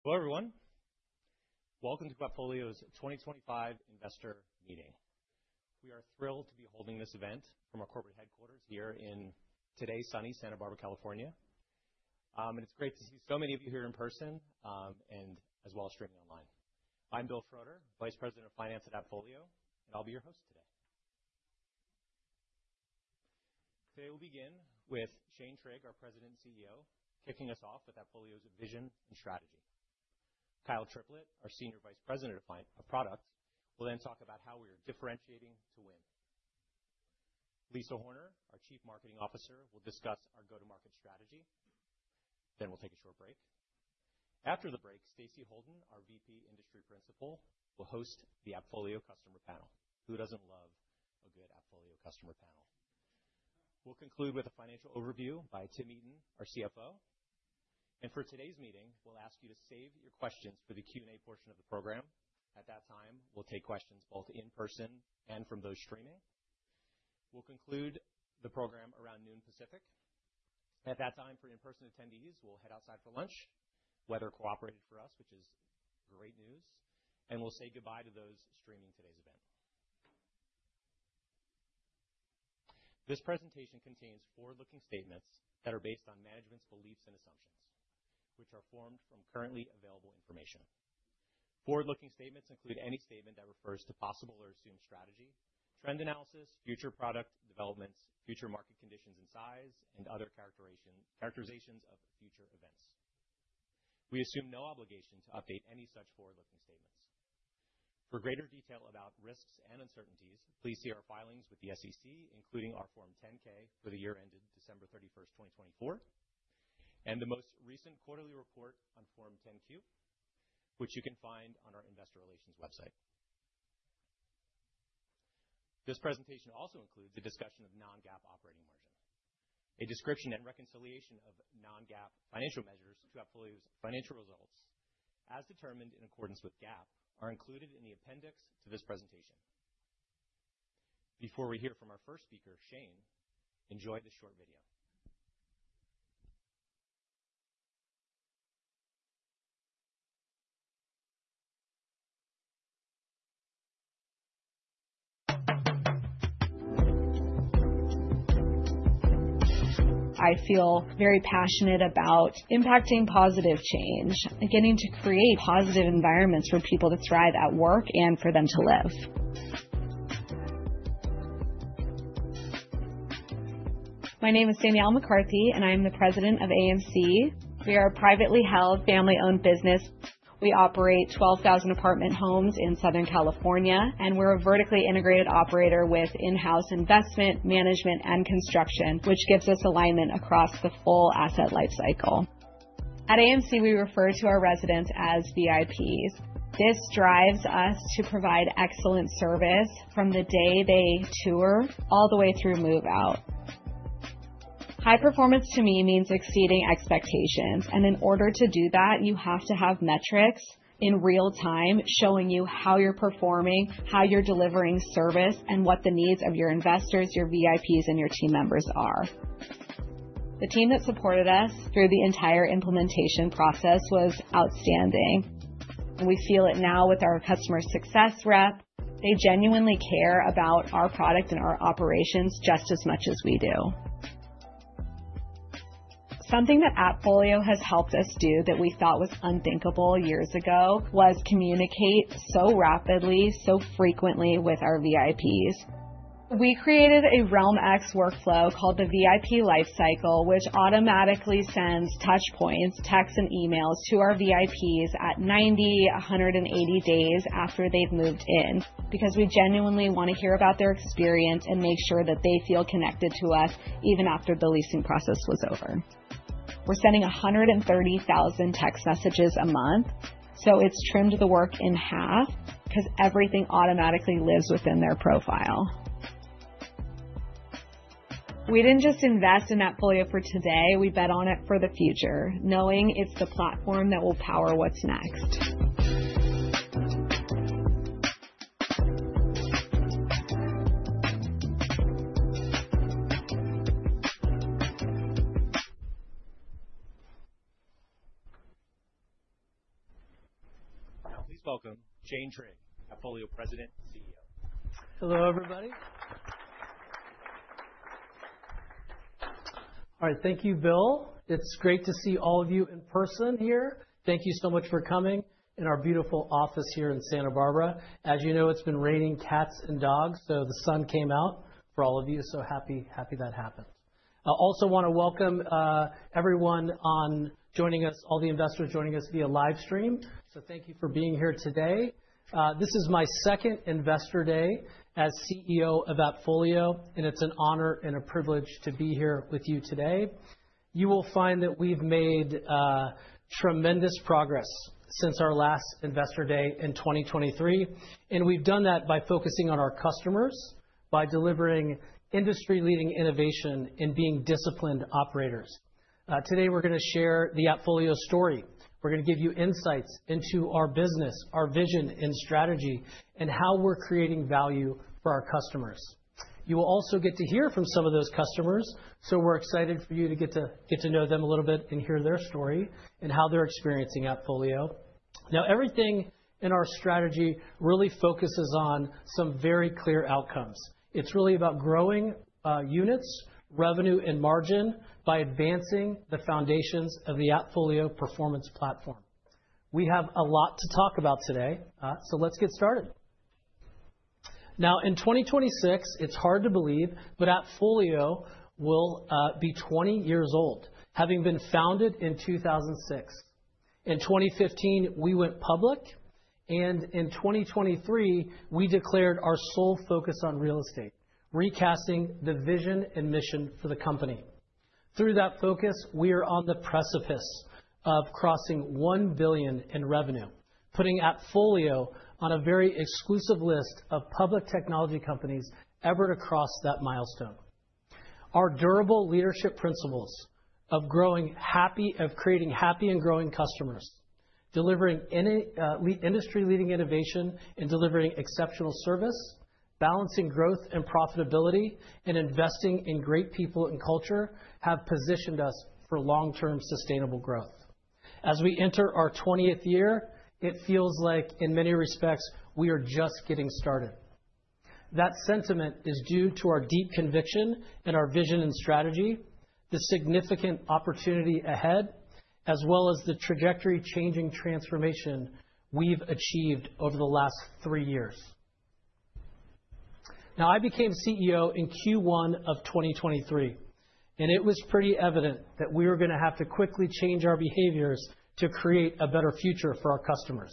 Hello, everyone. Welcome to AppFolio's 2025 Investor Meeting. We are thrilled to be holding this event from our corporate headquarters here in today's sunny Santa Barbara, California. It's great to see so many of you here in person as well as streaming online. I'm Bill Schroeder, Vice President of Finance at AppFolio, and I'll be your host today. Today, we'll begin with Shane Trigg, our President and CEO, kicking us off with AppFolio's vision and strategy. Kyle Triplett, our Senior Vice President of Product, will then talk about how we are differentiating to win. Lisa Horner, our Chief Marketing Officer, will discuss our go-to-market strategy. We'll take a short break. After the break, Stacy Holden, our Vice President Industry Principal, will host the AppFolio Customer Panel. Who doesn't love a good AppFolio Customer Panel? We'll conclude with a financial overview by Tim Eaton, our CFO. For today's meeting, we'll ask you to save your questions for the Q&A portion of the program. At that time, we'll take questions both in person and from those streaming. We'll conclude the program around noon Pacific. At that time, for in-person attendees, we'll head outside for lunch, weather cooperated for us, which is great news. We'll say goodbye to those streaming today's event. This presentation contains forward-looking statements that are based on management's beliefs and assumptions, which are formed from currently available information. Forward-looking statements include any statement that refers to possible or assumed strategy, trend analysis, future product developments, future market conditions and size, and other characterizations of future events. We assume no obligation to update any such forward-looking statements. For greater detail about risks and uncertainties, please see our filings with the SEC, including our Form 10-K for the year ended December 31, 2024, and the most recent quarterly report on Form 10-Q, which you can find on our Investor Relations website. This presentation also includes a discussion of non-GAAP operating margin. A description and reconciliation of non-GAAP financial measures to AppFolio's financial results, as determined in accordance with GAAP, are included in the appendix to this presentation. Before we hear from our first speaker, Shane, enjoy this short video. I feel very passionate about impacting positive change and getting to create positive environments for people to thrive at work and for them to live. My name is Danielle McCarthy, and I'm the President of AMC. We are a privately held family-owned business. We operate 12,000 apartment homes in Southern California, and we're a vertically integrated operator with in-house investment management and construction, which gives us alignment across the full asset lifecycle. At AMC, we refer to our residents as VIPs. This drives us to provide excellent service from the day they tour all the way through move-out. High performance to me means exceeding expectations. In order to do that, you have to have metrics in real time showing you how you're performing, how you're delivering service, and what the needs of your investors, your VIPs, and your team members are. The team that supported us through the entire implementation process was outstanding. We feel it now with our customer success rep. They genuinely care about our product and our operations just as much as we do. Something that AppFolio has helped us do that we thought was unthinkable years ago was communicate so rapidly, so frequently with our VIPs. We created a RealmX workflow called the VIP Lifecycle, which automatically sends touch points, texts, and emails to our VIPs at 90, 180 days after they've moved in because we genuinely want to hear about their experience and make sure that they feel connected to us even after the leasing process was over. We're sending 130,000 text messages a month, so it's trimmed the work in half because everything automatically lives within their profile. We didn't just invest in AppFolio for today. We bet on it for the future, knowing it's the platform that will power what's next. Now, please welcome Shane Trigg, AppFolio President and CEO. Hello, everybody. All right, thank you, Bill. It's great to see all of you in person here. Thank you so much for coming in our beautiful office here in Santa Barbara. As you know, it's been raining cats and dogs, so the sun came out for all of you. So happy that happened. I also want to welcome everyone on joining us, all the investors joining us via live stream. Thank you for being here today. This is my second investor day as CEO of AppFolio, and it's an honor and a privilege to be here with you today. You will find that we've made tremendous progress since our last investor day in 2023, and we've done that by focusing on our customers, by delivering industry-leading innovation, and being disciplined operators. Today, we're going to share the AppFolio story. We're going to give you insights into our business, our vision, and strategy, and how we're creating value for our customers. You will also get to hear from some of those customers, so we're excited for you to get to know them a little bit and hear their story and how they're experiencing AppFolio. Now, everything in our strategy really focuses on some very clear outcomes. It's really about growing units, revenue, and margin by advancing the foundations of the AppFolio performance platform. We have a lot to talk about today, so let's get started. Now, in 2026, it's hard to believe, but AppFolio will be 20 years old, having been founded in 2006. In 2015, we went public, and in 2023, we declared our sole focus on real estate, recasting the vision and mission for the company. Through that focus, we are on the precipice of crossing $1 billion in revenue, putting AppFolio on a very exclusive list of public technology companies ever to cross that milestone. Our durable leadership principles of creating happy and growing customers, delivering industry-leading innovation, and delivering exceptional service, balancing growth and profitability, and investing in great people and culture have positioned us for long-term sustainable growth. As we enter our 20th year, it feels like, in many respects, we are just getting started. That sentiment is due to our deep conviction in our vision and strategy, the significant opportunity ahead, as well as the trajectory-changing transformation we've achieved over the last three years. Now, I became CEO in Q1 of 2023, and it was pretty evident that we were going to have to quickly change our behaviors to create a better future for our customers.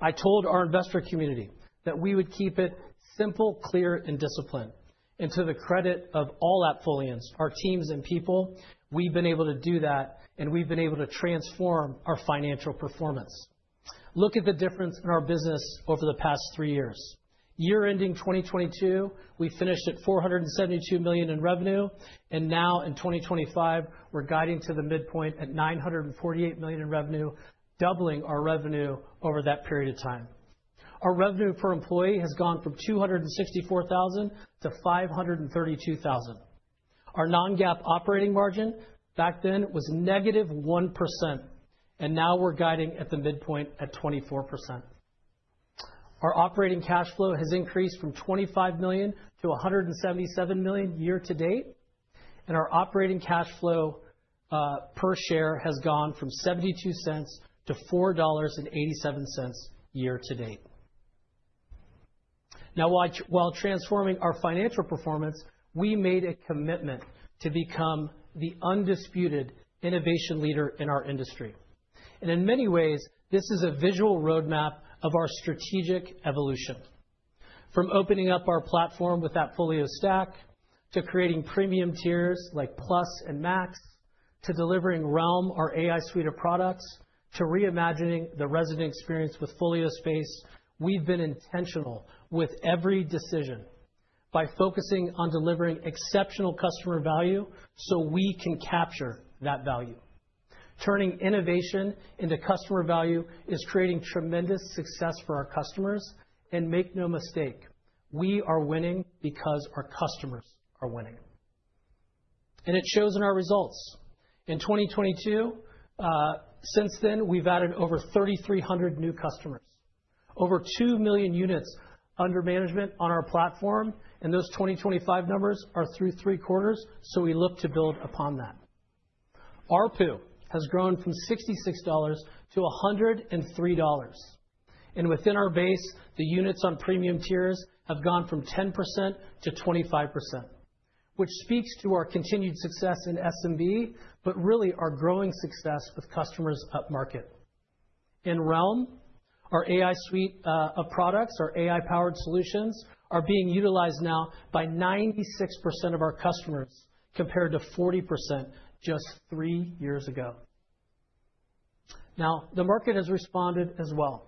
I told our investor community that we would keep it simple, clear, and disciplined. To the credit of all AppFolians, our teams and people, we've been able to do that, and we've been able to transform our financial performance. Look at the difference in our business over the past three years. Year-ending 2022, we finished at $472 million in revenue, and now in 2025, we're guiding to the midpoint at $948 million in revenue, doubling our revenue over that period of time. Our revenue per employee has gone from $264,000 to $532,000. Our non-GAAP operating margin back then was negative 1%, and now we're guiding at the midpoint at 24%. Our operating cash flow has increased from $25 million to $177 million year to date, and our operating cash flow per share has gone from $0.72 to $4.87 year to date. Now, while transforming our financial performance, we made a commitment to become the undisputed innovation leader in our industry. In many ways, this is a visual roadmap of our strategic evolution. From opening up our platform with AppFolio Stack to creating premium tiers like Plus and Max, to delivering Realm, our AI suite of products, to reimagining the resident experience with Folio Space, we have been intentional with every decision by focusing on delivering exceptional customer value so we can capture that value. Turning innovation into customer value is creating tremendous success for our customers. Make no mistake, we are winning because our customers are winning. It shows in our results. In 2022, since then, we have added over 3,300 new customers, over 2 million units under management on our platform, and those 2025 numbers are through three quarters, so we look to build upon that. Our RPU has grown from $66 to $103. Within our base, the units on premium tiers have gone from 10% to 25%, which speaks to our continued success in SMB, but really our growing success with customers up market. In Realm, our AI suite of products, our AI-powered solutions, are being utilized now by 96% of our customers compared to 40% just three years ago. Now, the market has responded as well.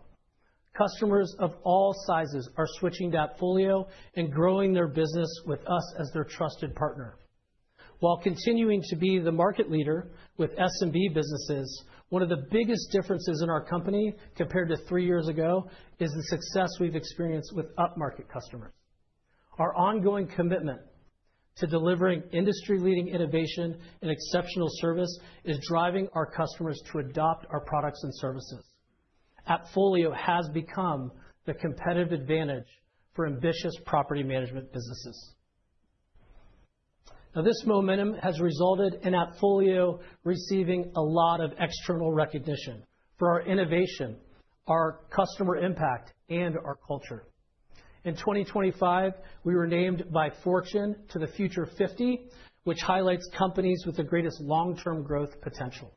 Customers of all sizes are switching to AppFolio and growing their business with us as their trusted partner. While continuing to be the market leader with SMB businesses, one of the biggest differences in our company compared to three years ago is the success we've experienced with up-market customers. Our ongoing commitment to delivering industry-leading innovation and exceptional service is driving our customers to adopt our products and services. AppFolio has become the competitive advantage for ambitious property management businesses. Now, this momentum has resulted in AppFolio receiving a lot of external recognition for our innovation, our customer impact, and our culture. In 2025, we were named by Fortune to the Future 50, which highlights companies with the greatest long-term growth potential.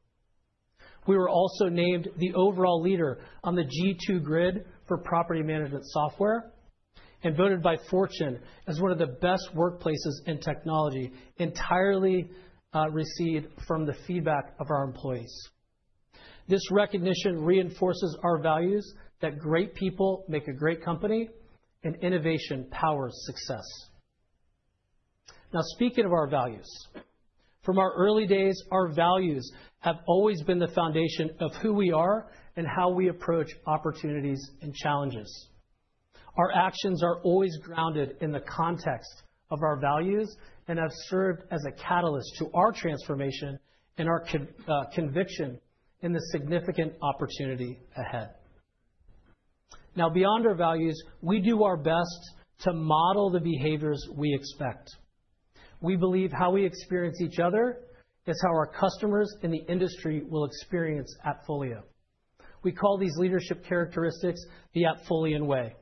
We were also named the overall leader on the G2 grid for property management software and voted by Fortune as one of the best workplaces in technology, entirely received from the feedback of our employees. This recognition reinforces our values that great people make a great company, and innovation powers success. Now, speaking of our values, from our early days, our values have always been the foundation of who we are and how we approach opportunities and challenges. Our actions are always grounded in the context of our values and have served as a catalyst to our transformation and our conviction in the significant opportunity ahead. Now, beyond our values, we do our best to model the behaviors we expect. We believe how we experience each other is how our customers in the industry will experience AppFolio. We call these leadership characteristics the AppFolian way.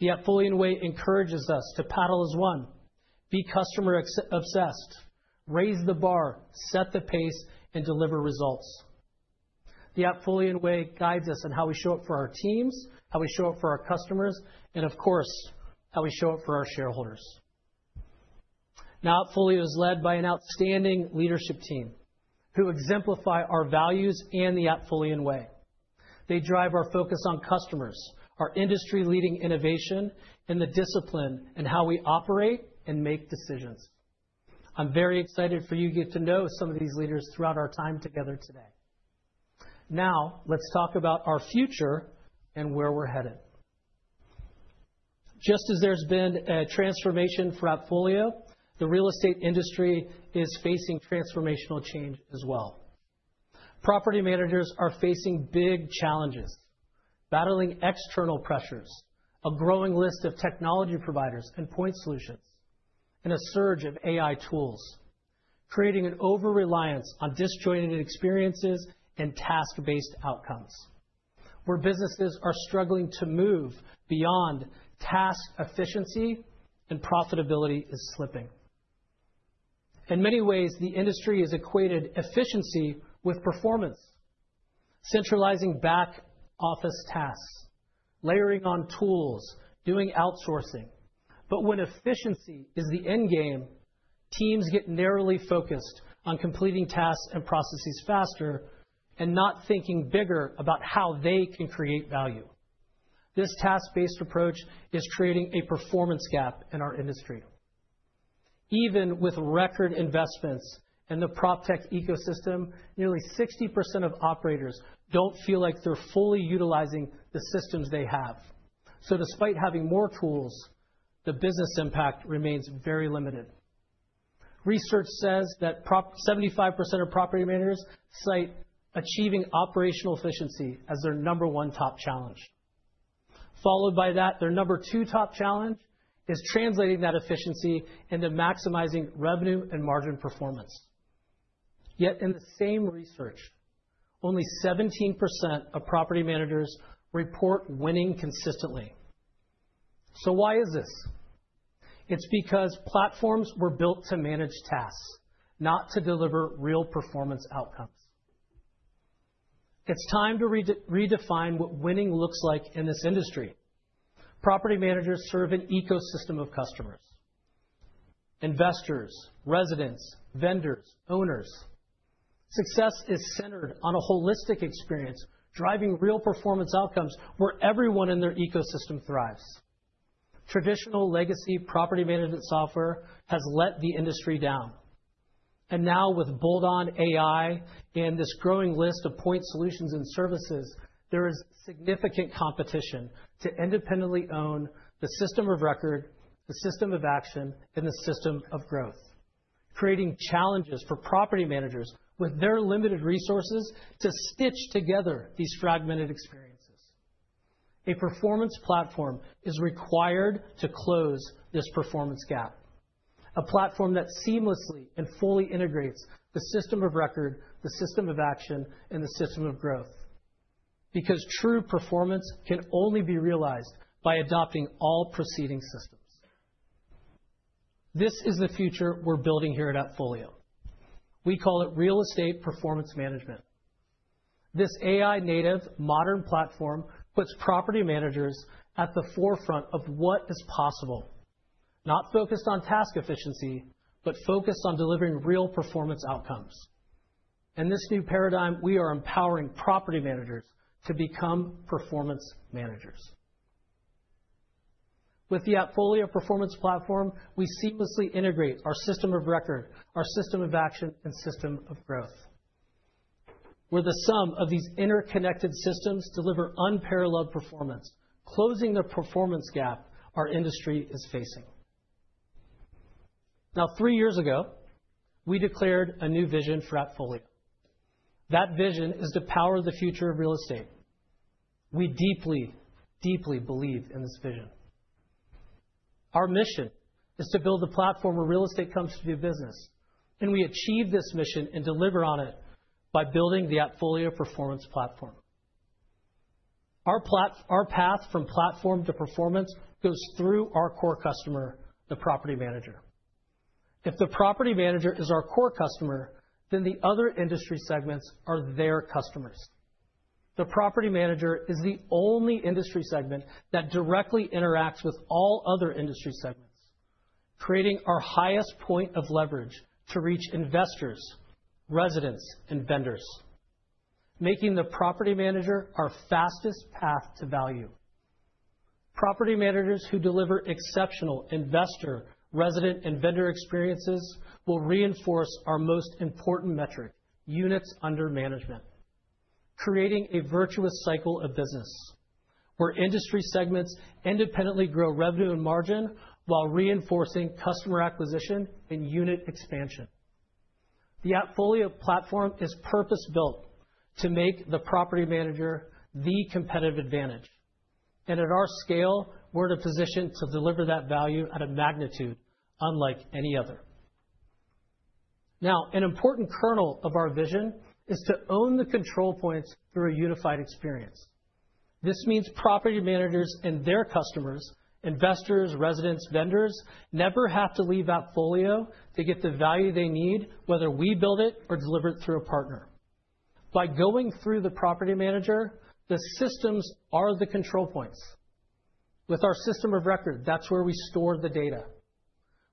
The AppFolian way encourages us to paddle as one, be customer-obsessed, raise the bar, set the pace, and deliver results. The AppFolian way guides us in how we show up for our teams, how we show up for our customers, and of course, how we show up for our shareholders. Now, AppFolio is led by an outstanding leadership team who exemplify our values and the AppFolian way. They drive our focus on customers, our industry-leading innovation, and the discipline in how we operate and make decisions. I'm very excited for you to get to know some of these leaders throughout our time together today. Now, let's talk about our future and where we're headed. Just as there's been a transformation for AppFolio, the real estate industry is facing transformational change as well. Property managers are facing big challenges, battling external pressures, a growing list of technology providers and point solutions, and a surge of AI tools, creating an over-reliance on disjointed experiences and task-based outcomes. Where businesses are struggling to move beyond task efficiency and profitability is slipping. In many ways, the industry has equated efficiency with performance, centralizing back-office tasks, layering on tools, doing outsourcing. When efficiency is the end game, teams get narrowly focused on completing tasks and processes faster and not thinking bigger about how they can create value. This task-based approach is creating a performance gap in our industry. Even with record investments in the prop tech ecosystem, nearly 60% of operators do not feel like they are fully utilizing the systems they have. Despite having more tools, the business impact remains very limited. Research says that 75% of property managers cite achieving operational efficiency as their number one top challenge. Their number two top challenge is translating that efficiency into maximizing revenue and margin performance. Yet in the same research, only 17% of property managers report winning consistently. Why is this? It is because platforms were built to manage tasks, not to deliver real performance outcomes. It is time to redefine what winning looks like in this industry. Property managers serve an ecosystem of customers: investors, residents, vendors, owners. Success is centered on a holistic experience, driving real performance outcomes where everyone in their ecosystem thrives. Traditional legacy property management software has let the industry down. Now, with bolt-on AI and this growing list of point solutions and services, there is significant competition to independently own the system of record, the system of action, and the system of growth, creating challenges for property managers with their limited resources to stitch together these fragmented experiences. A performance platform is required to close this performance gap, a platform that seamlessly and fully integrates the system of record, the system of action, and the system of growth, because true performance can only be realized by adopting all preceding systems. This is the future we're building here at AppFolio. We call it real estate performance management. This AI-native modern platform puts property managers at the forefront of what is possible, not focused on task efficiency, but focused on delivering real performance outcomes. In this new paradigm, we are empowering property managers to become performance managers. With the AppFolio Performance Platform, we seamlessly integrate our system of record, our system of action, and system of growth, where the sum of these interconnected systems delivers unparalleled performance, closing the performance gap our industry is facing. Now, three years ago, we declared a new vision for AppFolio. That vision is to power the future of real estate. We deeply, deeply believe in this vision. Our mission is to build a platform where real estate comes to be a business, and we achieve this mission and deliver on it by building the AppFolio Performance Platform. Our path from platform to performance goes through our core customer, the property manager. If the property manager is our core customer, then the other industry segments are their customers. The property manager is the only industry segment that directly interacts with all other industry segments, creating our highest point of leverage to reach investors, residents, and vendors, making the property manager our fastest path to value. Property managers who deliver exceptional investor, resident, and vendor experiences will reinforce our most important metric: units under management, creating a virtuous cycle of business where industry segments independently grow revenue and margin while reinforcing customer acquisition and unit expansion. The AppFolio Platform is purpose-built to make the property manager the competitive advantage. At our scale, we're in a position to deliver that value at a magnitude unlike any other. Now, an important kernel of our vision is to own the control points through a unified experience. This means property managers and their customers, investors, residents, vendors never have to leave AppFolio to get the value they need, whether we build it or deliver it through a partner. By going through the property manager, the systems are the control points. With our system of record, that's where we store the data.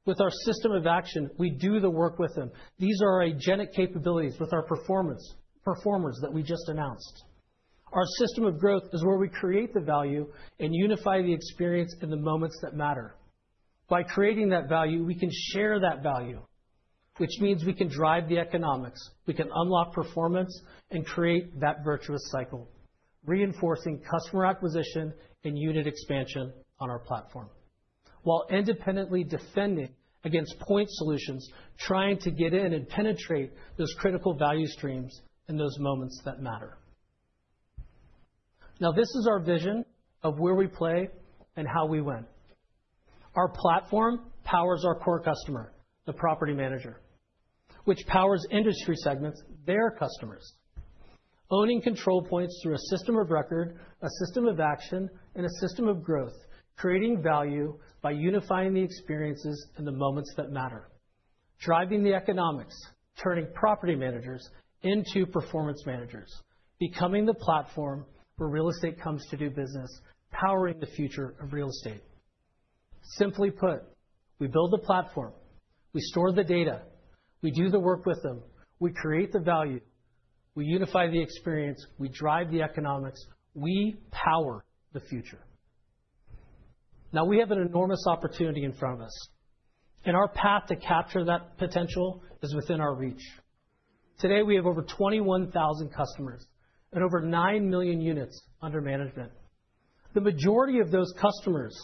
With our system of action, we do the work with them. These are our agentic capabilities with our performers that we just announced. Our system of growth is where we create the value and unify the experience in the moments that matter. By creating that value, we can share that value, which means we can drive the economics, we can unlock performance, and create that virtuous cycle, reinforcing customer acquisition and unit expansion on our platform while independently defending against point solutions, trying to get in and penetrate those critical value streams in those moments that matter. Now, this is our vision of where we play and how we win. Our platform powers our core customer, the property manager, which powers industry segments, their customers, owning control points through a system of record, a system of action, and a system of growth, creating value by unifying the experiences in the moments that matter, driving the economics, turning property managers into performance managers, becoming the platform where real estate comes to do business, powering the future of real estate. Simply put, we build the platform, we store the data, we do the work with them, we create the value, we unify the experience, we drive the economics, we power the future. Now, we have an enormous opportunity in front of us, and our path to capture that potential is within our reach. Today, we have over 21,000 customers and over 9 million units under management. The majority of those customers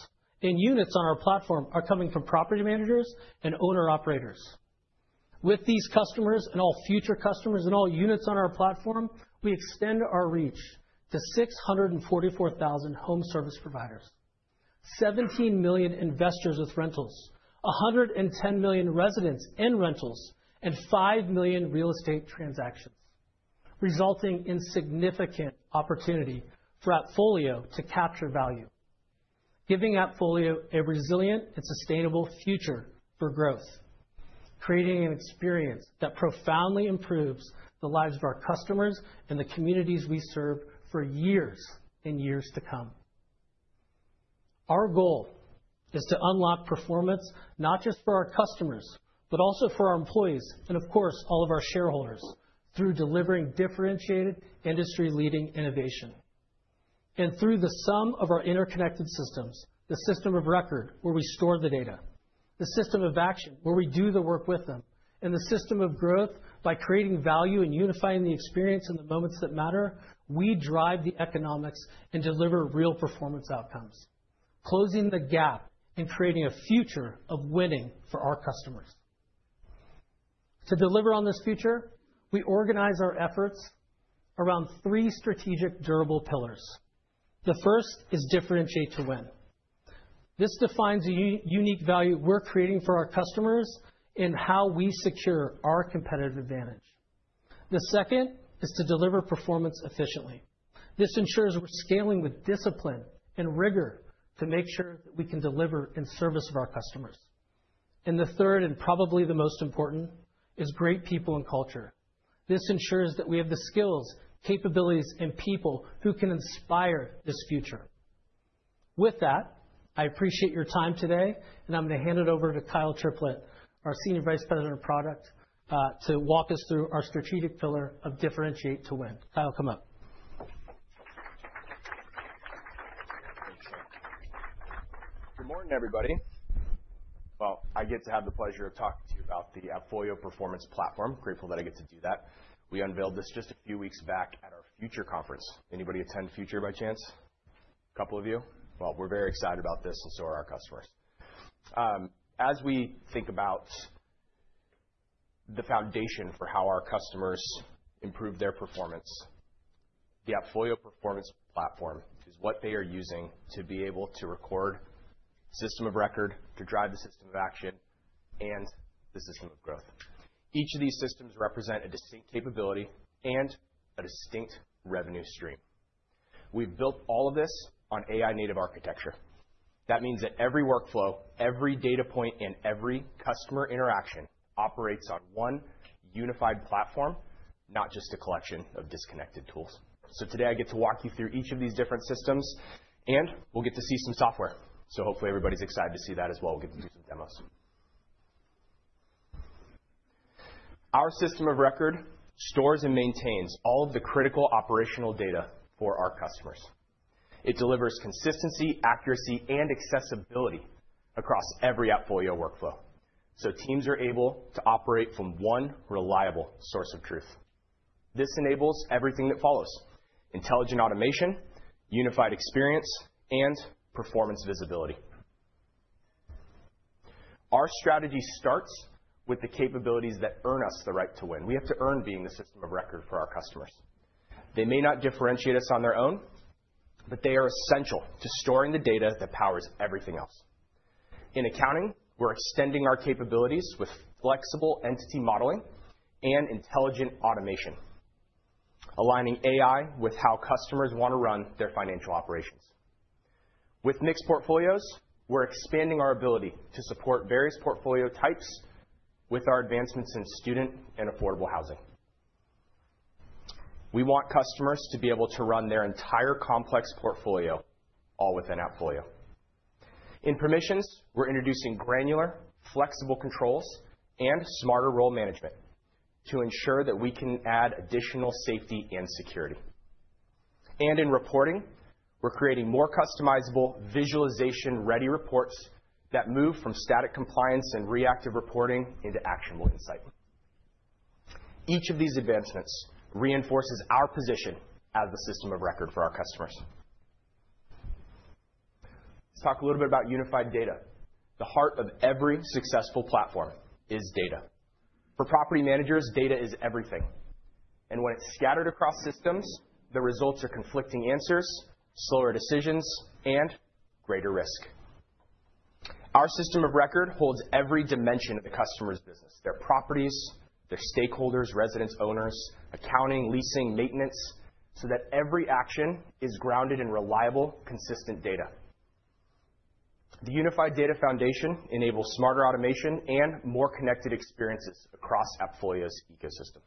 and units on our platform are coming from property managers and owner-operators. With these customers and all future customers and all units on our platform, we extend our reach to 644,000 home service providers, 17 million investors with rentals, 110 million residents in rentals, and 5 million real estate transactions, resulting in significant opportunity for AppFolio to capture value, giving AppFolio a resilient and sustainable future for growth, creating an experience that profoundly improves the lives of our customers and the communities we serve for years and years to come. Our goal is to unlock performance not just for our customers, but also for our employees and, of course, all of our shareholders through delivering differentiated industry-leading innovation and through the sum of our interconnected systems, the system of record where we store the data, the system of action where we do the work with them, and the system of growth by creating value and unifying the experience in the moments that matter. We drive the economics and deliver real performance outcomes, closing the gap and creating a future of winning for our customers. To deliver on this future, we organize our efforts around three strategic durable pillars. The first is differentiate to win. This defines a unique value we're creating for our customers and how we secure our competitive advantage. The second is to deliver performance efficiently. This ensures we're scaling with discipline and rigor to make sure that we can deliver in service of our customers. The third, and probably the most important, is great people and culture. This ensures that we have the skills, capabilities, and people who can inspire this future. With that, I appreciate your time today, and I'm going to hand it over to Kyle Triplett, our Senior Vice President of Product, to walk us through our strategic pillar of differentiate to win. Kyle, come up. Good morning, everybody. I get to have the pleasure of talking to you about the AppFolio Performance Platform. Grateful that I get to do that. We unveiled this just a few weeks back at our Future conference. Anybody attend Future by chance? A couple of you? We are very excited about this and so are our customers. As we think about the foundation for how our customers improve their performance, the AppFolio Performance Platform is what they are using to be able to record the system of record, to drive the system of action, and the system of growth. Each of these systems represents a distinct capability and a distinct revenue stream. We have built all of this on AI-native architecture. That means that every workflow, every data point, and every customer interaction operates on one unified platform, not just a collection of disconnected tools. Today, I get to walk you through each of these different systems, and we'll get to see some software. Hopefully, everybody's excited to see that as well. We'll get to do some demos. Our system of record stores and maintains all of the critical operational data for our customers. It delivers consistency, accuracy, and accessibility across every AppFolio workflow so teams are able to operate from one reliable source of truth. This enables everything that follows: intelligent automation, unified experience, and performance visibility. Our strategy starts with the capabilities that earn us the right to win. We have to earn being the system of record for our customers. They may not differentiate us on their own, but they are essential to storing the data that powers everything else. In accounting, we're extending our capabilities with flexible entity modeling and intelligent automation, aligning AI with how customers want to run their financial operations. With mixed portfolios, we're expanding our ability to support various portfolio types with our advancements in student and affordable housing. We want customers to be able to run their entire complex portfolio all within AppFolio. In permissions, we're introducing granular, flexible controls and smarter role management to ensure that we can add additional safety and security. In reporting, we're creating more customizable, visualization-ready reports that move from static compliance and reactive reporting into actionable insight. Each of these advancements reinforces our position as the system of record for our customers. Let's talk a little bit about unified data. The heart of every successful platform is data. For property managers, data is everything. When it's scattered across systems, the results are conflicting answers, slower decisions, and greater risk. Our system of record holds every dimension of the customer's business: their properties, their stakeholders, residents, owners, accounting, leasing, maintenance, so that every action is grounded in reliable, consistent data. The unified data foundation enables smarter automation and more connected experiences across AppFolio's ecosystem.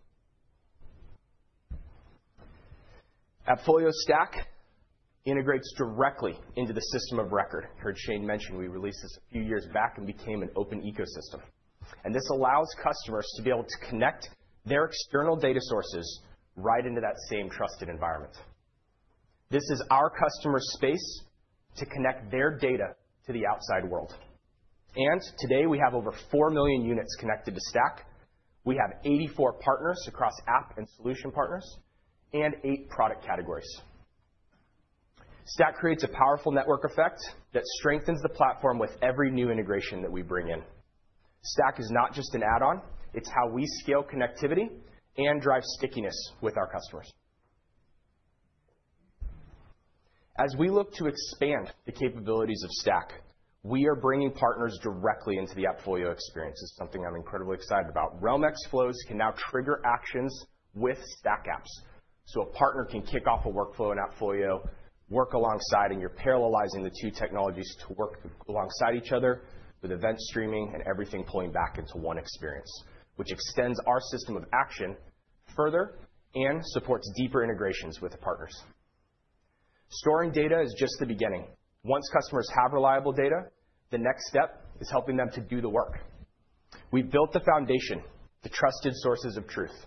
AppFolio Stack integrates directly into the system of record. I heard Shane mention we released this a few years back and became an open ecosystem. This allows customers to be able to connect their external data sources right into that same trusted environment. This is our customer space to connect their data to the outside world. Today, we have over 4 million units connected to Stack. We have 84 partners across app and solution partners and eight product categories. Stack creates a powerful network effect that strengthens the platform with every new integration that we bring in. Stack is not just an add-on. It's how we scale connectivity and drive stickiness with our customers. As we look to expand the capabilities of Stack, we are bringing partners directly into the AppFolio experience. It's something I'm incredibly excited about. RealmX Flows can now trigger actions with Stack apps. So a partner can kick off a workflow in AppFolio, work alongside, and you're parallelizing the two technologies to work alongside each other with event streaming and everything pulling back into one experience, which extends our system of action further and supports deeper integrations with partners. Storing data is just the beginning. Once customers have reliable data, the next step is helping them to do the work. We've built the foundation, the trusted sources of truth.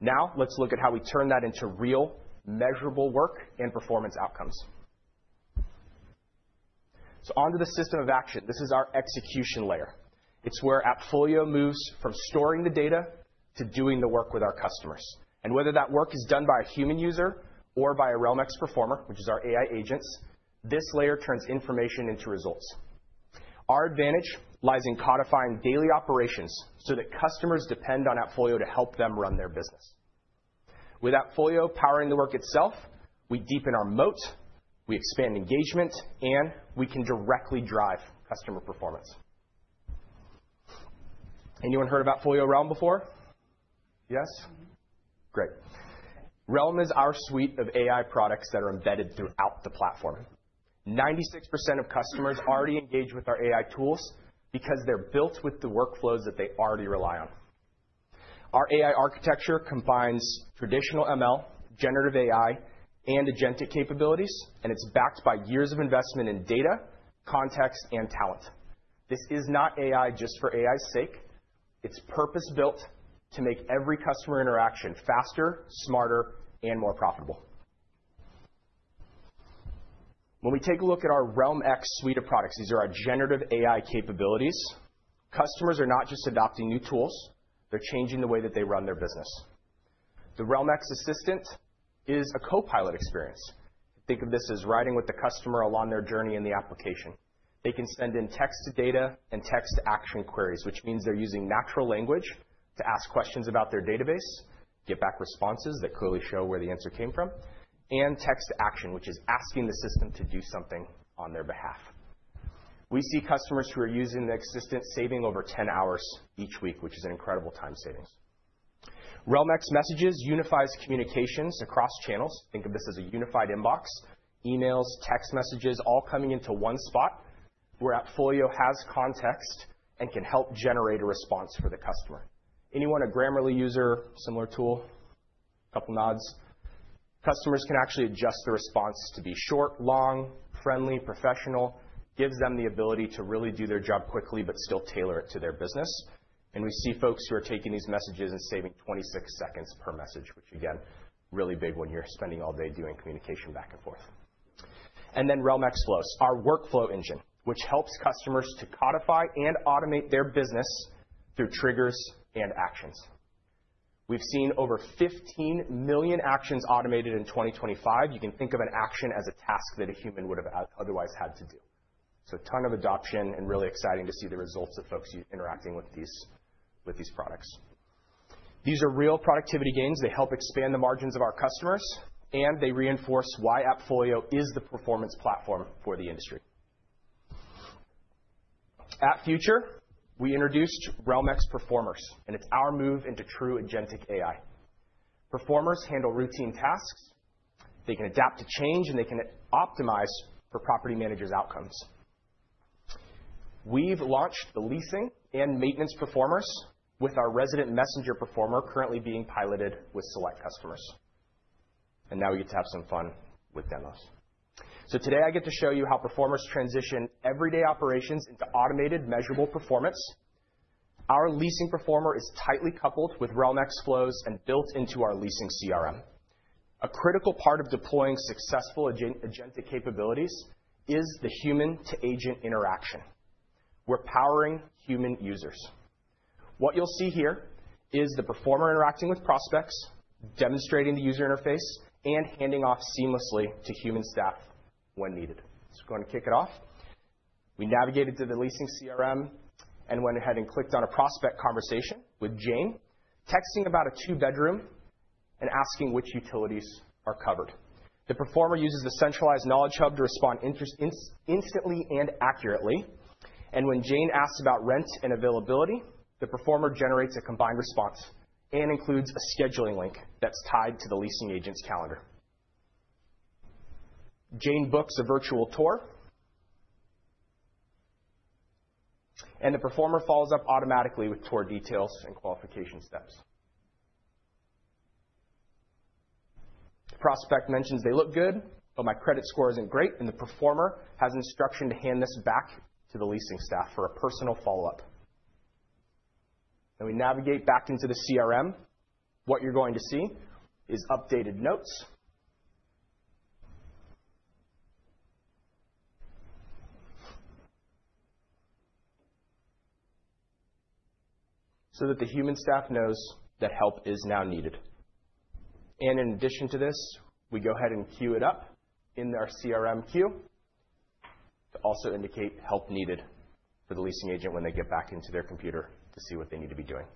Now, let's look at how we turn that into real, measurable work and performance outcomes. Onto the system of action. This is our execution layer. It's where AppFolio moves from storing the data to doing the work with our customers. Whether that work is done by a human user or by a RealmX Performer, which is our AI agents, this layer turns information into results. Our advantage lies in codifying daily operations so that customers depend on AppFolio to help them run their business. With AppFolio powering the work itself, we deepen our moat, we expand engagement, and we can directly drive customer performance. Anyone heard of AppFolio Realm before? Yes? Great. Realm is our suite of AI products that are embedded throughout the platform. 96% of customers already engage with our AI tools because they're built with the workflows that they already rely on. Our AI architecture combines traditional ML, generative AI, and agentic capabilities, and it's backed by years of investment in data, context, and talent. This is not AI just for AI's sake. It's purpose-built to make every customer interaction faster, smarter, and more profitable. When we take a look at our RealmX suite of products, these are our generative AI capabilities. Customers are not just adopting new tools. They're changing the way that they run their business. The RealmX Assistant is a copilot experience. Think of this as riding with the customer along their journey in the application. They can send in text-to-data and text-to-action queries, which means they're using natural language to ask questions about their database, get back responses that clearly show where the answer came from, and text-to-action, which is asking the system to do something on their behalf. We see customers who are using the assistant saving over 10 hours each week, which is an incredible time savings. RealmX Messages unifies communications across channels. Think of this as a unified inbox, emails, text messages, all coming into one spot where AppFolio has context and can help generate a response for the customer. Anyone a Grammarly user, similar tool? Couple nods. Customers can actually adjust the response to be short, long, friendly, professional, gives them the ability to really do their job quickly but still tailor it to their business. We see folks who are taking these messages and saving 26 seconds per message, which, again, really big when you are spending all day doing communication back and forth. RealmX Flows, our workflow engine, helps customers to codify and automate their business through triggers and actions. We have seen over 15 million actions automated in 2025. You can think of an action as a task that a human would have otherwise had to do. A ton of adoption and really exciting to see the results of folks interacting with these products. These are real productivity gains. They help expand the margins of our customers, and they reinforce why AppFolio is the performance platform for the industry. At Future, we introduced RealmX Performers, and it is our move into true agentic AI. Performers handle routine tasks. They can adapt to change, and they can optimize for property managers' outcomes. We have launched the leasing and maintenance performers with our resident messenger performer currently being piloted with select customers. Now we get to have some fun with demos. Today, I get to show you how performers transition everyday operations into automated, measurable performance. Our leasing performer is tightly coupled with RealmX Flows and built into our leasing CRM. A critical part of deploying successful agentic capabilities is the human-to-agent interaction. We're powering human users. What you'll see here is the performer interacting with prospects, demonstrating the user interface, and handing off seamlessly to human staff when needed. Going to kick it off. We navigated to the leasing CRM and went ahead and clicked on a prospect conversation with Jane texting about a two-bedroom and asking which utilities are covered. The performer uses the centralized knowledge hub to respond instantly and accurately. When Jane asks about rent and availability, the performer generates a combined response and includes a scheduling link that's tied to the leasing agent's calendar. Jane books a virtual tour, and the performer follows up automatically with tour details and qualification steps. The prospect mentions they look good, but my credit score isn't great, and the performer has instruction to hand this back to the leasing staff for a personal follow-up. We navigate back into the CRM. What you're going to see is updated notes so that the human staff knows that help is now needed. In addition to this, we go ahead and queue it up in our CRM queue to also indicate help needed for the leasing agent when they get back into their computer to see what they need to be doing.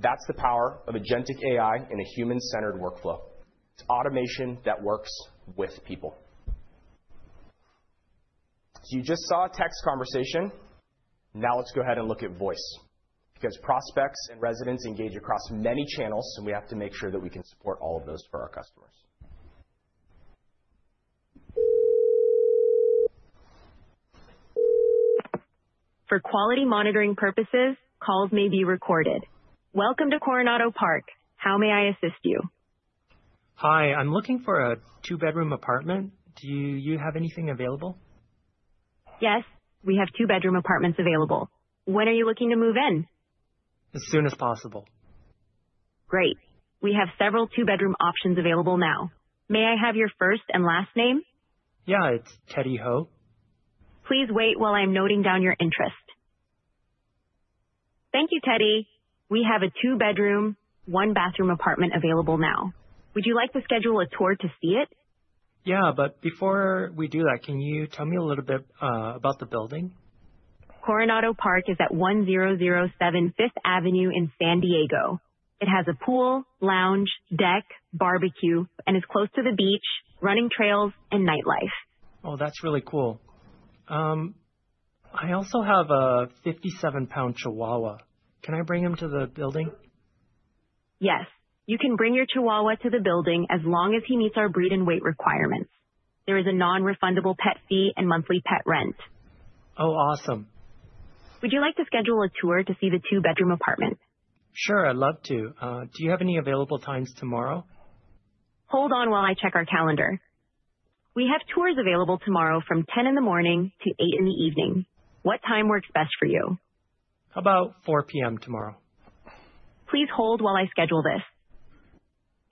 That's the power of agentic AI in a human-centered workflow. It's automation that works with people. You just saw a text conversation. Now let's go ahead and look at voice because prospects and residents engage across many channels, and we have to make sure that we can support all of those for our customers. For quality monitoring purposes, calls may be recorded. Welcome to Coronado Park. How may I assist you? Hi. I'm looking for a two-bedroom apartment. Do you have anything available? Yes. We have two-bedroom apartments available. When are you looking to move in? As soon as possible. Great. We have several two-bedroom options available now. May I have your first and last name? Yeah. It's Teddy Ho. Please wait while I'm noting down your interest. Thank you, Teddy. We have a two-bedroom, one-bathroom apartment available now. Would you like to schedule a tour to see it? Yeah, but before we do that, can you tell me a little bit about the building? Coronado Park is at 1007 Fifth Avenue in San Diego. It has a pool, lounge, deck, barbecue, and is close to the beach, running trails, and nightlife. Oh, that's really cool. I also have a 57 lb Chihuahua. Can I bring him to the building? Yes. You can bring your Chihuahua to the building as long as he meets our breed and weight requirements. There is a non-refundable pet fee and monthly pet rent. Oh, awesome. Would you like to schedule a tour to see the two-bedroom apartment? Sure. I'd love to. Do you have any available times tomorrow? Hold on while I check our calendar. We have tours available tomorrow from 10:00 A.M. to 8:00 P.M. What time works best for you? How about 4:00 P.M. tomorrow? Please hold while I schedule this.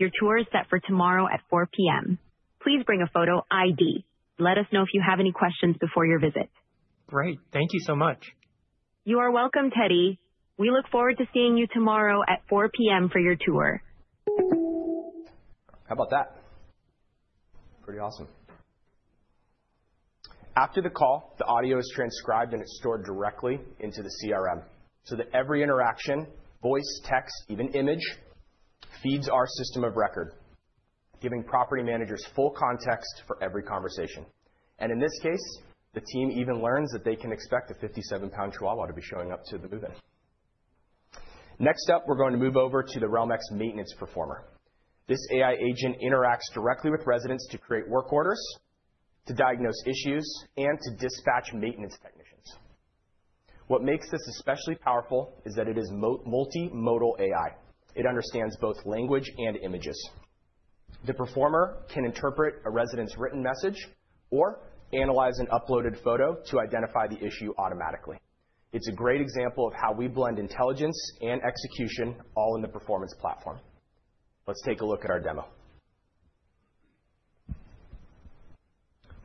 Your tour is set for tomorrow at 4:00 P.M. Please bring a photo ID. Let us know if you have any questions before your visit. Great. Thank you so much. You are welcome, Teddy. We look forward to seeing you tomorrow at 4:00 P.M. for your tour. How about that? Pretty awesome. After the call, the audio is transcribed, and it is stored directly into the CRM so that every interaction—voice, text, even image—feeds our system of record, giving property managers full context for every conversation. In this case, the team even learns that they can expect a 57 lb Chihuahua to be showing up to the move. Next up, we are going to move over to the RealmX maintenance performer. This AI agent interacts directly with residents to create work orders, to diagnose issues, and to dispatch maintenance technicians. What makes this especially powerful is that it is multimodal AI. It understands both language and images. The performer can interpret a resident's written message or analyze an uploaded photo to identify the issue automatically. It is a great example of how we blend intelligence and execution all in the performance platform. Let's take a look at our demo.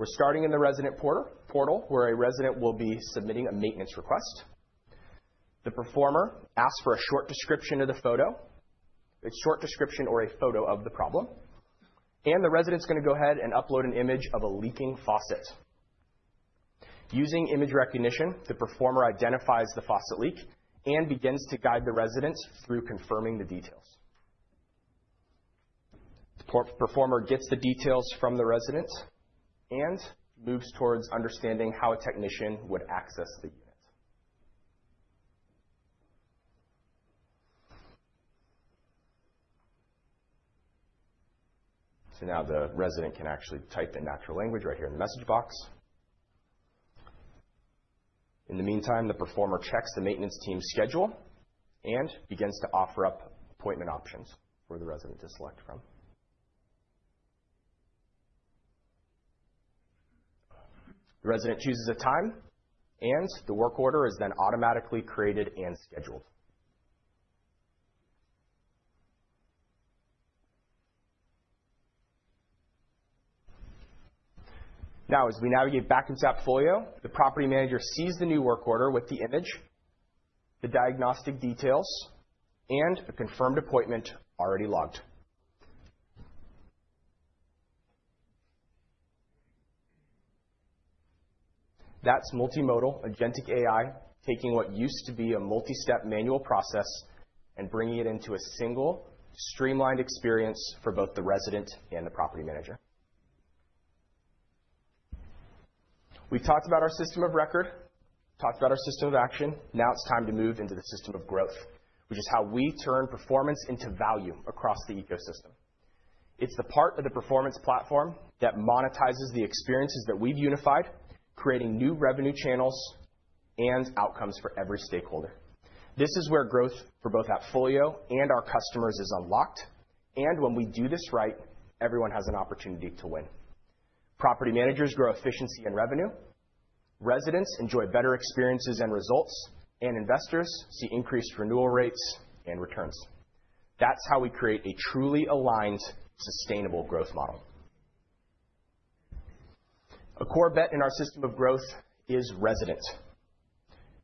We're starting in the resident portal where a resident will be submitting a maintenance request. The performer asks for a short description or a photo of the problem, and the resident's going to go ahead and upload an image of a leaking faucet. Using image recognition, the performer identifies the faucet leak and begins to guide the resident through confirming the details. The performer gets the details from the resident and moves towards understanding how a technician would access the unit. Now the resident can actually type in natural language right here in the message box. In the meantime, the performer checks the maintenance team's schedule and begins to offer up appointment options for the resident to select from. The resident chooses a time, and the work order is then automatically created and scheduled. Now, as we navigate back into AppFolio, the property manager sees the new work order with the image, the diagnostic details, and a confirmed appointment already logged. That's multimodal agentic AI taking what used to be a multi-step manual process and bringing it into a single, streamlined experience for both the resident and the property manager. We've talked about our system of record, talked about our system of action. Now it's time to move into the system of growth, which is how we turn performance into value across the ecosystem. It's the part of the performance platform that monetizes the experiences that we've unified, creating new revenue channels and outcomes for every stakeholder. This is where growth for both AppFolio and our customers is unlocked, and when we do this right, everyone has an opportunity to win. Property managers grow efficiency and revenue, residents enjoy better experiences and results, and investors see increased renewal rates and returns. That's how we create a truly aligned, sustainable growth model. A core bet in our system of growth is resident.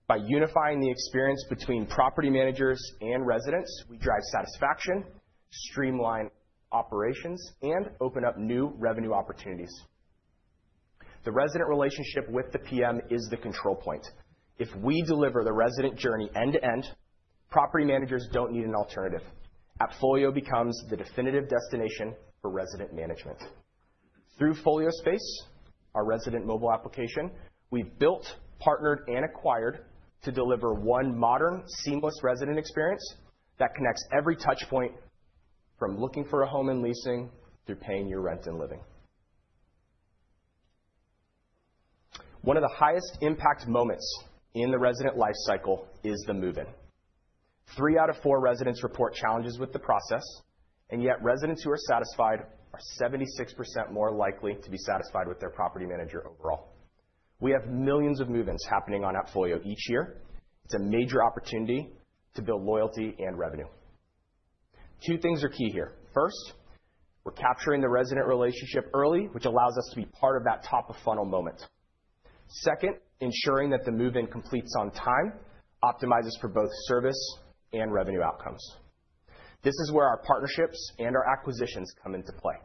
By unifying the experience between property managers and residents, we drive satisfaction, streamline operations, and open up new revenue opportunities. The resident relationship with the PM is the control point. If we deliver the resident journey end-to-end, property managers don't need an alternative. AppFolio becomes the definitive destination for resident management. Through Folio Space, our resident mobile application, we've built, partnered, and acquired to deliver one modern, seamless resident experience that connects every touchpoint from looking for a home and leasing to paying your rent and living. One of the highest impact moments in the resident life cycle is the move-in. Three out of four residents report challenges with the process, and yet residents who are satisfied are 76% more likely to be satisfied with their property manager overall. We have millions of move-ins happening on AppFolio each year. It's a major opportunity to build loyalty and revenue. Two things are key here. First, we're capturing the resident relationship early, which allows us to be part of that top-of-funnel moment. Second, ensuring that the move-in completes on time optimizes for both service and revenue outcomes. This is where our partnerships and our acquisitions come into play.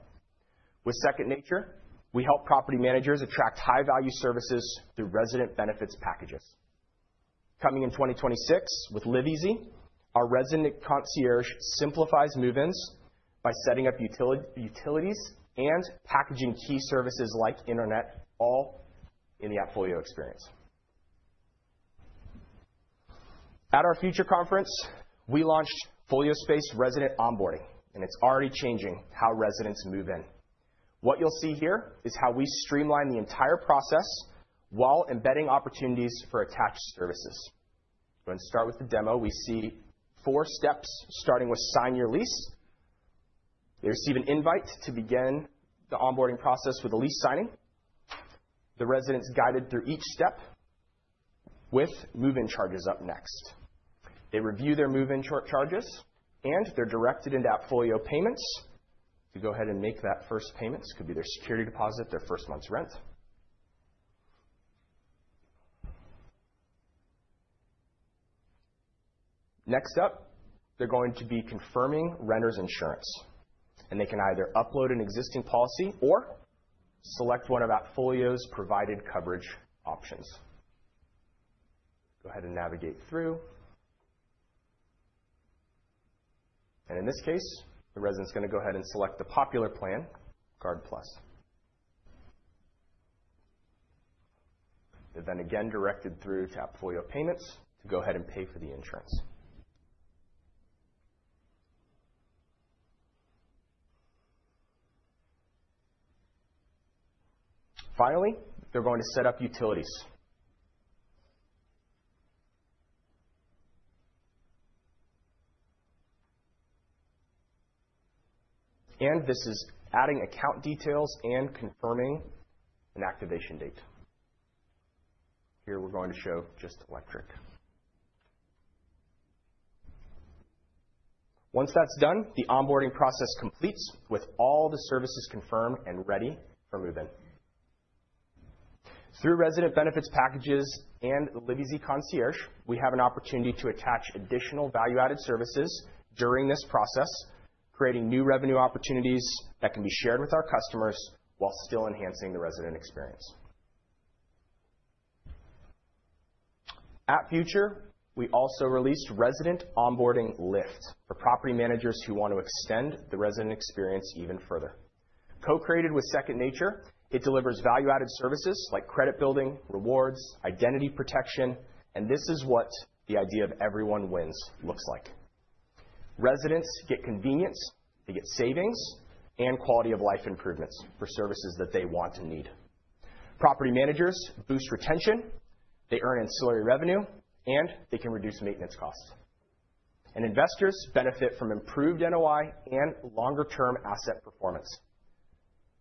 With Second Nature, we help property managers attract high-value services through resident benefits packages. Coming in 2026 with Live Easy, our resident concierge simplifies move-ins by setting up utilities and packaging key services like internet all in the AppFolio experience. At our Future Conference, we launched Folio Space resident onboarding, and it's already changing how residents move in. What you'll see here is how we streamline the entire process while embedding opportunities for attached services. Going to start with the demo. We see four steps starting with sign your lease. They receive an invite to begin the onboarding process with a lease signing. The resident's guided through each step with move-in charges up next. They review their move-in charges, and they're directed into AppFolio Payments to go ahead and make that first payment. This could be their security deposit, their first month's rent. Next up, they're going to be confirming renter's insurance, and they can either upload an existing policy or select one of AppFolio's provided coverage options. Go ahead and navigate through. In this case, the resident's going to go ahead and select the popular plan, Guard Plus. They're then again directed through to AppFolio Payments to go ahead and pay for the insurance. Finally, they're going to set up utilities. This is adding account details and confirming an activation date. Here, we're going to show just electric. Once that's done, the onboarding process completes with all the services confirmed and ready for move-in. Through resident benefits packages and Live Easy Concierge, we have an opportunity to attach additional value-added services during this process, creating new revenue opportunities that can be shared with our customers while still enhancing the resident experience. At Future, we also released Resident Onboarding Lift for property managers who want to extend the resident experience even further. Co-created with Second Nature, it delivers value-added services like credit building, rewards, identity protection, and this is what the idea of everyone wins looks like. Residents get convenience, they get savings, and quality of life improvements for services that they want and need. Property managers boost retention, they earn ancillary revenue, and they can reduce maintenance costs. Investors benefit from improved NOI and longer-term asset performance.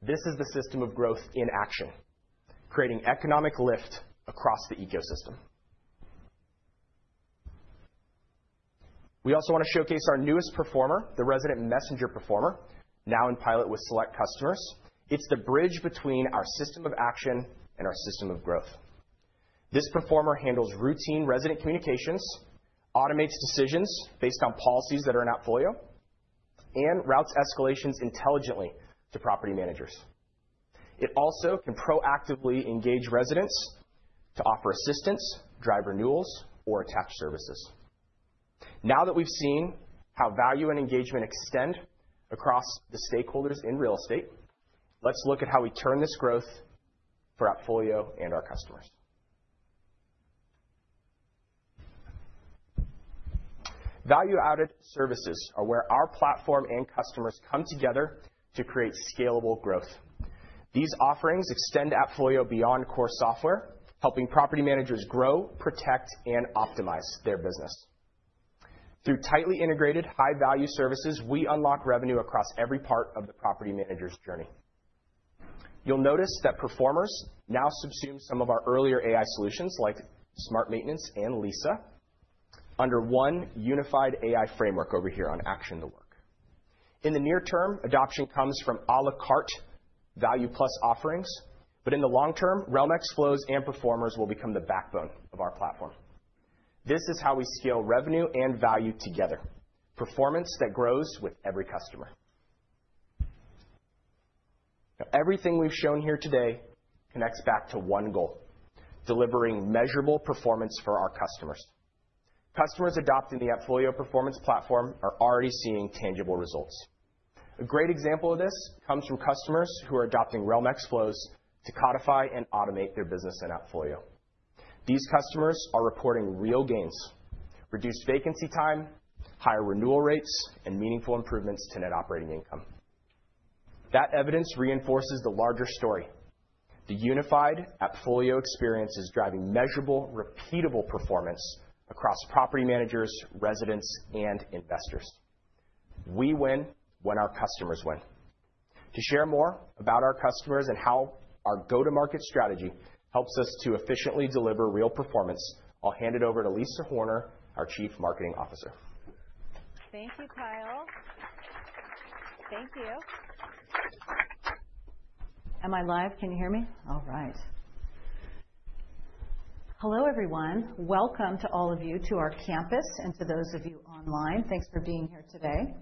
This is the system of growth in action, creating economic lift across the ecosystem. We also want to showcase our newest performer, the Resident Messenger Performer, now in pilot with select customers. It is the bridge between our system of action and our system of growth. This performer handles routine resident communications, automates decisions based on policies that are in AppFolio, and routes escalations intelligently to property managers. It also can proactively engage residents to offer assistance, drive renewals, or attach services. Now that we've seen how value and engagement extend across the stakeholders in real estate, let's look at how we turn this growth for AppFolio and our customers. Value-added services are where our platform and customers come together to create scalable growth. These offerings extend AppFolio beyond core software, helping property managers grow, protect, and optimize their business. Through tightly integrated, high-value services, we unlock revenue across every part of the property manager's journey. You'll notice that performers now subsume some of our earlier AI solutions like Smart Maintenance and Lisa under one unified AI framework over here on Action the Work. In the near term, adoption comes from a la carte value-plus offerings, but in the long term, RealmX flows and performers will become the backbone of our platform. This is how we scale revenue and value together, performance that grows with every customer. Everything we've shown here today connects back to one goal: delivering measurable performance for our customers. Customers adopting the AppFolio performance platform are already seeing tangible results. A great example of this comes from customers who are adopting RealmX Flows to codify and automate their business in AppFolio. These customers are reporting real gains: reduced vacancy time, higher renewal rates, and meaningful improvements to net operating income. That evidence reinforces the larger story. The unified AppFolio experience is driving measurable, repeatable performance across property managers, residents, and investors. We win when our customers win. To share more about our customers and how our go-to-market strategy helps us to efficiently deliver real performance, I'll hand it over to Lisa Horner, our Chief Marketing Officer. Thank you, Kyle. Thank you. Am I live? Can you hear me? All right. Hello, everyone. Welcome to all of you to our campus and to those of you online. Thanks for being here today.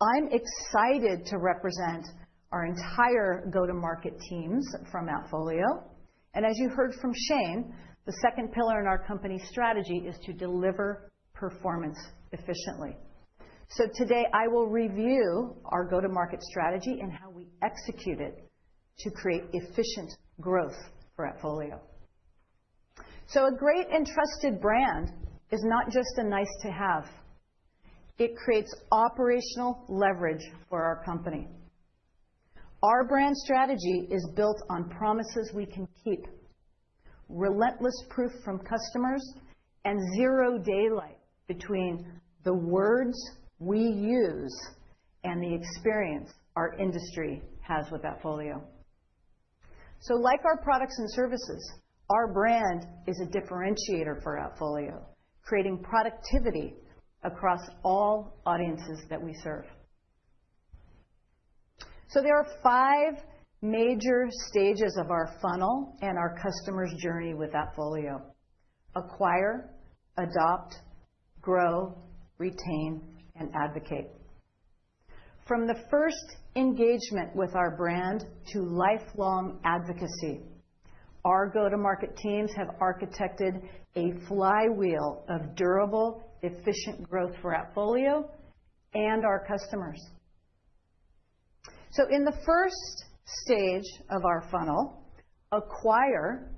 I'm excited to represent our entire go-to-market teams from AppFolio. As you heard from Shane, the second pillar in our company strategy is to deliver performance efficiently. Today, I will review our go-to-market strategy and how we execute it to create efficient growth for AppFolio. A great and trusted brand is not just a nice-to-have. It creates operational leverage for our company. Our brand strategy is built on promises we can keep, relentless proof from customers, and zero daylight between the words we use and the experience our industry has with AppFolio. Like our products and services, our brand is a differentiator for AppFolio, creating productivity across all audiences that we serve. There are five major stages of our funnel and our customer's journey with AppFolio: acquire, adopt, grow, retain, and advocate. From the first engagement with our brand to lifelong advocacy, our go-to-market teams have architected a flywheel of durable, efficient growth for AppFolio and our customers. In the first stage of our funnel, acquire,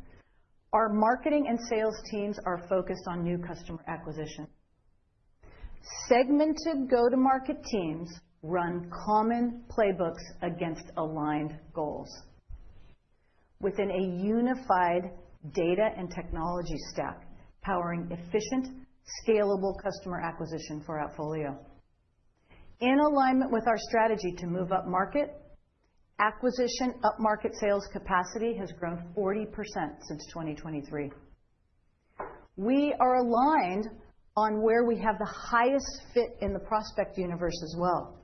our marketing and sales teams are focused on new customer acquisition. Segmented go-to-market teams run common playbooks against aligned goals within a unified data and technology stack powering efficient, scalable customer acquisition for AppFolio. In alignment with our strategy to move up market, acquisition up-market sales capacity has grown 40% since 2023. We are aligned on where we have the highest fit in the prospect universe as well,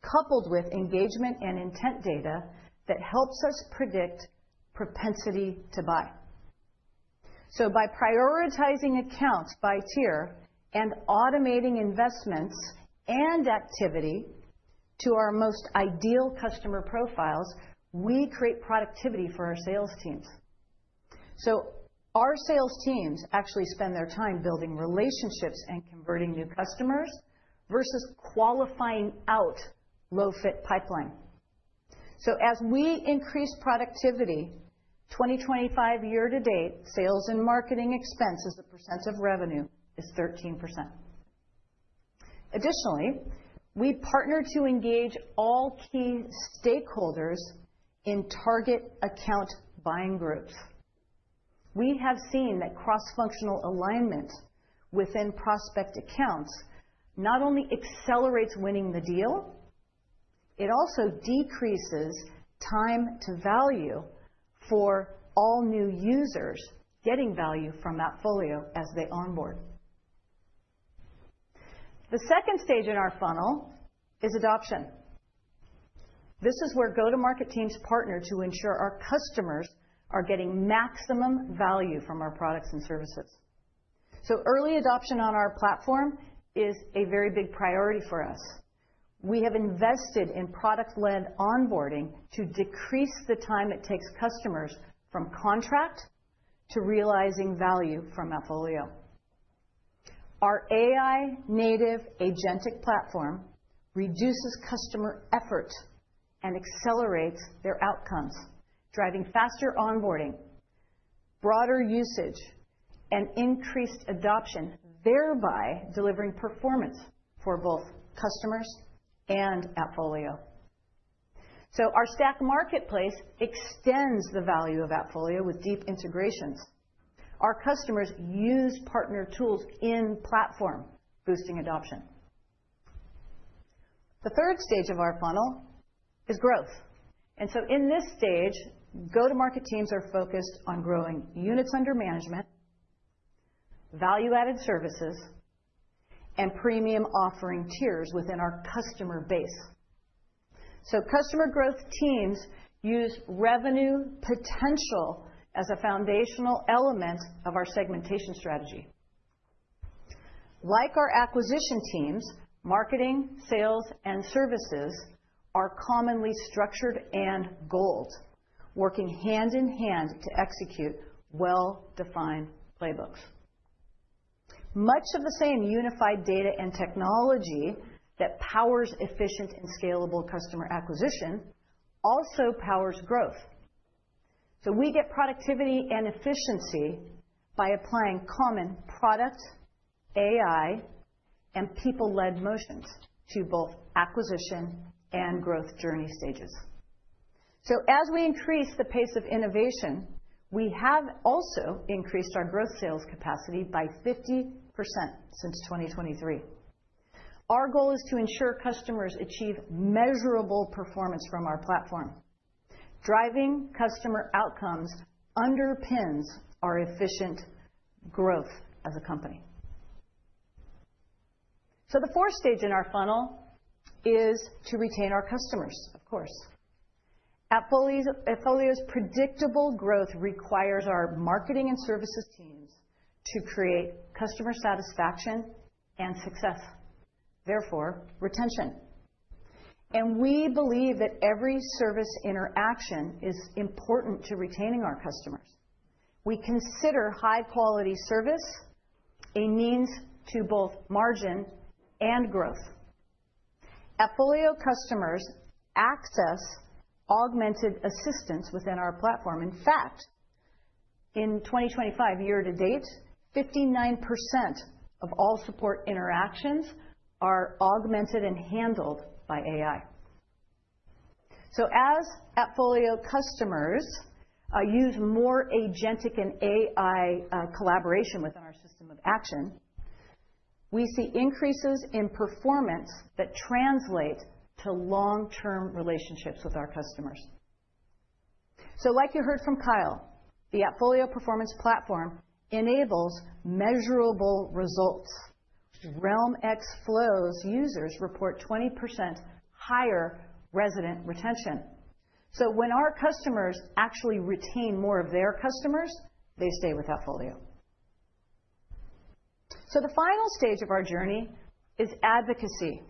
coupled with engagement and intent data that helps us predict propensity to buy. By prioritizing accounts by tier and automating investments and activity to our most ideal customer profiles, we create productivity for our sales teams. Our sales teams actually spend their time building relationships and converting new customers versus qualifying out low-fit pipeline. As we increase productivity, 2025 year to date, sales and marketing expenses as % of revenue is 13%. Additionally, we partner to engage all key stakeholders in target account buying groups. We have seen that cross-functional alignment within prospect accounts not only accelerates winning the deal, it also decreases time to value for all new users getting value from AppFolio as they onboard. The second stage in our funnel is adoption. This is where go-to-market teams partner to ensure our customers are getting maximum value from our products and services. Early adoption on our platform is a very big priority for us. We have invested in product-led onboarding to decrease the time it takes customers from contract to realizing value from AppFolio. Our AI-native agentic platform reduces customer effort and accelerates their outcomes, driving faster onboarding, broader usage, and increased adoption, thereby delivering performance for both customers and AppFolio. Our Stack marketplace extends the value of AppFolio with deep integrations. Our customers use partner tools in platform, boosting adoption. The third stage of our funnel is growth. In this stage, go-to-market teams are focused on growing units under management, value-added services, and premium offering tiers within our customer base. Customer growth teams use revenue potential as a foundational element of our segmentation strategy. Like our acquisition teams, marketing, sales, and services are commonly structured and goaled, working hand in hand to execute well-defined playbooks. Much of the same unified data and technology that powers efficient and scalable customer acquisition also powers growth. We get productivity and efficiency by applying common product, AI, and people-led motions to both acquisition and growth journey stages. As we increase the pace of innovation, we have also increased our growth sales capacity by 50% since 2023. Our goal is to ensure customers achieve measurable performance from our platform. Driving customer outcomes underpins our efficient growth as a company. The fourth stage in our funnel is to retain our customers, of course. AppFolio's predictable growth requires our marketing and services teams to create customer satisfaction and success, therefore retention. We believe that every service interaction is important to retaining our customers. We consider high-quality service a means to both margin and growth. AppFolio customers access augmented assistance within our platform. In fact, in 2025 year to date, 59% of all support interactions are augmented and handled by AI. As AppFolio customers use more agentic and AI collaboration within our system of action, we see increases in performance that translate to long-term relationships with our customers. Like you heard from Kyle, the AppFolio performance platform enables measurable results. RealmX Flows users report 20% higher resident retention. When our customers actually retain more of their customers, they stay with AppFolio. The final stage of our journey is advocacy.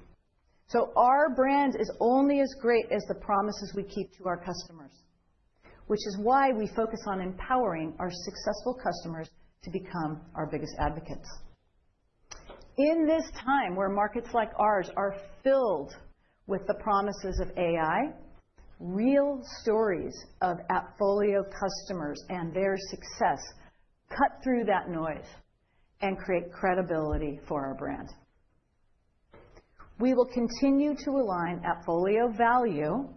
Our brand is only as great as the promises we keep to our customers, which is why we focus on empowering our successful customers to become our biggest advocates. In this time where markets like ours are filled with the promises of AI, real stories of AppFolio customers and their success cut through that noise and create credibility for our brand. We will continue to align AppFolio value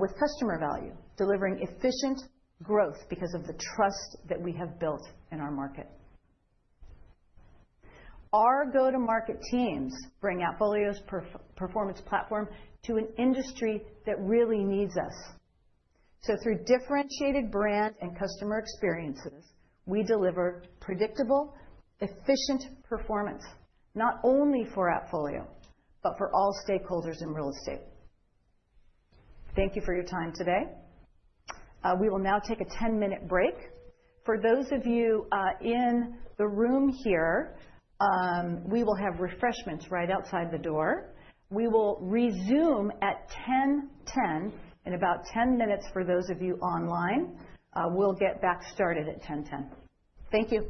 with customer value, delivering efficient growth because of the trust that we have built in our market. Our go-to-market teams bring AppFolio's performance platform to an industry that really needs us. Through differentiated brand and customer experiences, we deliver predictable, efficient performance not only for AppFolio, but for all stakeholders in real estate. Thank you for your time today. We will now take a 10-minute break. For those of you in the room here, we will have refreshments right outside the door. We will resume at 10:10 in about 10 minutes for those of you online. We'll get back started at 10:10. Thank you.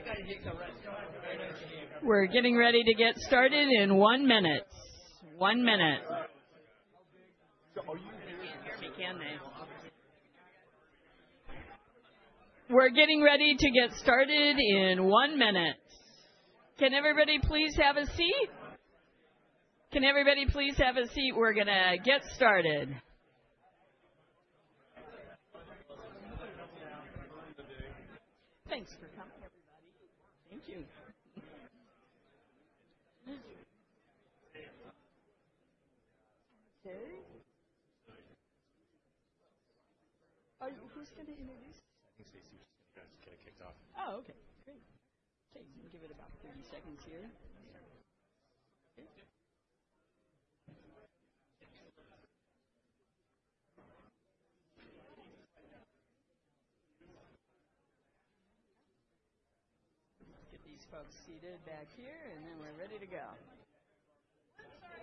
I'm going to be able to hear you in the order that they're on the slide. Kai, can you mic up along the layer for Stacy? We're getting ready to get started in one minute. One minute. Are you hearing me? Can they? We're getting ready to get started in one minute. Can everybody please have a seat? Can everybody please have a seat? We're going to get started. Thanks for coming, everybody. Thank you. Okay. Who's going to introduce? I think Stacy was just going to get kicked off. Oh, okay. Great. Okay. We'll give it about 30 seconds here. Okay. Get these folks seated back here, and then we're ready to go. I'm sorry.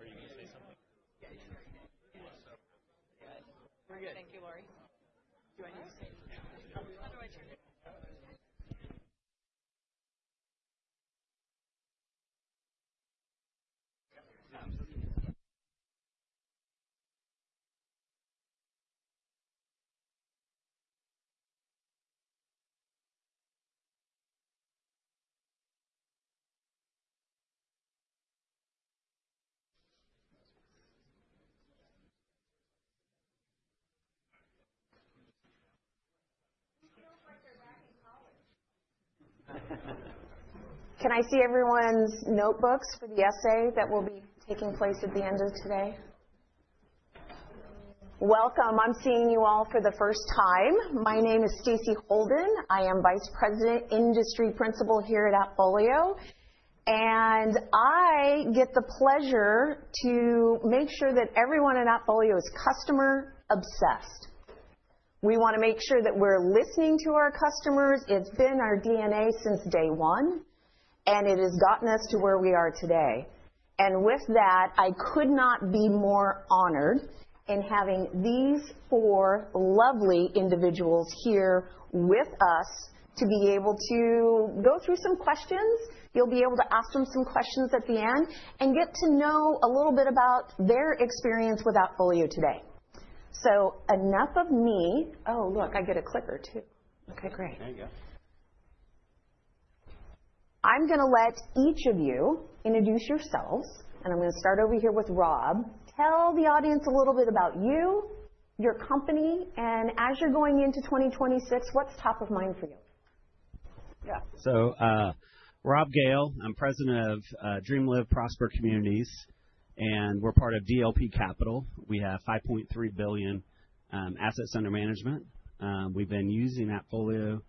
Are you going to say something? Yes. Good. We're good. Thank you, Lori. Do I need to say anything? How do I turn it? We feel like they're back in college. Can I see everyone's notebooks for the essay that will be taking place at the end of today? Welcome. I'm seeing you all for the first time. My name is Stacy Holden. I am Vice President Industry Principal here at AppFolio. I get the pleasure to make sure that everyone at AppFolio is customer-obsessed. We want to make sure that we're listening to our customers. It's been our DNA since day one, and it has gotten us to where we are today. With that, I could not be more honored in having these four lovely individuals here with us to be able to go through some questions. You'll be able to ask them some questions at the end and get to know a little bit about their experience with AppFolio today. Enough of me. Oh, look, I get a clicker too. Okay. Great. There you go. I'm going to let each of you introduce yourselves. I'm going to start over here with Rob. Tell the audience a little bit about you, your company, and as you're going into 2026, what's top of mind for you? Yeah. Rob Gale. I'm President of DreamLive Prosper Communities. We're part of DLP Capital. We have $5.3 billion assets under management. We've been using AppFolio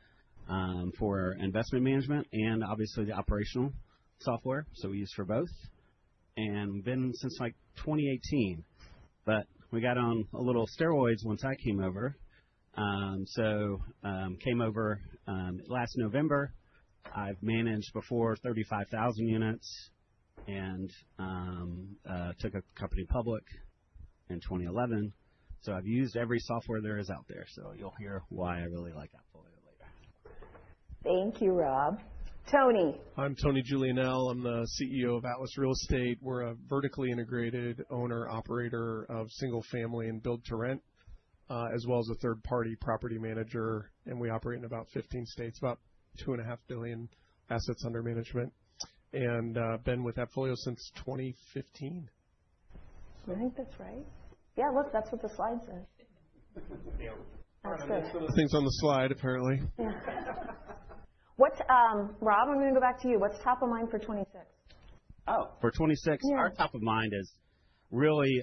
for investment management and obviously the operational software. We use it for both. We've been since like 2018. We got on a little steroids once I came over. I came over last November. I've managed before 35,000 units and took a company public in 2011. I've used every software there is out there. You'll hear why I really like AppFolio later. Thank you, Rob. Tony. I'm Tony Juliannell. I'm the CEO of Atlas Real Estate. We're a vertically integrated owner-operator of single-family and build-to-rent, as well as a third-party property manager. We operate in about 15 states, about $2.5 billion assets under management. I've been with AppFolio since 2015. I think that's right. Yeah. Look, that's what the slide says. Yeah. That's some of the things on the slide, apparently. What's Rob, I'm going to go back to you. What's top of mind for '26? Oh, for 2026, our top of mind is really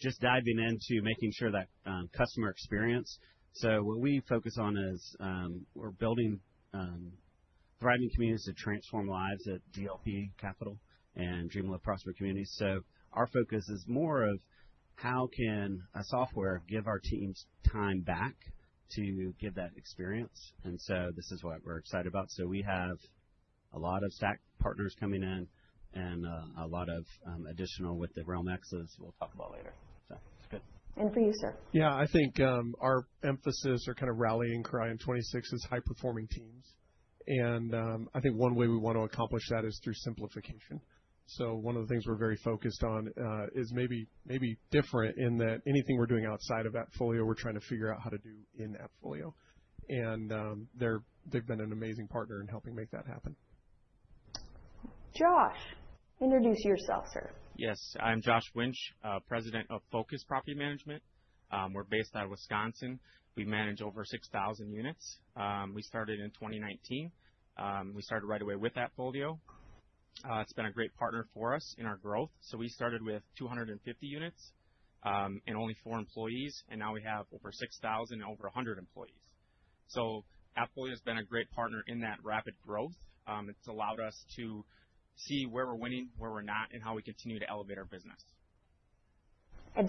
just diving into making sure that customer experience. What we focus on is we're building thriving communities that transform lives at DLP Capital and DreamLive Prosper Communities. Our focus is more of how can a software give our teams time back to give that experience. This is what we're excited about. We have a lot of Stack partners coming in and a lot of additional with the RealmXes we'll talk about later. It is good. For you, sir? Yeah. I think our emphasis or kind of rallying cry in 2026 is high-performing teams. I think one way we want to accomplish that is through simplification. One of the things we are very focused on is maybe different in that anything we are doing outside of AppFolio, we are trying to figure out how to do in AppFolio. They have been an amazing partner in helping make that happen. Josh, introduce yourself, sir. Yes. I'm Josh Winch, President of Focus Property Management. We're based out of Wisconsin. We manage over 6,000 units. We started in 2019. We started right away with AppFolio. It's been a great partner for us in our growth. We started with 250 units and only four employees. Now we have over 6,000 and over 100 employees. AppFolio has been a great partner in that rapid growth. It's allowed us to see where we're winning, where we're not, and how we continue to elevate our business.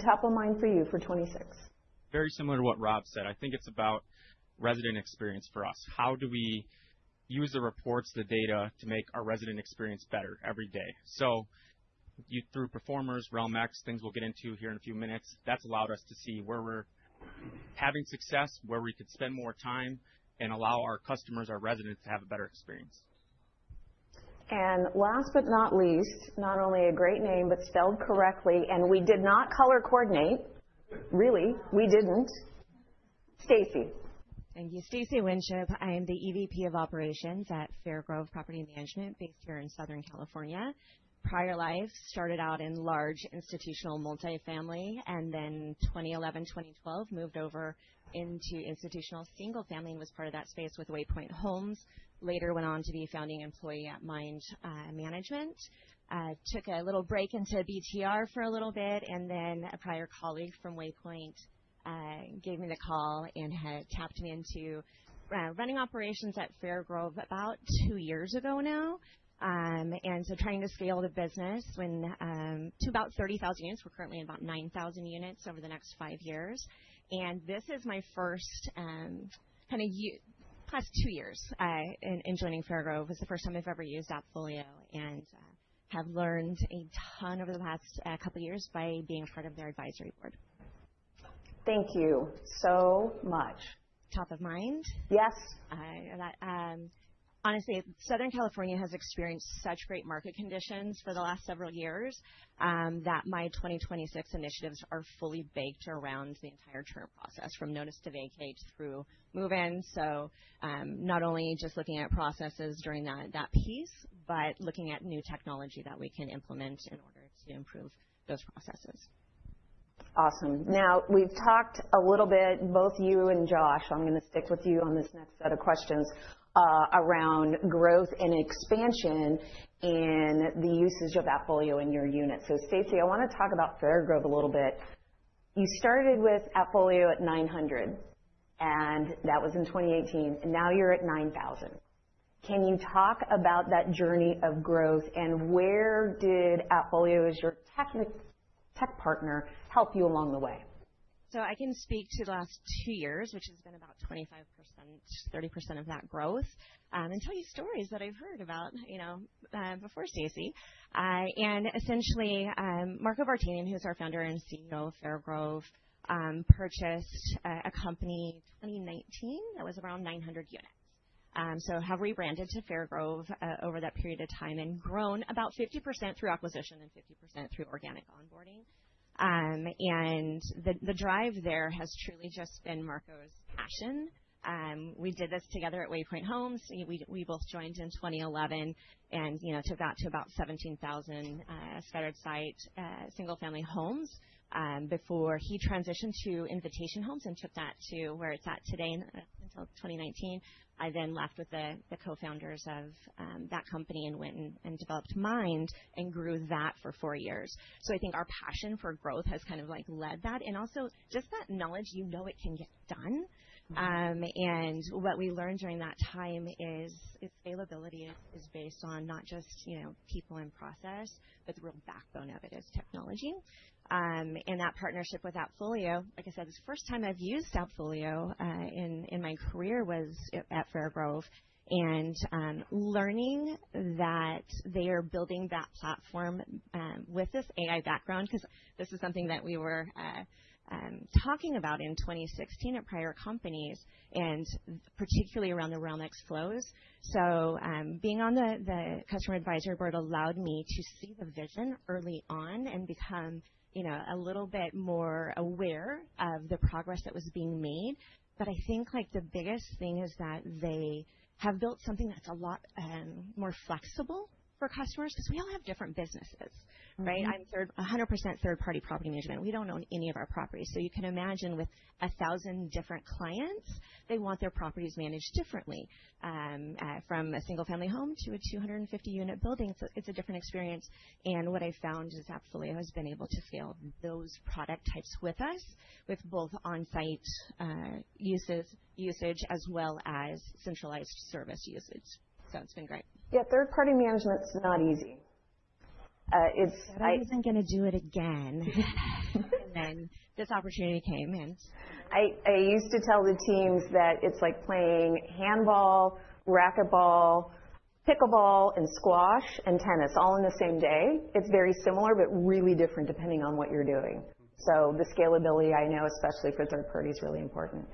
Top of mind for you for 2026? Very similar to what Rob said. I think it's about resident experience for us. How do we use the reports, the data to make our resident experience better every day? Through Performers, RealmX, things we'll get into here in a few minutes, that's allowed us to see where we're having success, where we could spend more time and allow our customers, our residents, to have a better experience. Last but not least, not only a great name, but spelled correctly. We did not color coordinate. Really, we did not. Stacy. Thank you. Stacy Winchip. I am the EVP of Operations at Fairgrove Property Management based here in Southern California. Prior life started out in large institutional multifamily, and then 2011, 2012, moved over into institutional single-family and was part of that space with Waypoint Homes. Later went on to be a founding employee at Mind Management. Took a little break into BTR for a little bit, and then a prior colleague from Waypoint gave me the call and had tapped me into running operations at Fairgrove about two years ago now. Trying to scale the business to about 30,000 units. We're currently in about 9,000 units over the next five years. This is my first kind of plus two years in joining Fairgrove is the first time I've ever used AppFolio and have learned a ton over the last couple of years by being a part of their advisory board. Thank you so much. Top of mind? Yes. Honestly, Southern California has experienced such great market conditions for the last several years that my 2026 initiatives are fully baked around the entire churn process from notice to vacate through move-in. Not only just looking at processes during that piece, but looking at new technology that we can implement in order to improve those processes. Awesome. Now, we've talked a little bit, both you and Josh. I'm going to stick with you on this next set of questions around growth and expansion and the usage of AppFolio in your unit. So Stacy, I want to talk about Fairgrove a little bit. You started with AppFolio at 900, and that was in 2018. And now you're at 9,000. Can you talk about that journey of growth and where did AppFolio as your tech partner help you along the way? I can speak to the last two years, which has been about 25%-30% of that growth, and tell you stories that I've heard about before Stacy. Essentially, Marco Bartanian, who's our founder and CEO of Fairgrove, purchased a company in 2019 that was around 900 units. We have rebranded to Fairgrove over that period of time and grown about 50% through acquisition and 50% through organic onboarding. The drive there has truly just been Marco's passion. We did this together at Waypoint Homes. We both joined in 2011 and took that to about 17,000 scattered-site single-family homes before he transitioned to Invitation Homes and took that to where it's at today until 2019. I then left with the co-founders of that company and went and developed Mind and grew that for four years. I think our passion for growth has kind of led that. Also just that knowledge, you know it can get done. What we learned during that time is scalability is based on not just people and process, but the real backbone of it is technology. That partnership with AppFolio, like I said, the first time I've used AppFolio in my career was at Fairgrove and learning that they are building that platform with this AI background because this is something that we were talking about in 2016 at prior companies, and particularly around the RealmX Flows. Being on the customer advisory board allowed me to see the vision early on and become a little bit more aware of the progress that was being made. I think the biggest thing is that they have built something that's a lot more flexible for customers because we all have different businesses, right? I'm 100% third-party property management. We don't own any of our properties. You can imagine with 1,000 different clients, they want their properties managed differently from a single-family home to a 250-unit building. It's a different experience. What I found is AppFolio has been able to scale those product types with us, with both on-site usage as well as centralized service usage. It's been great. Yeah. Third-party management's not easy. It's... I was not going to do it again. Then this opportunity came and. I used to tell the teams that it's like playing handball, racquetball, pickleball, and squash and tennis all in the same day. It's very similar, but really different depending on what you're doing. The scalability, I know, especially for third parties, is really important.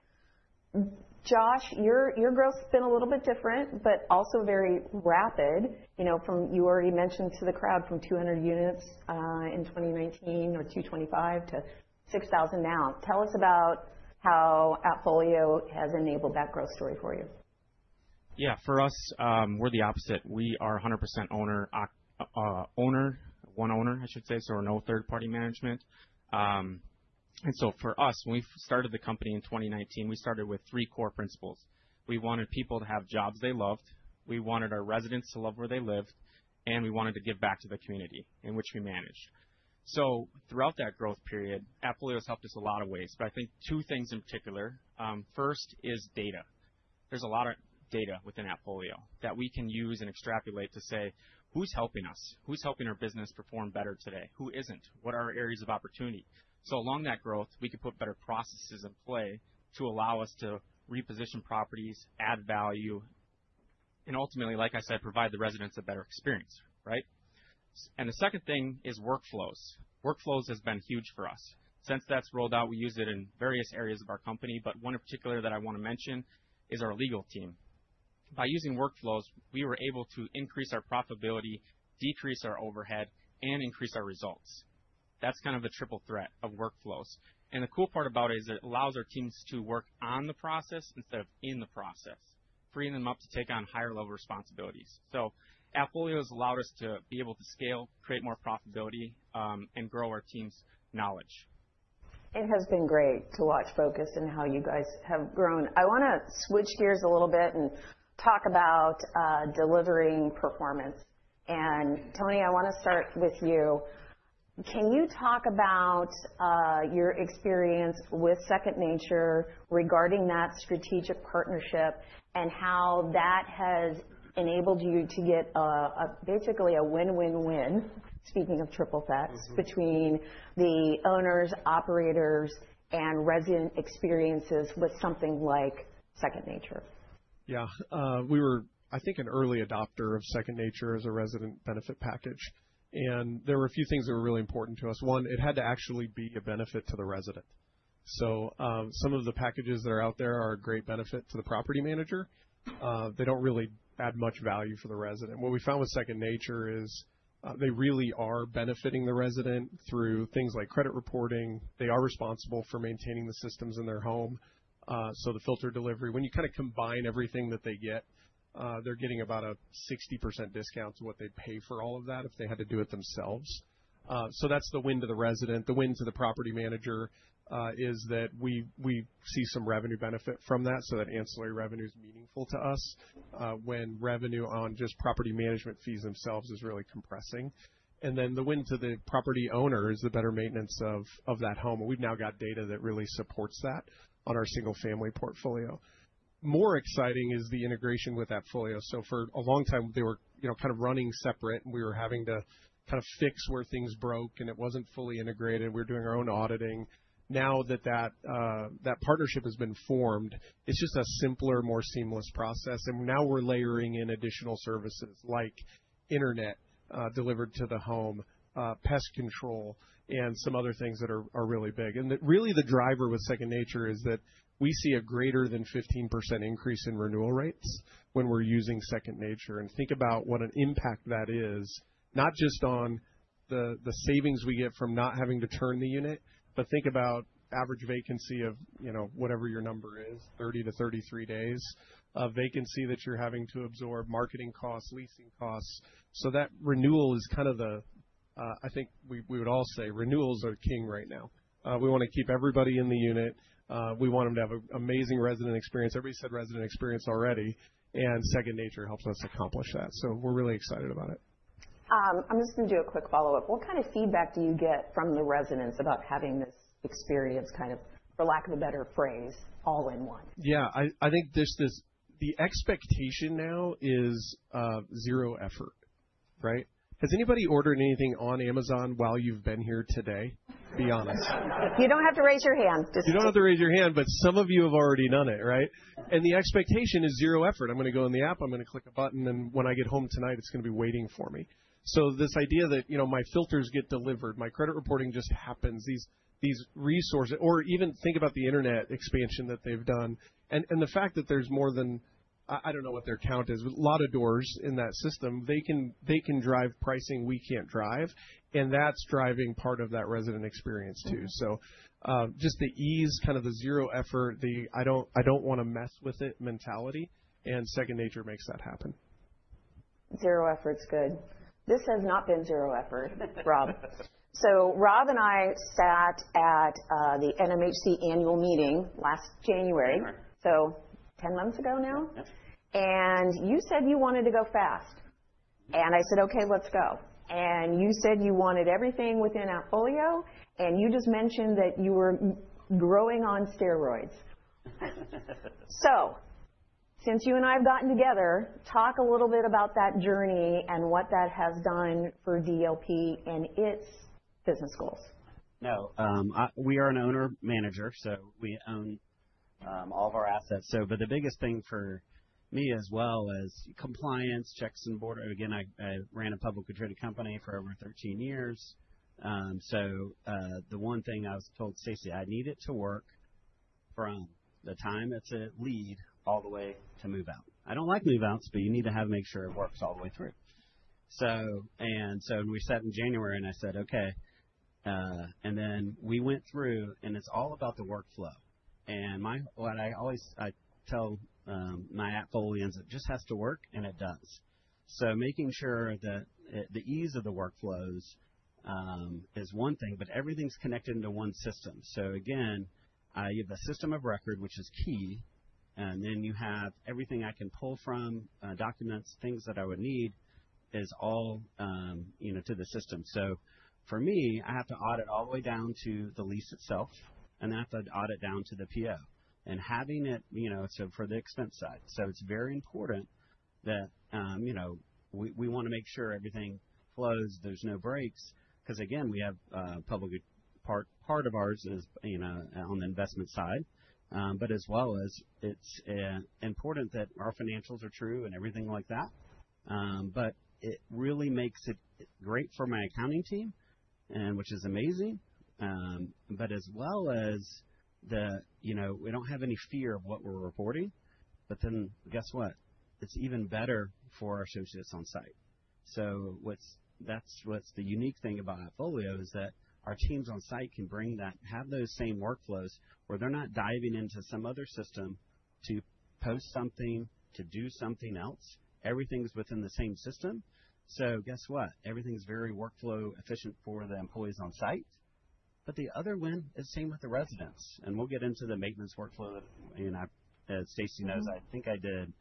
Josh, your growth's been a little bit different, but also very rapid. You already mentioned to the crowd from 200 units in 2019 or 225 to 6,000 now. Tell us about how AppFolio has enabled that growth story for you. Yeah. For us, we're the opposite. We are 100% owner, one owner, I should say. So no third-party management. For us, when we started the company in 2019, we started with three core principles. We wanted people to have jobs they loved. We wanted our residents to love where they lived, and we wanted to give back to the community in which we managed. Throughout that growth period, AppFolio has helped us a lot of ways. I think two things in particular. First is data. There's a lot of data within AppFolio that we can use and extrapolate to say, "Who's helping us? Who's helping our business perform better today? Who isn't? What are our areas of opportunity? Along that growth, we could put better processes in play to allow us to reposition properties, add value, and ultimately, like I said, provide the residents a better experience, right? The second thing is workflows. Workflows has been huge for us. Since that's rolled out, we use it in various areas of our company. One in particular that I want to mention is our legal team. By using workflows, we were able to increase our profitability, decrease our overhead, and increase our results. That's kind of the triple threat of workflows. The cool part about it is it allows our teams to work on the process instead of in the process, freeing them up to take on higher-level responsibilities. AppFolio has allowed us to be able to scale, create more profitability, and grow our team's knowledge. It has been great to watch Focus and how you guys have grown. I want to switch gears a little bit and talk about delivering performance. Tony, I want to start with you. Can you talk about your experience with Second Nature regarding that strategic partnership and how that has enabled you to get basically a win-win-win, speaking of triple threats, between the owners, operators, and resident experiences with something like Second Nature? Yeah. We were, I think, an early adopter of Second Nature as a resident benefit package. And there were a few things that were really important to us. One, it had to actually be a benefit to the resident. Some of the packages that are out there are a great benefit to the property manager. They do not really add much value for the resident. What we found with Second Nature is they really are benefiting the resident through things like credit reporting. They are responsible for maintaining the systems in their home. The filter delivery, when you kind of combine everything that they get, they are getting about a 60% discount to what they would pay for all of that if they had to do it themselves. That is the win to the resident. The win to the property manager is that we see some revenue benefit from that. That ancillary revenue is meaningful to us when revenue on just property management fees themselves is really compressing. The win to the property owner is the better maintenance of that home. We have now got data that really supports that on our single-family portfolio. More exciting is the integration with AppFolio. For a long time, they were kind of running separate, and we were having to kind of fix where things broke, and it was not fully integrated. We were doing our own auditing. Now that that partnership has been formed, it is just a simpler, more seamless process. Now we are layering in additional services like internet delivered to the home, pest control, and some other things that are really big. Really, the driver with Second Nature is that we see a greater than 15% increase in renewal rates when we are using Second Nature. Think about what an impact that is, not just on the savings we get from not having to turn the unit, but think about average vacancy of whatever your number is, 30-33 days of vacancy that you're having to absorb, marketing costs, leasing costs. That renewal is kind of the, I think we would all say, renewals are king right now. We want to keep everybody in the unit. We want them to have an amazing resident experience. Everybody said resident experience already. Second Nature helps us accomplish that. We're really excited about it. I'm just going to do a quick follow-up. What kind of feedback do you get from the residents about having this experience, kind of, for lack of a better phrase, all in one? Yeah. I think the expectation now is zero effort, right? Has anybody ordered anything on Amazon while you've been here today? Be honest. You don't have to raise your hand. You do not have to raise your hand, but some of you have already done it, right? The expectation is zero effort. I am going to go in the app, I am going to click a button, and when I get home tonight, it is going to be waiting for me. This idea that my filters get delivered, my credit reporting just happens, these resources, or even think about the internet expansion that they have done. The fact that there is more than, I do not know what their count is, but a lot of doors in that system, they can drive pricing we cannot drive. That is driving part of that resident experience too. Just the ease, kind of the zero effort, the "I do not want to mess with it" mentality, and Second Nature makes that happen. Zero effort's good. This has not been zero effort, Rob. Rob and I sat at the NMHC annual meeting last January, 10 months ago now. You said you wanted to go fast. I said, "Okay, let's go." You said you wanted everything within AppFolio, and you just mentioned that you were growing on steroids. Since you and I have gotten together, talk a little bit about that journey and what that has done for DLP and its business goals. Now, we are an owner-manager, so we own all of our assets. The biggest thing for me as well is compliance, checks and borders. Again, I ran a publicly traded company for over 13 years. The one thing I was told, Stacy, I need it to work from the time it's a lead all the way to move out. I do not like move-outs, but you need to make sure it works all the way through. We sat in January, and I said, "Okay." We went through, and it is all about the workflow. What I always tell my AppFolio is it just has to work, and it does. Making sure that the ease of the workflows is one thing, but everything's connected into one system. Again, you have the system of record, which is key. You have everything I can pull from, documents, things that I would need is all to the system. For me, I have to audit all the way down to the lease itself, and I have to audit down to the PO. Having it for the expense side is very important. We want to make sure everything flows, there are no breaks. We have a public part of ours on the investment side, but as well as it's important that our financials are true and everything like that. It really makes it great for my accounting team, which is amazing. As well as we do not have any fear of what we are reporting. Guess what? It is even better for our associates on site. That's what's the unique thing about AppFolio is that our teams on site can bring that, have those same workflows where they're not diving into some other system to post something, to do something else. Everything's within the same system. Guess what? Everything's very workflow efficient for the employees on site. The other win is same with the residents. We'll get into the maintenance workflow. Stacy knows I think I did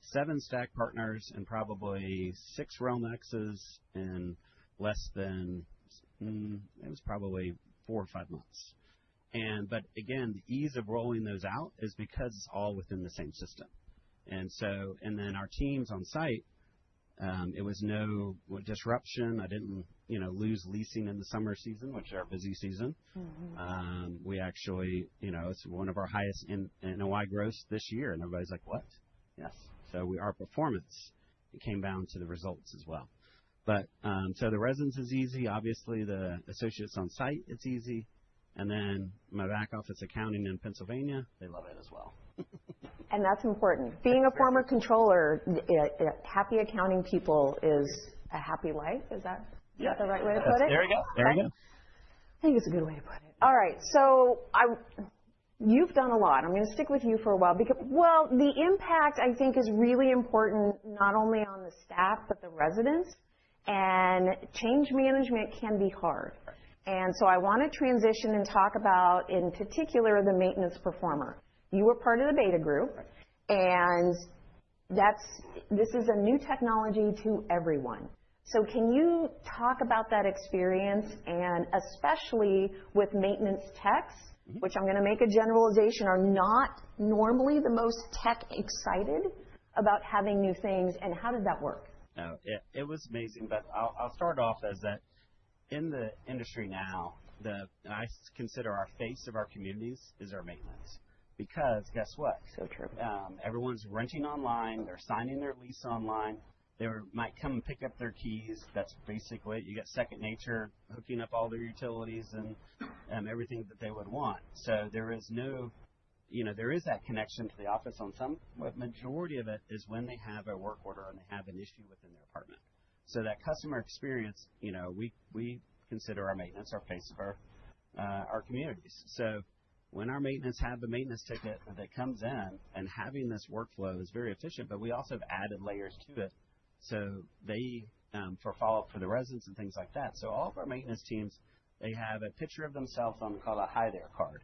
seven Stack partners and probably six RealmXes in less than, it was probably four or five months. Again, the ease of rolling those out is because it's all within the same system. Our teams on site, it was no disruption. I didn't lose leasing in the summer season, which is our busy season. We actually, it's one of our highest NOI growths this year. Everybody's like, "What?" Yes. Our performance came down to the results as well. The residents, it's easy. Obviously, the associates on site, it's easy. My back office accounting in Pennsylvania, they love it as well. That's important. Being a former controller, happy accounting people is a happy life. Is that the right way to put it? There you go. I think it's a good way to put it. All right. So you've done a lot. I'm going to stick with you for a while. The impact, I think, is really important not only on the staff, but the residents. Change management can be hard. I want to transition and talk about, in particular, the maintenance performer. You were part of the beta group, and this is a new technology to everyone. Can you talk about that experience? Especially with maintenance techs, which I'm going to make a generalization, are not normally the most tech-excited about having new things. How did that work? It was amazing. I'll start off as that in the industry now, I consider our face of our communities is our maintenance. Because guess what? So true. Everyone's renting online. They're signing their lease online. They might come and pick up their keys. That's basically it. You got Second Nature hooking up all their utilities and everything that they would want. There is that connection to the office on some, but the majority of it is when they have a work order and they have an issue within their apartment. That customer experience, we consider our maintenance our face of our communities. When our maintenance have a maintenance ticket that comes in, having this workflow is very efficient, but we also have added layers to it for follow-up for the residents and things like that. All of our maintenance teams, they have a picture of themselves on, called a hi there card.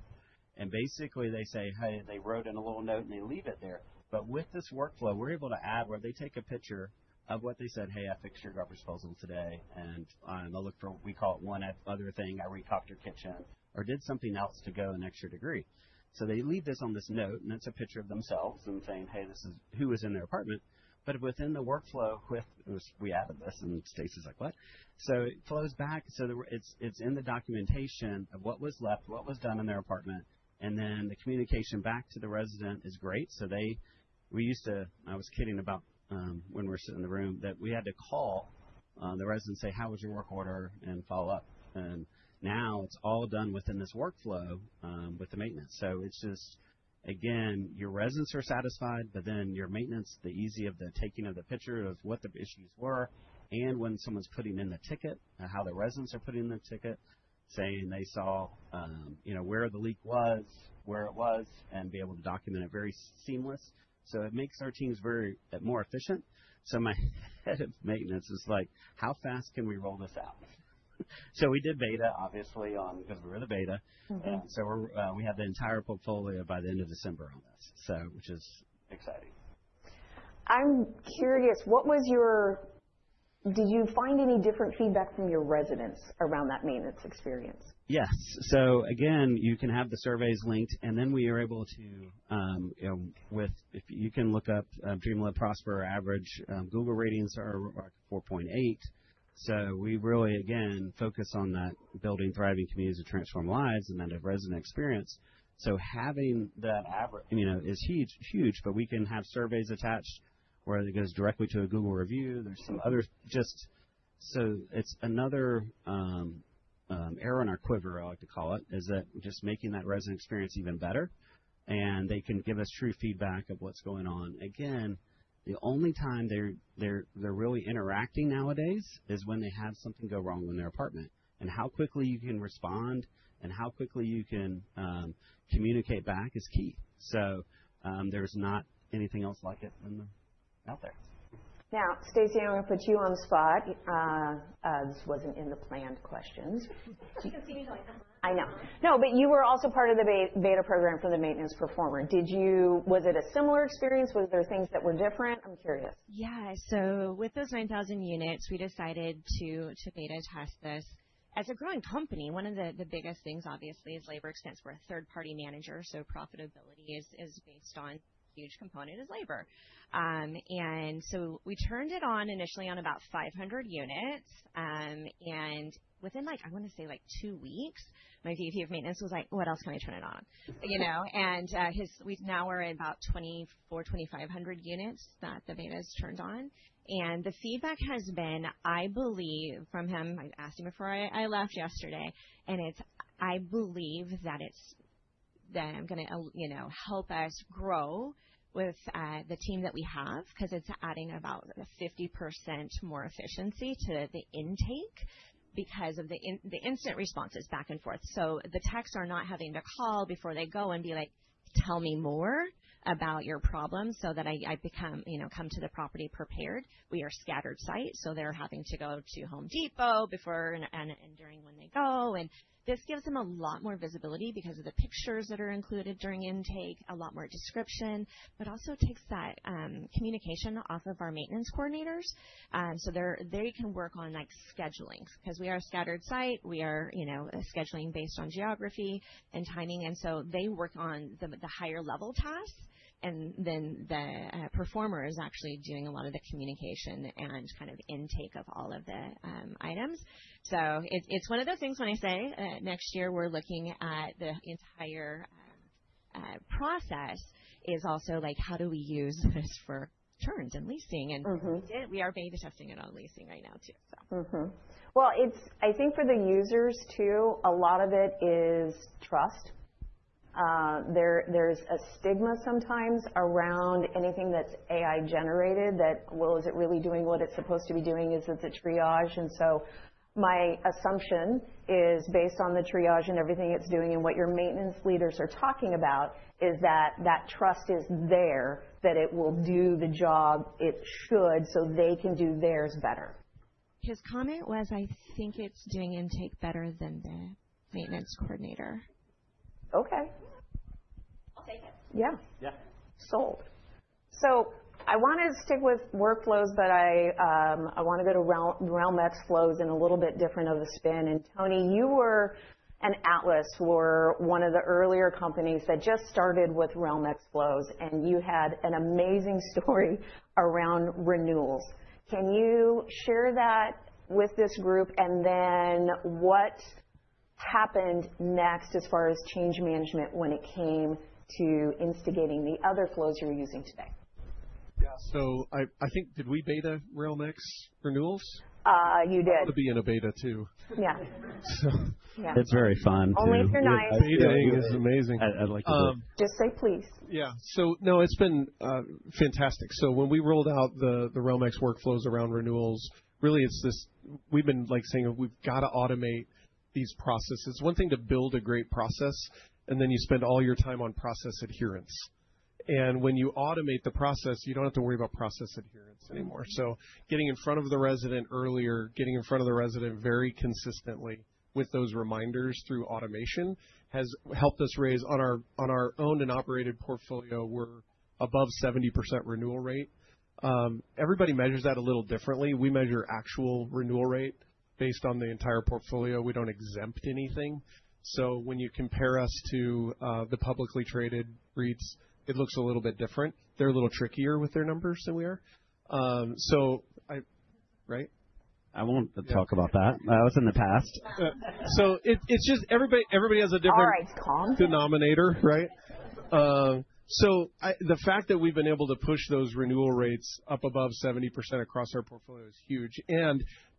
Basically, they say, "Hey," they wrote in a little note, and they leave it there. With this workflow, we're able to add where they take a picture of what they said, "Hey, I fixed your garbage disposal today," and they'll look for what we call it one other thing. I retopped your kitchen or did something else to go an extra degree. They leave this on this note, and it's a picture of themselves and saying, "Hey, this is who was in their apartment." Within the workflow, we added this, and Stacy's like, "What?" It flows back. It is in the documentation of what was left, what was done in their apartment. The communication back to the resident is great. I was kidding about when we were sitting in the room, that we had to call the residents and say, "How was your work order?" and follow up. Now it's all done within this workflow with the maintenance. It's just, again, your residents are satisfied, but then your maintenance, the ease of the taking of the picture of what the issues were and when someone's putting in the ticket, how the residents are putting in the ticket, saying they saw where the leak was, where it was, and be able to document it very seamless. It makes our teams more efficient. My head of maintenance is like, "How fast can we roll this out?" We did beta, obviously, because we were in the beta. We had the entire portfolio by the end of December on this, which is exciting. I'm curious, did you find any different feedback from your residents around that maintenance experience? Yes. So again, you can have the surveys linked, and then we are able to, if you can look up DreamLive Prosper, average Google ratings are 4.8. We really, again, focus on that building thriving communities and transform lives and that of resident experience. Having that is huge, but we can have surveys attached where it goes directly to a Google review. There is some other, just so it is another arrow in our quiver, I like to call it, just making that resident experience even better. They can give us true feedback of what is going on. Again, the only time they are really interacting nowadays is when they have something go wrong in their apartment. How quickly you can respond and how quickly you can communicate back is key. There is not anything else like it out there. Now, Stacy, I'm going to put you on the spot. This wasn't in the planned questions. I can see you joining. I know. No, but you were also part of the beta program for the maintenance performer. Was it a similar experience? Was there things that were different? I'm curious. Yeah. With those 9,000 units, we decided to beta test this. As a growing company, one of the biggest things, obviously, is labor expense. We're a third-party manager, so profitability is based on a huge component is labor. We turned it on initially on about 500 units. Within, I want to say, two weeks, my VP of Maintenance was like, "What else can we turn it on?" Now we're at about 2,400-2,500 units that the beta has turned on. The feedback has been, I believe, from him. I asked him before I left yesterday. I believe that it's going to help us grow with the team that we have because it's adding about 50% more efficiency to the intake because of the instant responses back and forth. The techs are not having to call before they go and be like, "Tell me more about your problems so that I come to the property prepared." We are a scattered site, so they're having to go to Home Depot before and during when they go. This gives them a lot more visibility because of the pictures that are included during intake, a lot more description, but also takes that communication off of our maintenance coordinators. They can work on scheduling because we are a scattered site. We are scheduling based on geography and timing. They work on the higher-level tasks. The performer is actually doing a lot of the communication and kind of intake of all of the items. It's one of those things when I say next year we're looking at the entire process is also like, "How do we use this for churns and leasing?" And we are beta testing it on leasing right now too, so. I think for the users too, a lot of it is trust. There's a stigma sometimes around anything that's AI-generated that, well, is it really doing what it's supposed to be doing? Is it a triage? And so my assumption is based on the triage and everything it's doing and what your maintenance leaders are talking about is that that trust is there, that it will do the job it should so they can do theirs better. His comment was, "I think it's doing intake better than the maintenance coordinator. Okay. I'll take it. Yeah. Yeah. I want to stick with workflows, but I want to go to RealmX Flows in a little bit different of a spin. Tony, you were at Atlas, were one of the earlier companies that just started with RealmX Flows, and you had an amazing story around renewals. Can you share that with this group? Then what happened next as far as change management when it came to instigating the other flows you're using today? Yeah. So I think, did we beta RealmX renewals? You did. I want to be in a beta too. Yeah. It's very fun. Only if you're nice. Beta is amazing. Just say please. Yeah. So no, it's been fantastic. When we rolled out the RealmX workflows around renewals, really it's this—we've been saying we've got to automate these processes. One thing to build a great process, and then you spend all your time on process adherence. When you automate the process, you don't have to worry about process adherence anymore. Getting in front of the resident earlier, getting in front of the resident very consistently with those reminders through automation has helped us raise, on our own and operated portfolio, we're above 70% renewal rate. Everybody measures that a little differently. We measure actual renewal rate based on the entire portfolio. We don't exempt anything. When you compare us to the publicly traded REITs, it looks a little bit different. They're a little trickier with their numbers than we are. Right? I won't talk about that. That was in the past. It's just everybody has a different. All right. Calm. Denominator, right? The fact that we've been able to push those renewal rates up above 70% across our portfolio is huge.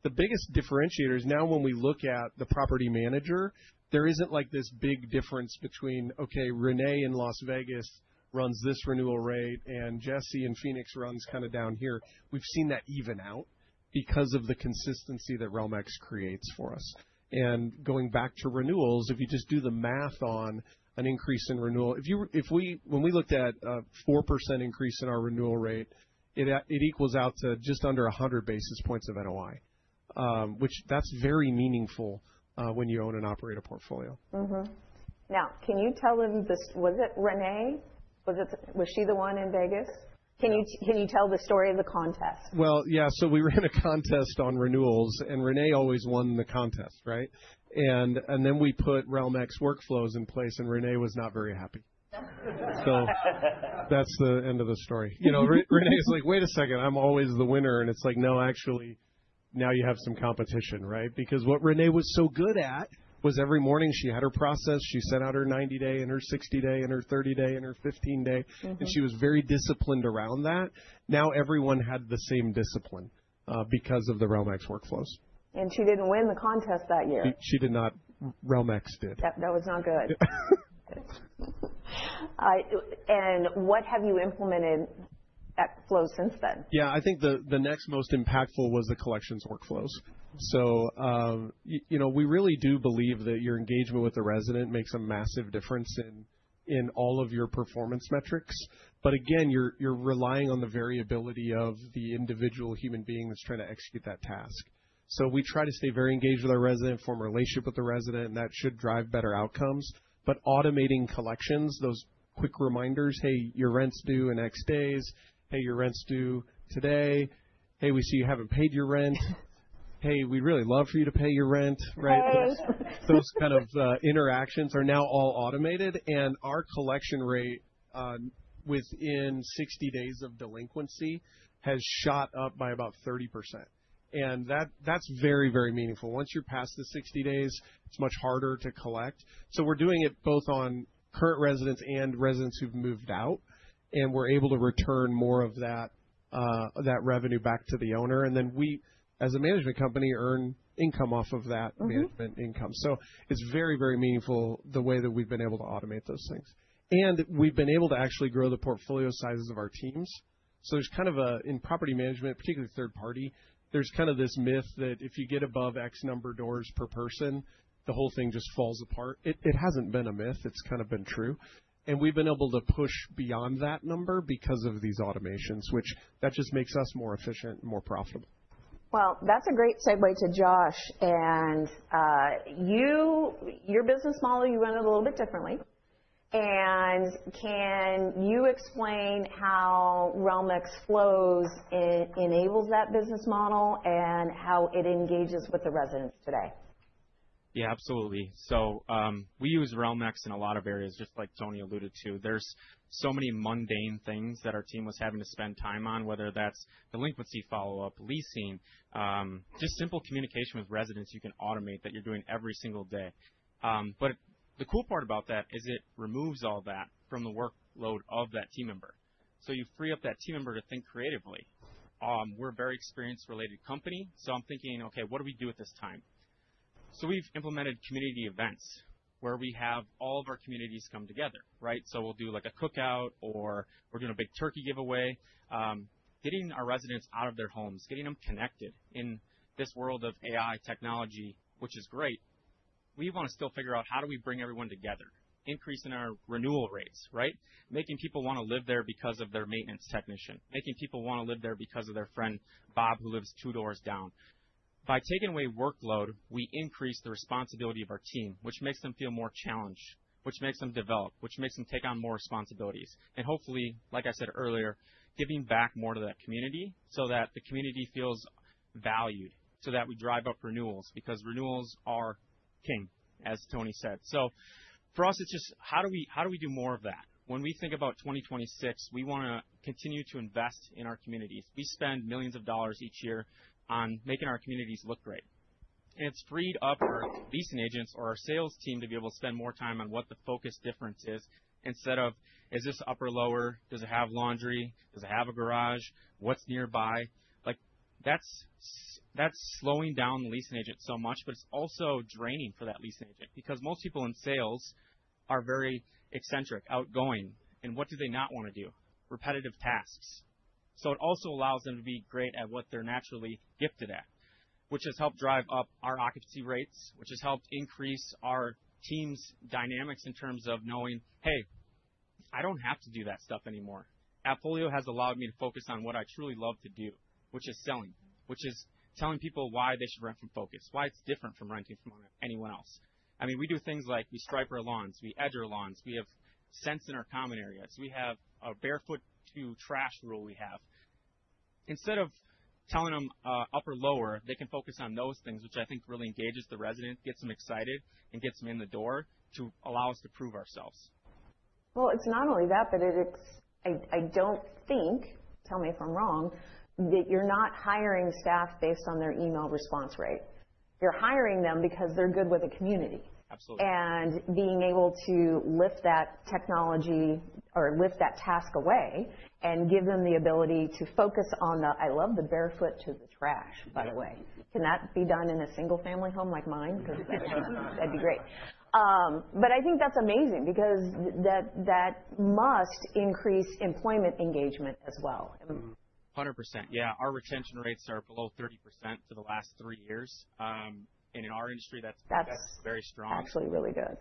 The biggest differentiator is now when we look at the property manager, there is not this big difference between, okay, Renee in Las Vegas runs this renewal rate, and Jesse in Phoenix runs kind of down here. We have seen that even out because of the consistency that RealmX creates for us. Going back to renewals, if you just do the math on an increase in renewal, when we looked at a 4% increase in our renewal rate, it equals out to just under 100 basis points of NOI, which is very meaningful when you own and operate a portfolio. Now, can you tell them this, was it Renee? Was she the one in Las Vegas? Can you tell the story of the contest? Yeah. We ran a contest on renewals, and Renee always won the contest, right? We put RealmX workflows in place, and Renee was not very happy. That is the end of the story. Renee is like, "Wait a second, I'm always the winner." It is like, "No, actually, now you have some competition," right? What Renee was so good at was every morning she had her process, she set out her 90-day and her 60-day and her 30-day and her 15-day, and she was very disciplined around that. Now everyone had the same discipline because of the RealmX workflows. She didn't win the contest that year. She did not. Realm-X did. That was not good. What have you implemented at Flow since then? Yeah. I think the next most impactful was the collections workflows. We really do believe that your engagement with the resident makes a massive difference in all of your performance metrics. Again, you're relying on the variability of the individual human being that's trying to execute that task. We try to stay very engaged with our resident, form a relationship with the resident, and that should drive better outcomes. Automating collections, those quick reminders, "Hey, your rent's due in X days. Hey, your rent's due today. Hey, we see you haven't paid your rent. Hey, we'd really love for you to pay your rent," right? Those kind of interactions are now all automated. Our collection rate within 60 days of delinquency has shot up by about 30%. That's very, very meaningful. Once you're past the 60 days, it's much harder to collect. We're doing it both on current residents and residents who've moved out. We're able to return more of that revenue back to the owner. We, as a management company, earn income off of that management income. It's very, very meaningful the way that we've been able to automate those things. We've been able to actually grow the portfolio sizes of our teams. There's kind of a, in property management, particularly third-party, there's kind of this myth that if you get above X number doors per person, the whole thing just falls apart. It hasn't been a myth. It's kind of been true. We've been able to push beyond that number because of these automations, which just makes us more efficient and more profitable. That's a great segue to Josh. Your business model, you run it a little bit differently. Can you explain how RealmX Flows enables that business model and how it engages with the residents today? Yeah, absolutely. We use RealmX in a lot of areas, just like Tony alluded to. There are so many mundane things that our team was having to spend time on, whether that's delinquency follow-up, leasing, just simple communication with residents you can automate that you're doing every single day. The cool part about that is it removes all that from the workload of that team member. You free up that team member to think creatively. We're a very experience-related company. I'm thinking, "Okay, what do we do with this time?" We've implemented community events where we have all of our communities come together, right? We'll do like a cookout or we're doing a big turkey giveaway. Getting our residents out of their homes, getting them connected in this world of AI technology, which is great. We want to still figure out how do we bring everyone together, increasing our renewal rates, right? Making people want to live there because of their maintenance technician, making people want to live there because of their friend Bob who lives two doors down. By taking away workload, we increase the responsibility of our team, which makes them feel more challenged, which makes them develop, which makes them take on more responsibilities. Hopefully, like I said earlier, giving back more to that community so that the community feels valued, so that we drive up renewals because renewals are king, as Tony said. For us, it's just how do we do more of that? When we think about 2026, we want to continue to invest in our communities. We spend millions of dollars each year on making our communities look great. It has freed up our leasing agents or our sales team to be able to spend more time on what the focus difference is instead of, "Is this up or lower? Does it have laundry? Does it have a garage? What's nearby?" That is slowing down the leasing agent so much, but it is also draining for that leasing agent because most people in sales are very eccentric, outgoing. What do they not want to do? Repetitive tasks. It also allows them to be great at what they're naturally gifted at, which has helped drive up our occupancy rates, which has helped increase our team's dynamics in terms of knowing, "Hey, I don't have to do that stuff anymore." AppFolio has allowed me to focus on what I truly love to do, which is selling, which is telling people why they should rent from Focus, why it's different from renting from anyone else. I mean, we do things like we stripe our lawns, we edge our lawns, we have scents in our common areas, we have a barefoot to trash rule. Instead of telling them up or lower, they can focus on those things, which I think really engages the resident, gets them excited, and gets them in the door to allow us to prove ourselves. It's not only that, but I don't think, tell me if I'm wrong, that you're not hiring staff based on their email response rate. You're hiring them because they're good with the community. Absolutely. Being able to lift that technology or lift that task away and give them the ability to focus on the, "I love the barefoot to the trash," by the way. Can that be done in a single-family home like mine? Because that would be great. I think that's amazing because that must increase employment engagement as well. 100%. Yeah. Our retention rates are below 30% for the last three years. In our industry, that's very strong. That's actually really good.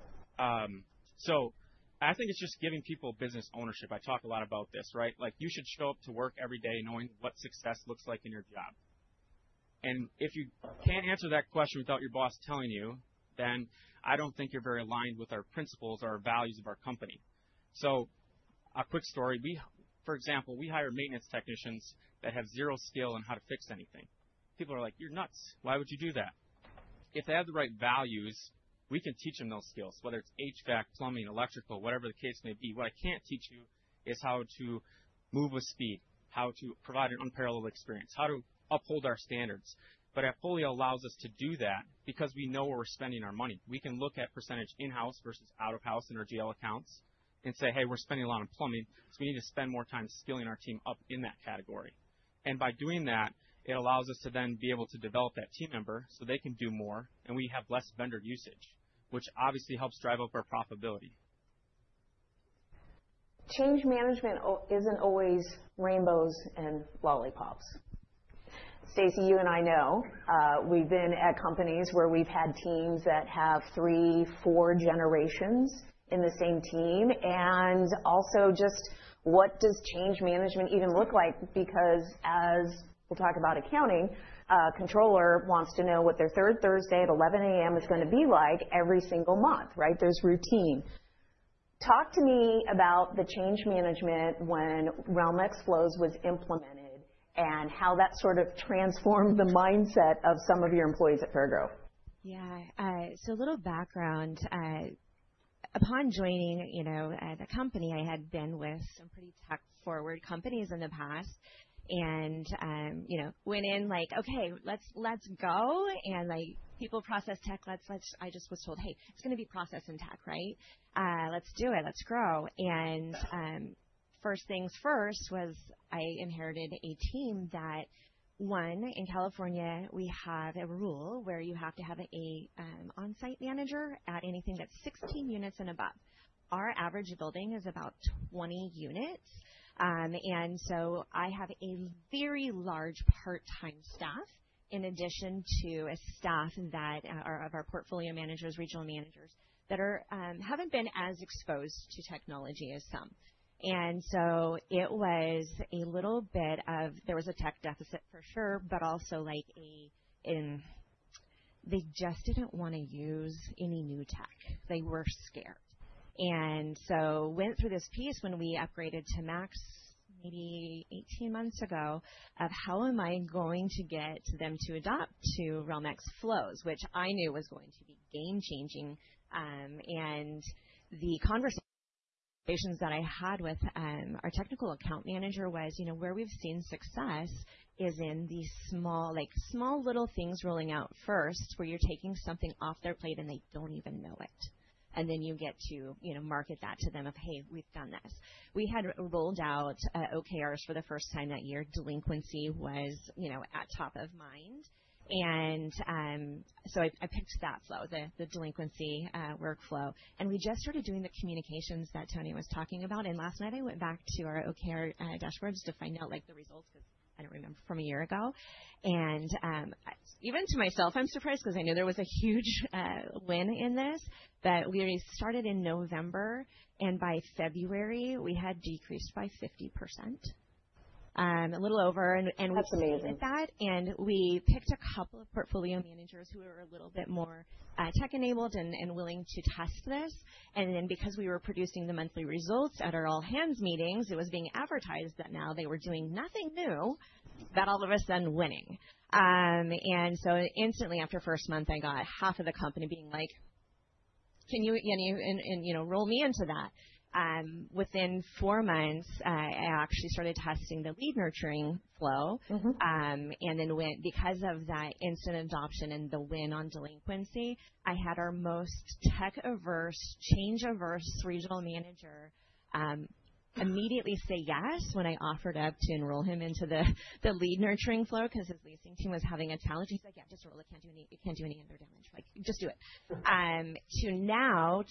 I think it's just giving people business ownership. I talk a lot about this, right? You should show up to work every day knowing what success looks like in your job. If you can't answer that question without your boss telling you, then I don't think you're very aligned with our principles or our values of our company. A quick story. For example, we hire maintenance technicians that have zero skill in how to fix anything. People are like, "You're nuts. Why would you do that?" If they have the right values, we can teach them those skills, whether it's HVAC, plumbing, electrical, whatever the case may be. What I can't teach you is how to move with speed, how to provide an unparalleled experience, how to uphold our standards. AppFolio allows us to do that because we know where we're spending our money. We can look at % in-house versus out-of-house in our GL accounts and say, "Hey, we're spending a lot on plumbing, so we need to spend more time skilling our team up in that category." By doing that, it allows us to then be able to develop that team member so they can do more and we have less vendor usage, which obviously helps drive up our profitability. Change management is not always rainbows and lollipops. Stacy, you and I know we have been at companies where we have had teams that have three, four generations in the same team. Also, just what does change management even look like? Because as we will talk about accounting, a controller wants to know what their third Thursday at 11:00 A.M. is going to be like every single month, right? There is routine. Talk to me about the change management when RealmX Flows was implemented and how that sort of transformed the mindset of some of your employees at Fairgrove? Yeah. So a little background. Upon joining the company, I had been with some pretty tech-forward companies in the past and went in like, "Okay, let's go." People, process, tech, I just was told, "Hey, it's going to be process and tech, right? Let's do it. Let's grow." First things first was I inherited a team that, one, in California, we have a rule where you have to have an on-site manager at anything that's 16 units and above. Our average building is about 20 units. I have a very large part-time staff in addition to a staff of our portfolio managers, regional managers that haven't been as exposed to technology as some. It was a little bit of there was a tech deficit for sure, but also they just didn't want to use any new tech. They were scared. I went through this piece when we upgraded to Max maybe 18 months ago of how am I going to get them to adopt to RealmX Flows, which I knew was going to be game-changing. The conversations that I had with our technical account manager were where we have seen success is in the small little things rolling out first where you are taking something off their plate and they do not even know it. Then you get to market that to them of, "Hey, we have done this." We had rolled out OKRs for the first time that year. Delinquency was at top of mind. I picked that flow, the delinquency workflow. We just started doing the communications that Tony was talking about. Last night I went back to our OKR dashboards to find out the results because I do not remember from a year ago. Even to myself, I'm surprised because I knew there was a huge win in this, but we started in November and by February we had decreased by 50%, a little over. That's amazing. We picked a couple of portfolio managers who were a little bit more tech-enabled and willing to test this. Because we were producing the monthly results at our all-hands meetings, it was being advertised that now they were doing nothing new, but all of a sudden winning. Instantly after the first month, I got half of the company being like, "Can you roll me into that?" Within four months, I actually started testing the lead nurturing flow. Because of that instant adoption and the win on delinquency, I had our most tech-averse, change-averse regional manager immediately say yes when I offered up to enroll him into the lead nurturing flow because his leasing team was having a challenge. He's like, "Yeah, just roll it. You can't do any other damage. Just do it." To now,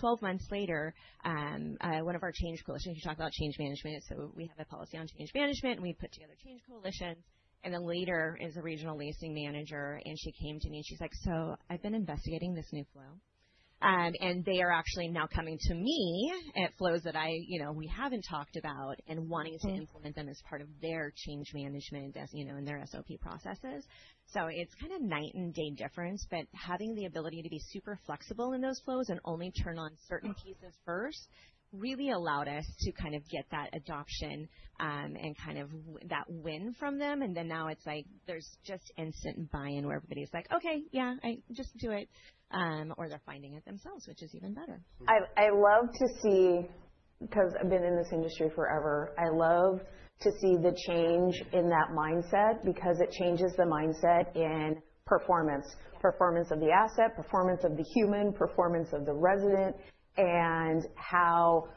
12 months later, one of our change coalitions, she talked about change management. We have a policy on change management and we put together change coalitions. Later, as a regional leasing manager, she came to me and she's like, "I've been investigating this new flow." They are actually now coming to me with flows that we haven't talked about and wanting to implement them as part of their change management and their SOP processes. It is kind of night and day difference, but having the ability to be super flexible in those flows and only turn on certain pieces first really allowed us to get that adoption and that win from them. Now it's like there's just instant buy-in where everybody's like, "Okay, yeah, just do it." Or they're finding it themselves, which is even better. I love to see, because I've been in this industry forever, I love to see the change in that mindset because it changes the mindset in performance, performance of the asset, performance of the human, performance of the resident, and how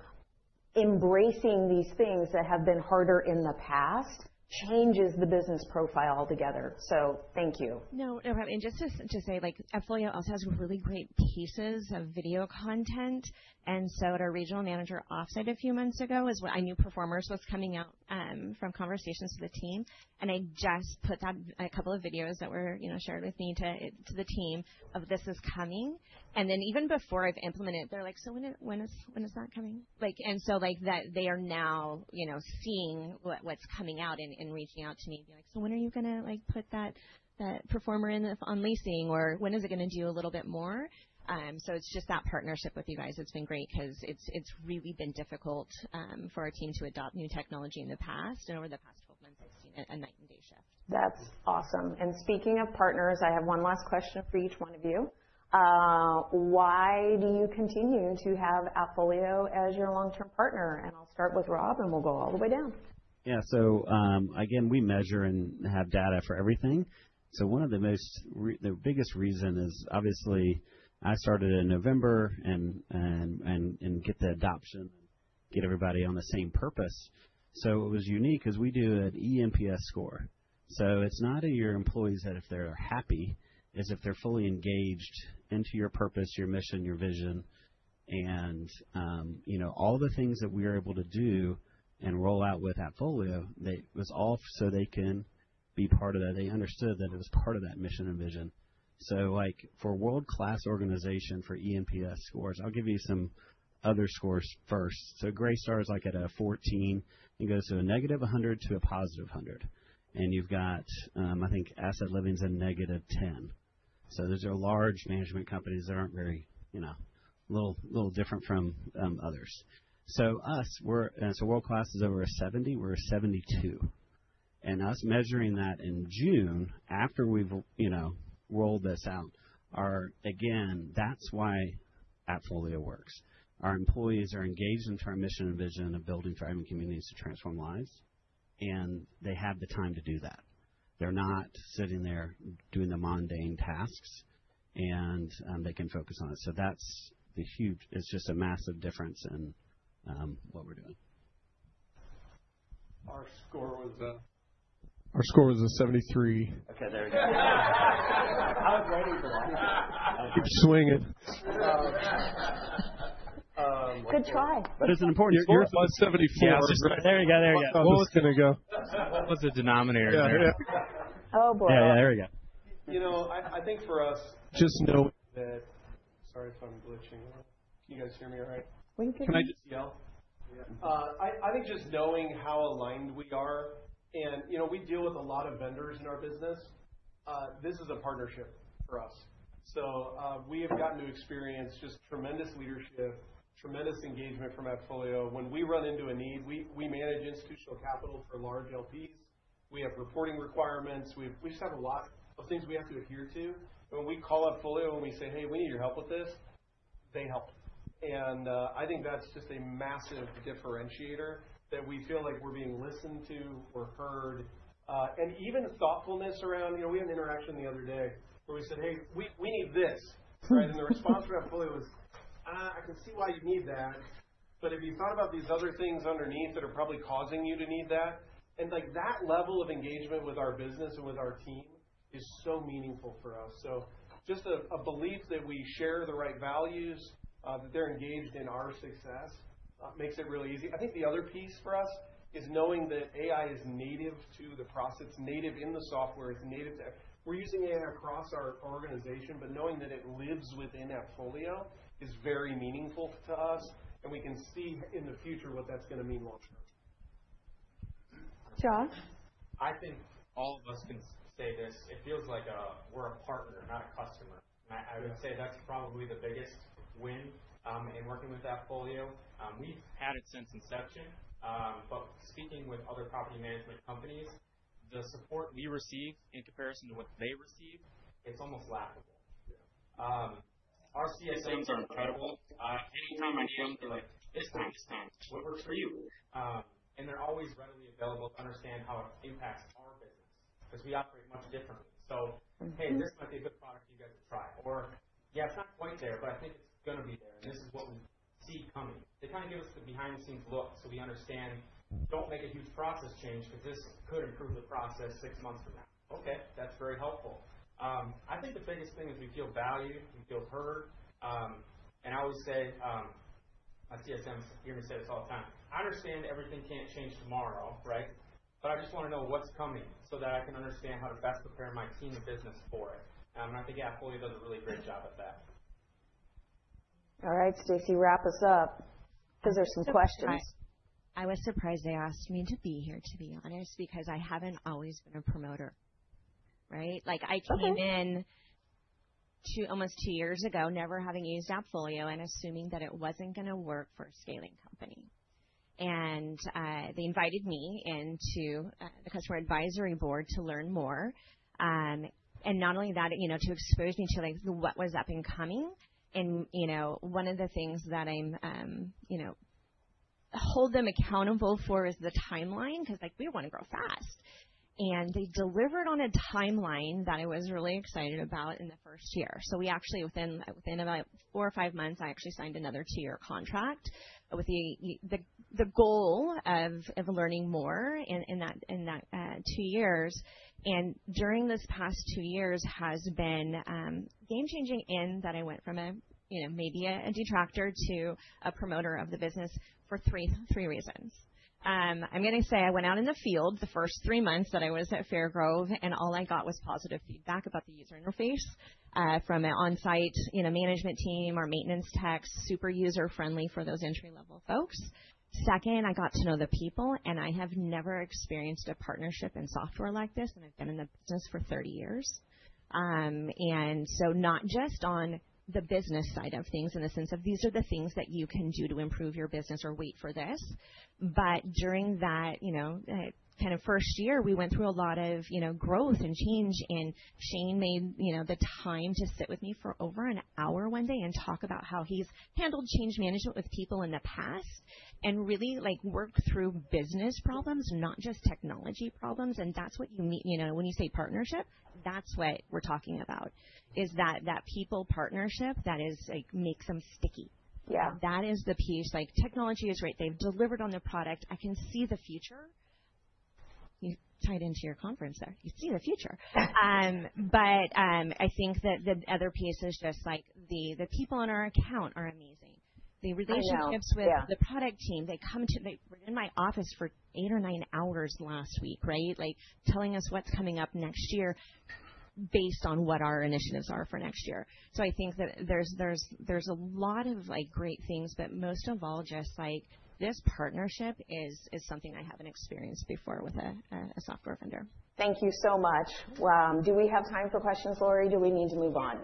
embracing these things that have been harder in the past changes the business profile altogether. Thank you. No, no problem. Just to say, AppFolio also has really great pieces of video content. At our regional manager offsite a few months ago, I knew Performers was coming out from conversations with the team. I just put out a couple of videos that were shared with me to the team of this is coming. Even before I have implemented it, they are like, "So when is that coming?" They are now seeing what is coming out and reaching out to me and being like, "So when are you going to put that Performer in on leasing? Or when is it going to do a little bit more?" It is just that partnership with you guys has been great because it has really been difficult for our team to adopt new technology in the past. Over the past 12 months, I've seen a night and day shift. That's awesome. Speaking of partners, I have one last question for each one of you. Why do you continue to have AppFolio as your long-term partner? I'll start with Rob and we'll go all the way down. Yeah. So again, we measure and have data for everything. One of the biggest reasons is obviously I started in November and get the adoption and get everybody on the same purpose. It was unique because we do an eNPS score. It is not in your employees that if they are happy, it is if they are fully engaged into your purpose, your mission, your vision. All the things that we are able to do and roll out with AppFolio, it was all so they can be part of that. They understood that it was part of that mission and vision. For world-class organization for eNPS scores, I will give you some other scores first. Graystar is like at a 14. It goes to a negative 100 to a positive 100. You have, I think, Asset Living is at negative 10. Those are large management companies that aren't very little different from others. Us, world-class is over a 70, we're a 72. Us measuring that in June after we've rolled this out, again, that's why AppFolio works. Our employees are engaged into our mission and vision of building thriving communities to transform lives. They have the time to do that. They're not sitting there doing the mundane tasks and they can focus on it. That's the huge, it's just a massive difference in what we're doing. Our score was a 73. Okay, there we go. I was ready for that. Keep swinging. Good try. It’s important. Your score was 74. Yeah, there you go. There you go. That's how it's going to go. That's a denominator. Oh boy. Yeah, yeah, there you go. You know, I think for us, just knowing that, sorry if I'm glitching. Can you guys hear me all right? Winking. Can I just yell? I think just knowing how aligned we are. We deal with a lot of vendors in our business. This is a partnership for us. We have gotten to experience just tremendous leadership, tremendous engagement from AppFolio. When we run into a need, we manage institutional capital for large LPs. We have reporting requirements. We just have a lot of things we have to adhere to. When we call AppFolio and we say, "Hey, we need your help with this," they help. I think that is just a massive differentiator that we feel like we are being listened to or heard. Even thoughtfulness around, we had an interaction the other day where we said, "Hey, we need this." The response from AppFolio was, "I can see why you need that, but have you thought about these other things underneath that are probably causing you to need that?" That level of engagement with our business and with our team is so meaningful for us. Just a belief that we share the right values, that they're engaged in our success makes it really easy. I think the other piece for us is knowing that AI is native to the process, it's native in the software, it's native to we're using AI across our organization, but knowing that it lives within AppFolio is very meaningful to us. We can see in the future what that's going to mean long-term. John? I think all of us can say this. It feels like we're a partner, not a customer. I would say that's probably the biggest win in working with AppFolio. We've had it since inception. Speaking with other property management companies, the support we receive in comparison to what they receive, it's almost laughable. Our CSAs are incredible. Anytime I need them, they're like, "This time, this time. What works for you?" They're always readily available to understand how it impacts our business because we operate much differently. "Hey, this might be a good product for you guys to try." "Yeah, it's not quite there, but I think it's going to be there. This is what we see coming. They kind of give us the behind-the-scenes look so we understand, "Don't make a huge process change because this could improve the process six months from now." Okay, that's very helpful. I think the biggest thing is we feel valued, we feel heard. I always say, my CSMs hear me say this all the time. I understand everything can't change tomorrow, right? I just want to know what's coming so that I can understand how to best prepare my team and business for it. I think AppFolio does a really great job at that. All right, Stacy, wrap us up because there's some questions. I was surprised they asked me to be here, to be honest, because I haven't always been a promoter, right? I came in almost two years ago, never having used AppFolio and assuming that it wasn't going to work for a scaling company. They invited me into the customer advisory board to learn more. Not only that, to expose me to what was up and coming. One of the things that I hold them accountable for is the timeline because we want to grow fast. They delivered on a timeline that I was really excited about in the first year. We actually, within about four or five months, I actually signed another two-year contract with the goal of learning more in that two years. During this past two years has been game-changing in that I went from maybe a detractor to a promoter of the business for three reasons. I went out in the field the first three months that I was at Fairgrove and all I got was positive feedback about the user interface from an on-site management team, our maintenance tech, super user-friendly for those entry-level folks. Second, I got to know the people and I have never experienced a partnership in software like this and I've been in the business for 30 years. Not just on the business side of things in the sense of these are the things that you can do to improve your business or wait for this. During that kind of first year, we went through a lot of growth and change, and Shane made the time to sit with me for over an hour one day and talk about how he's handled change management with people in the past and really worked through business problems, not just technology problems. That is what you mean when you say partnership, that is what we're talking about, is that people partnership that makes them sticky. That is the piece. Technology is great. They've delivered on their product. I can see the future. You tied into your conference there. You see the future. I think that the other piece is just the people on our account are amazing. The relationships with the product team. They were in my office for eight or nine hours last week, right? Telling us what's coming up next year based on what our initiatives are for next year. I think that there's a lot of great things, but most of all just this partnership is something I haven't experienced before with a software vendor. Thank you so much. Do we have time for questions, Lori? Do we need to move on?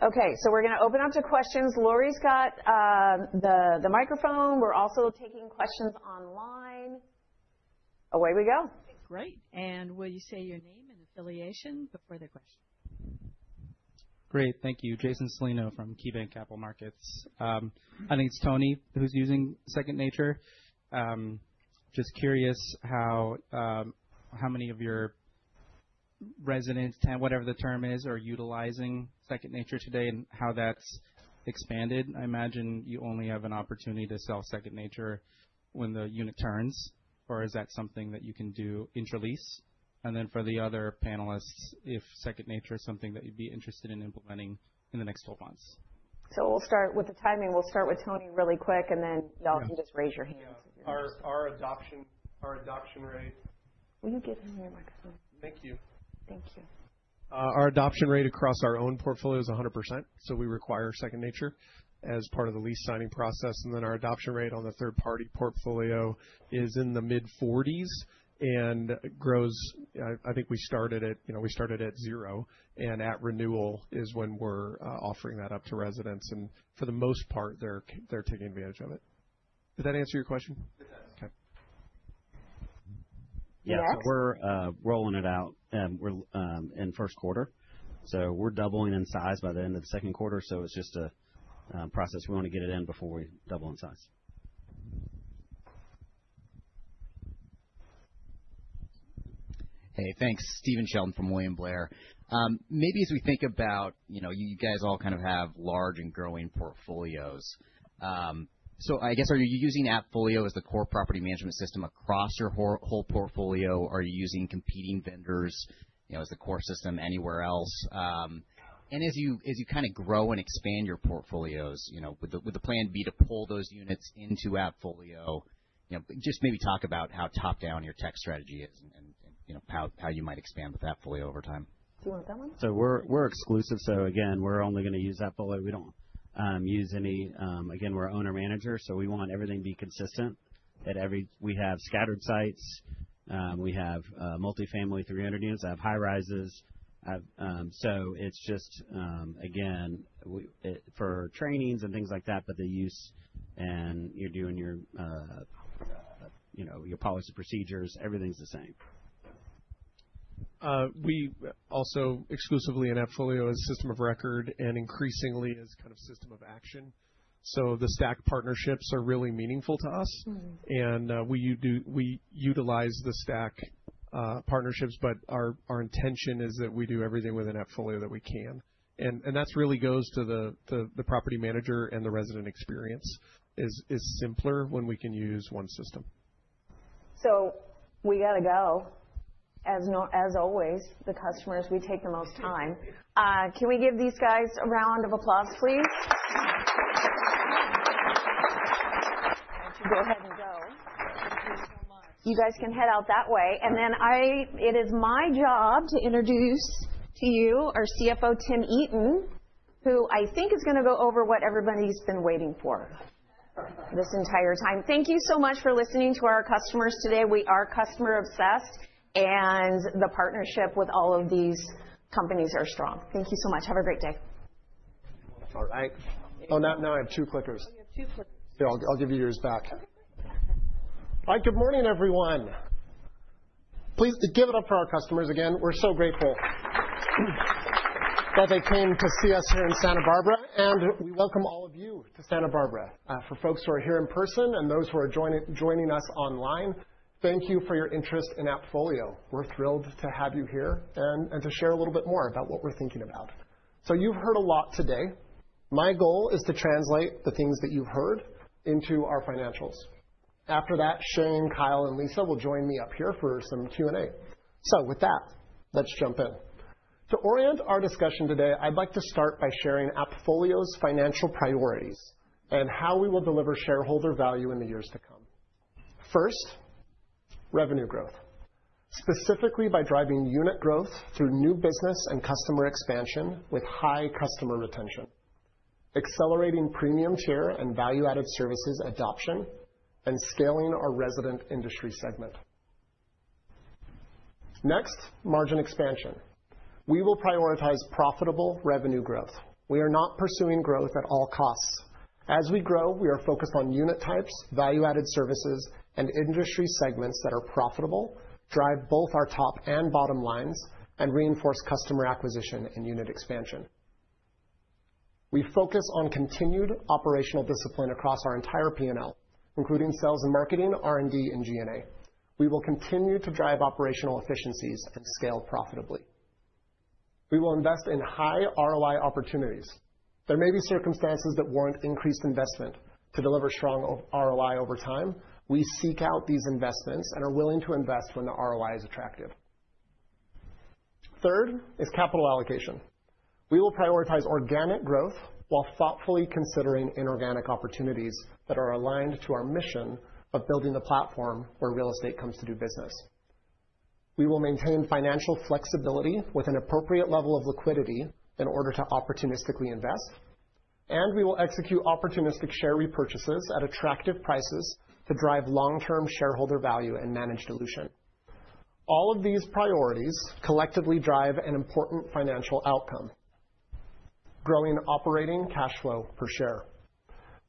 Okay, so we're going to open up to questions. Lori's got the microphone. We're also taking questions online. Away we go. Great. Will you say your name and affiliation before the question? Great. Thank you. Jason Salino from KeyBank Capital Markets. I think it's Tony who's using Second Nature. Just curious how many of your residents, whatever the term is, are utilizing Second Nature today and how that's expanded. I imagine you only have an opportunity to sell Second Nature when the unit turns. Is that something that you can do interlease? For the other panelists, if Second Nature is something that you'd be interested in implementing in the next 12 months. We'll start with the timing. We'll start with Tony really quick and then y'all can just raise your hands. Our adoption rate. Will you give him your microphone? Thank you. Thank you. Our adoption rate across our own portfolio is 100%. We require Second Nature as part of the lease signing process. Our adoption rate on the third-party portfolio is in the mid-40% and grows. I think we started at zero. At renewal is when we're offering that up to residents. For the most part, they're taking advantage of it. Did that answer your question? It does. Okay. Yeah, so we're rolling it out in first quarter. We're doubling in size by the end of the second quarter. It's just a process. We want to get it in before we double in size. Hey, thanks. Stephen Sheldon from William Blair. Maybe as we think about you guys all kind of have large and growing portfolios. I guess, are you using AppFolio as the core property management system across your whole portfolio? Are you using competing vendors as the core system anywhere else? As you kind of grow and expand your portfolios, would the plan be to pull those units into AppFolio? Just maybe talk about how top-down your tech strategy is and how you might expand with AppFolio over time. Do you want that one? We're exclusive. Again, we're only going to use AppFolio. We don't use any. Again, we're owner-manager. We want everything to be consistent. We have scattered sites. We have multifamily 300 units. I have high rises. It's just, again, for trainings and things like that, but the use and you're doing your policy procedures, everything's the same. We also exclusively in AppFolio as a system of record and increasingly as kind of system of action. The Stack partnerships are really meaningful to us. We utilize the Stack partnerships, but our intention is that we do everything within AppFolio that we can. That really goes to the property manager and the resident experience is simpler when we can use one system. We got to go. As always, the customers, we take the most time. Can we give these guys a round of applause, please? Go ahead and go. You guys can head out that way. It is my job to introduce to you our CFO, Tim Eaton, who I think is going to go over what everybody's been waiting for this entire time. Thank you so much for listening to our customers today. We are customer-obsessed and the partnership with all of these companies are strong. Thank you so much. Have a great day. All right. Oh, now I have two clickers. You have two clickers. Here, I'll give you yours back. All right, good morning, everyone. Please give it up for our customers again. We're so grateful that they came to see us here in Santa Barbara. We welcome all of you to Santa Barbara. For folks who are here in person and those who are joining us online, thank you for your interest in AppFolio. We're thrilled to have you here and to share a little bit more about what we're thinking about. You've heard a lot today. My goal is to translate the things that you've heard into our financials. After that, Shane, Kyle, and Lisa will join me up here for some Q&A. With that, let's jump in. To orient our discussion today, I'd like to start by sharing AppFolio's financial priorities and how we will deliver shareholder value in the years to come. First, revenue growth, specifically by driving unit growth through new business and customer expansion with high customer retention, accelerating premium tier and value-added services adoption, and scaling our resident industry segment. Next, margin expansion. We will prioritize profitable revenue growth. We are not pursuing growth at all costs. As we grow, we are focused on unit types, value-added services, and industry segments that are profitable, drive both our top and bottom lines, and reinforce customer acquisition and unit expansion. We focus on continued operational discipline across our entire P&L, including sales and marketing, R&D, and G&A. We will continue to drive operational efficiencies and scale profitably. We will invest in high ROI opportunities. There may be circumstances that warrant increased investment to deliver strong ROI over time. We seek out these investments and are willing to invest when the ROI is attractive. Third is capital allocation. We will prioritize organic growth while thoughtfully considering inorganic opportunities that are aligned to our mission of building the platform where real estate comes to do business. We will maintain financial flexibility with an appropriate level of liquidity in order to opportunistically invest. We will execute opportunistic share repurchases at attractive prices to drive long-term shareholder value and managed dilution. All of these priorities collectively drive an important financial outcome: growing operating cash flow per share.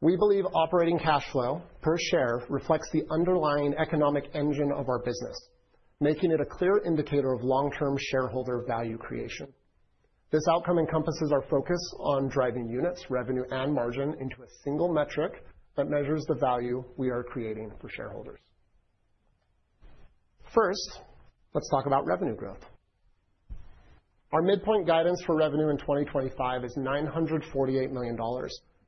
We believe operating cash flow per share reflects the underlying economic engine of our business, making it a clear indicator of long-term shareholder value creation. This outcome encompasses our focus on driving units, revenue, and margin into a single metric that measures the value we are creating for shareholders. First, let's talk about revenue growth. Our midpoint guidance for revenue in 2025 is $948 million,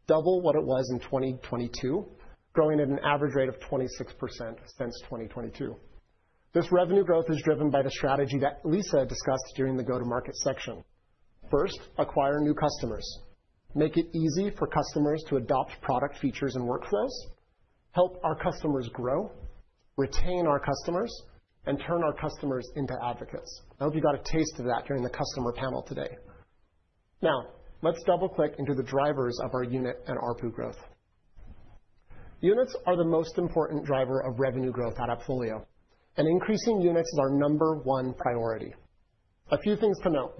double what it was in 2022, growing at an average rate of 26% since 2022. This revenue growth is driven by the strategy that Lisa discussed during the go-to-market section. First, acquire new customers. Make it easy for customers to adopt product features and workflows. Help our customers grow, retain our customers, and turn our customers into advocates. I hope you got a taste of that during the customer panel today. Now, let's double-click into the drivers of our unit and RPU growth. Units are the most important driver of revenue growth at AppFolio. Increasing units is our number one priority. A few things to note.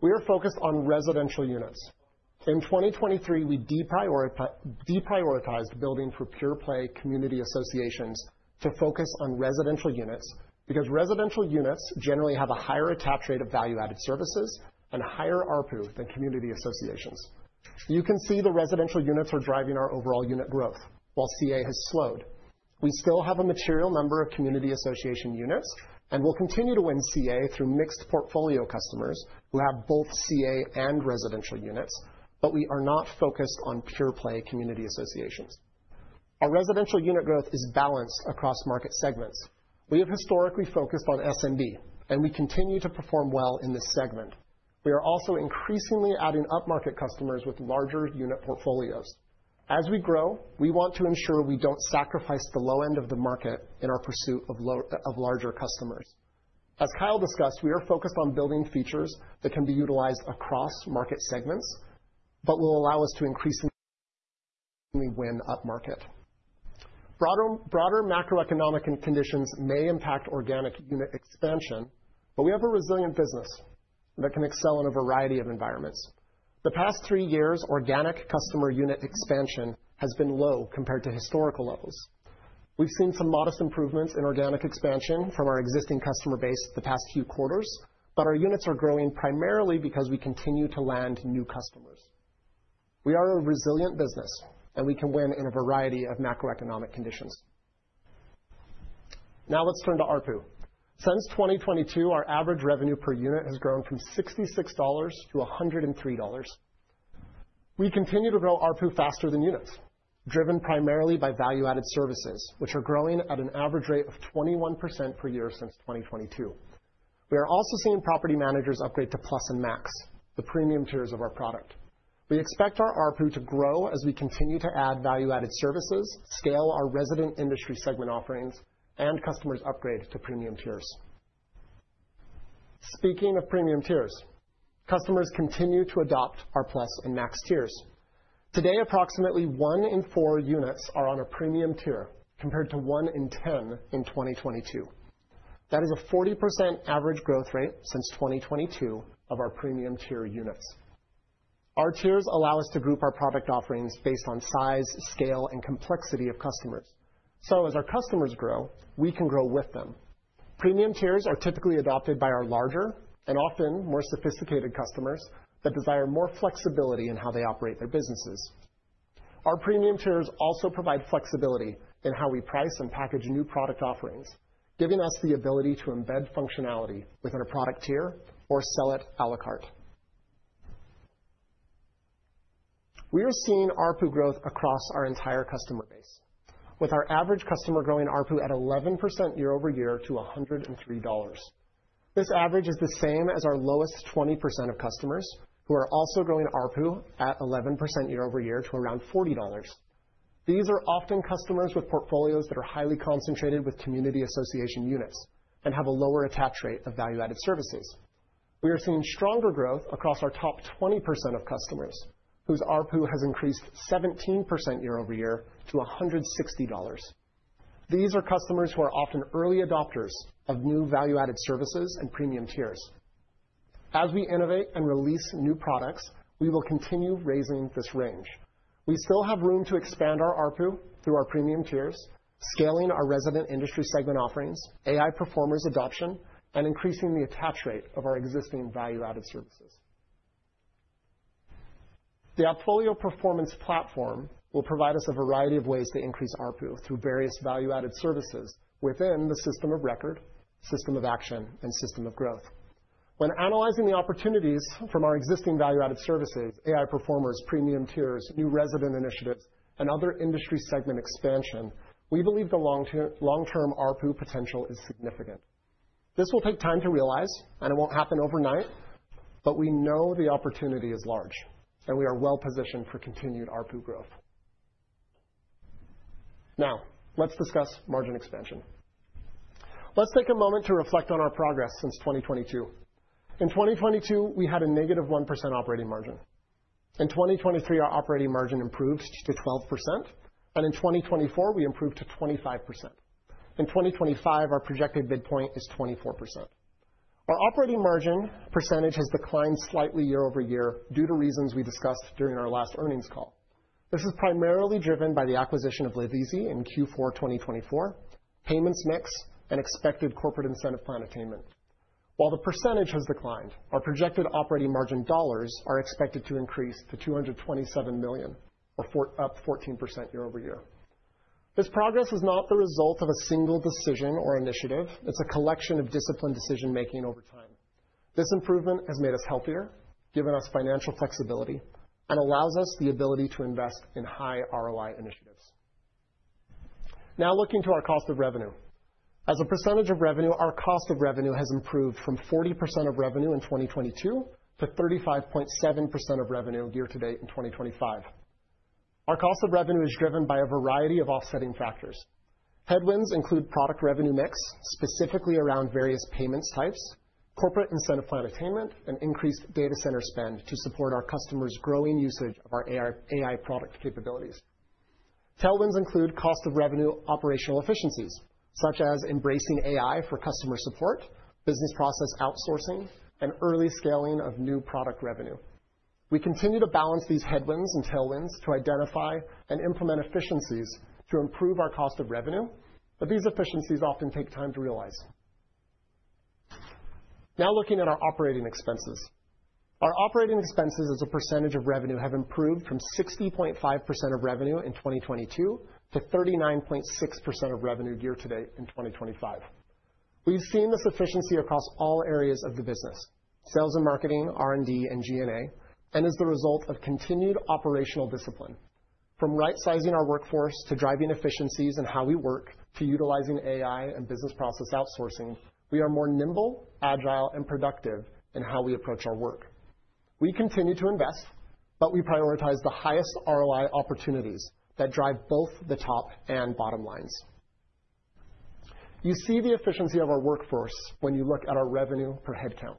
We are focused on residential units. In 2023, we deprioritized building for pure-play community associations to focus on residential units because residential units generally have a higher attach rate of value-added services and higher RPU than community associations. You can see the residential units are driving our overall unit growth, while CA has slowed. We still have a material number of community association units, and we'll continue to win CA through mixed portfolio customers who have both CA and residential units, but we are not focused on pure-play community associations. Our residential unit growth is balanced across market segments. We have historically focused on SMB, and we continue to perform well in this segment. We are also increasingly adding up market customers with larger unit portfolios. As we grow, we want to ensure we don't sacrifice the low end of the market in our pursuit of larger customers. As Kyle discussed, we are focused on building features that can be utilized across market segments, but will allow us to increasingly win up market. Broader macroeconomic conditions may impact organic unit expansion, but we have a resilient business that can excel in a variety of environments. The past three years, organic customer unit expansion has been low compared to historical levels. We've seen some modest improvements in organic expansion from our existing customer base the past few quarters, but our units are growing primarily because we continue to land new customers. We are a resilient business, and we can win in a variety of macroeconomic conditions. Now let's turn to RPU. Since 2022, our average revenue per unit has grown from $66 to $103. We continue to grow RPU faster than units, driven primarily by value-added services, which are growing at an average rate of 21% per year since 2022. We are also seeing property managers upgrade to Plus and Max, the premium tiers of our product. We expect our RPU to grow as we continue to add value-added services, scale our resident industry segment offerings, and customers upgrade to premium tiers. Speaking of premium tiers, customers continue to adopt our Plus and Max tiers. Today, approximately one in four units are on a premium tier compared to one in 10 in 2022. That is a 40% average growth rate since 2022 of our premium tier units. Our tiers allow us to group our product offerings based on size, scale, and complexity of customers. As our customers grow, we can grow with them. Premium tiers are typically adopted by our larger and often more sophisticated customers that desire more flexibility in how they operate their businesses. Our premium tiers also provide flexibility in how we price and package new product offerings, giving us the ability to embed functionality within a product tier or sell it à la carte. We are seeing RPU growth across our entire customer base, with our average customer growing RPU at 11% year-over-year to $103. This average is the same as our lowest 20% of customers who are also growing RPU at 11% year over year to around $40. These are often customers with portfolios that are highly concentrated with community association units and have a lower attach rate of value-added services. We are seeing stronger growth across our top 20% of customers, whose RPU has increased 17% year over year to $160. These are customers who are often early adopters of new value-added services and premium tiers. As we innovate and release new products, we will continue raising this range. We still have room to expand our RPU through our premium tiers, scaling our resident industry segment offerings, AI performers adoption, and increasing the attach rate of our existing value-added services. The AppFolio performance platform will provide us a variety of ways to increase RPU through various value-added services within the system of record, system of action, and system of growth. When analyzing the opportunities from our existing value-added services, AI performers, premium tiers, new resident initiatives, and other industry segment expansion, we believe the long-term RPU potential is significant. This will take time to realize, and it will not happen overnight, but we know the opportunity is large, and we are well positioned for continued RPU growth. Now, let's discuss margin expansion. Let's take a moment to reflect on our progress since 2022. In 2022, we had a negative 1% operating margin. In 2023, our operating margin improved to 12%, and in 2024, we improved to 25%. In 2025, our projected midpoint is 24%. Our operating margin percentage has declined slightly year over year due to reasons we discussed during our last earnings call. This is primarily driven by the acquisition of LazyZ in Q4 2024, payments mix, and expected corporate incentive plan attainment. While the percentage has declined, our projected operating margin dollars are expected to increase to $227 million, or up 14% year over year. This progress is not the result of a single decision or initiative. It's a collection of disciplined decision-making over time. This improvement has made us healthier, given us financial flexibility, and allows us the ability to invest in high ROI initiatives. Now, looking to our cost of revenue. As a percentage of revenue, our cost of revenue has improved from 40% of revenue in 2022 to 35.7% of revenue year to date in 2025. Our cost of revenue is driven by a variety of offsetting factors. Headwinds include product revenue mix, specifically around various payments types, corporate incentive plan attainment, and increased data center spend to support our customers' growing usage of our AI product capabilities. Tailwinds include cost of revenue operational efficiencies, such as embracing AI for customer support, business process outsourcing, and early scaling of new product revenue. We continue to balance these headwinds and tailwinds to identify and implement efficiencies to improve our cost of revenue, but these efficiencies often take time to realize. Now, looking at our operating expenses. Our operating expenses as a percentage of revenue have improved from 60.5% of revenue in 2022 to 39.6% of revenue year to date in 2025. We've seen this efficiency across all areas of the business: sales and marketing, R&D, and G&A, and as the result of continued operational discipline. From right-sizing our workforce to driving efficiencies in how we work to utilizing AI and business process outsourcing, we are more nimble, agile, and productive in how we approach our work. We continue to invest, but we prioritize the highest ROI opportunities that drive both the top and bottom lines. You see the efficiency of our workforce when you look at our revenue per head count.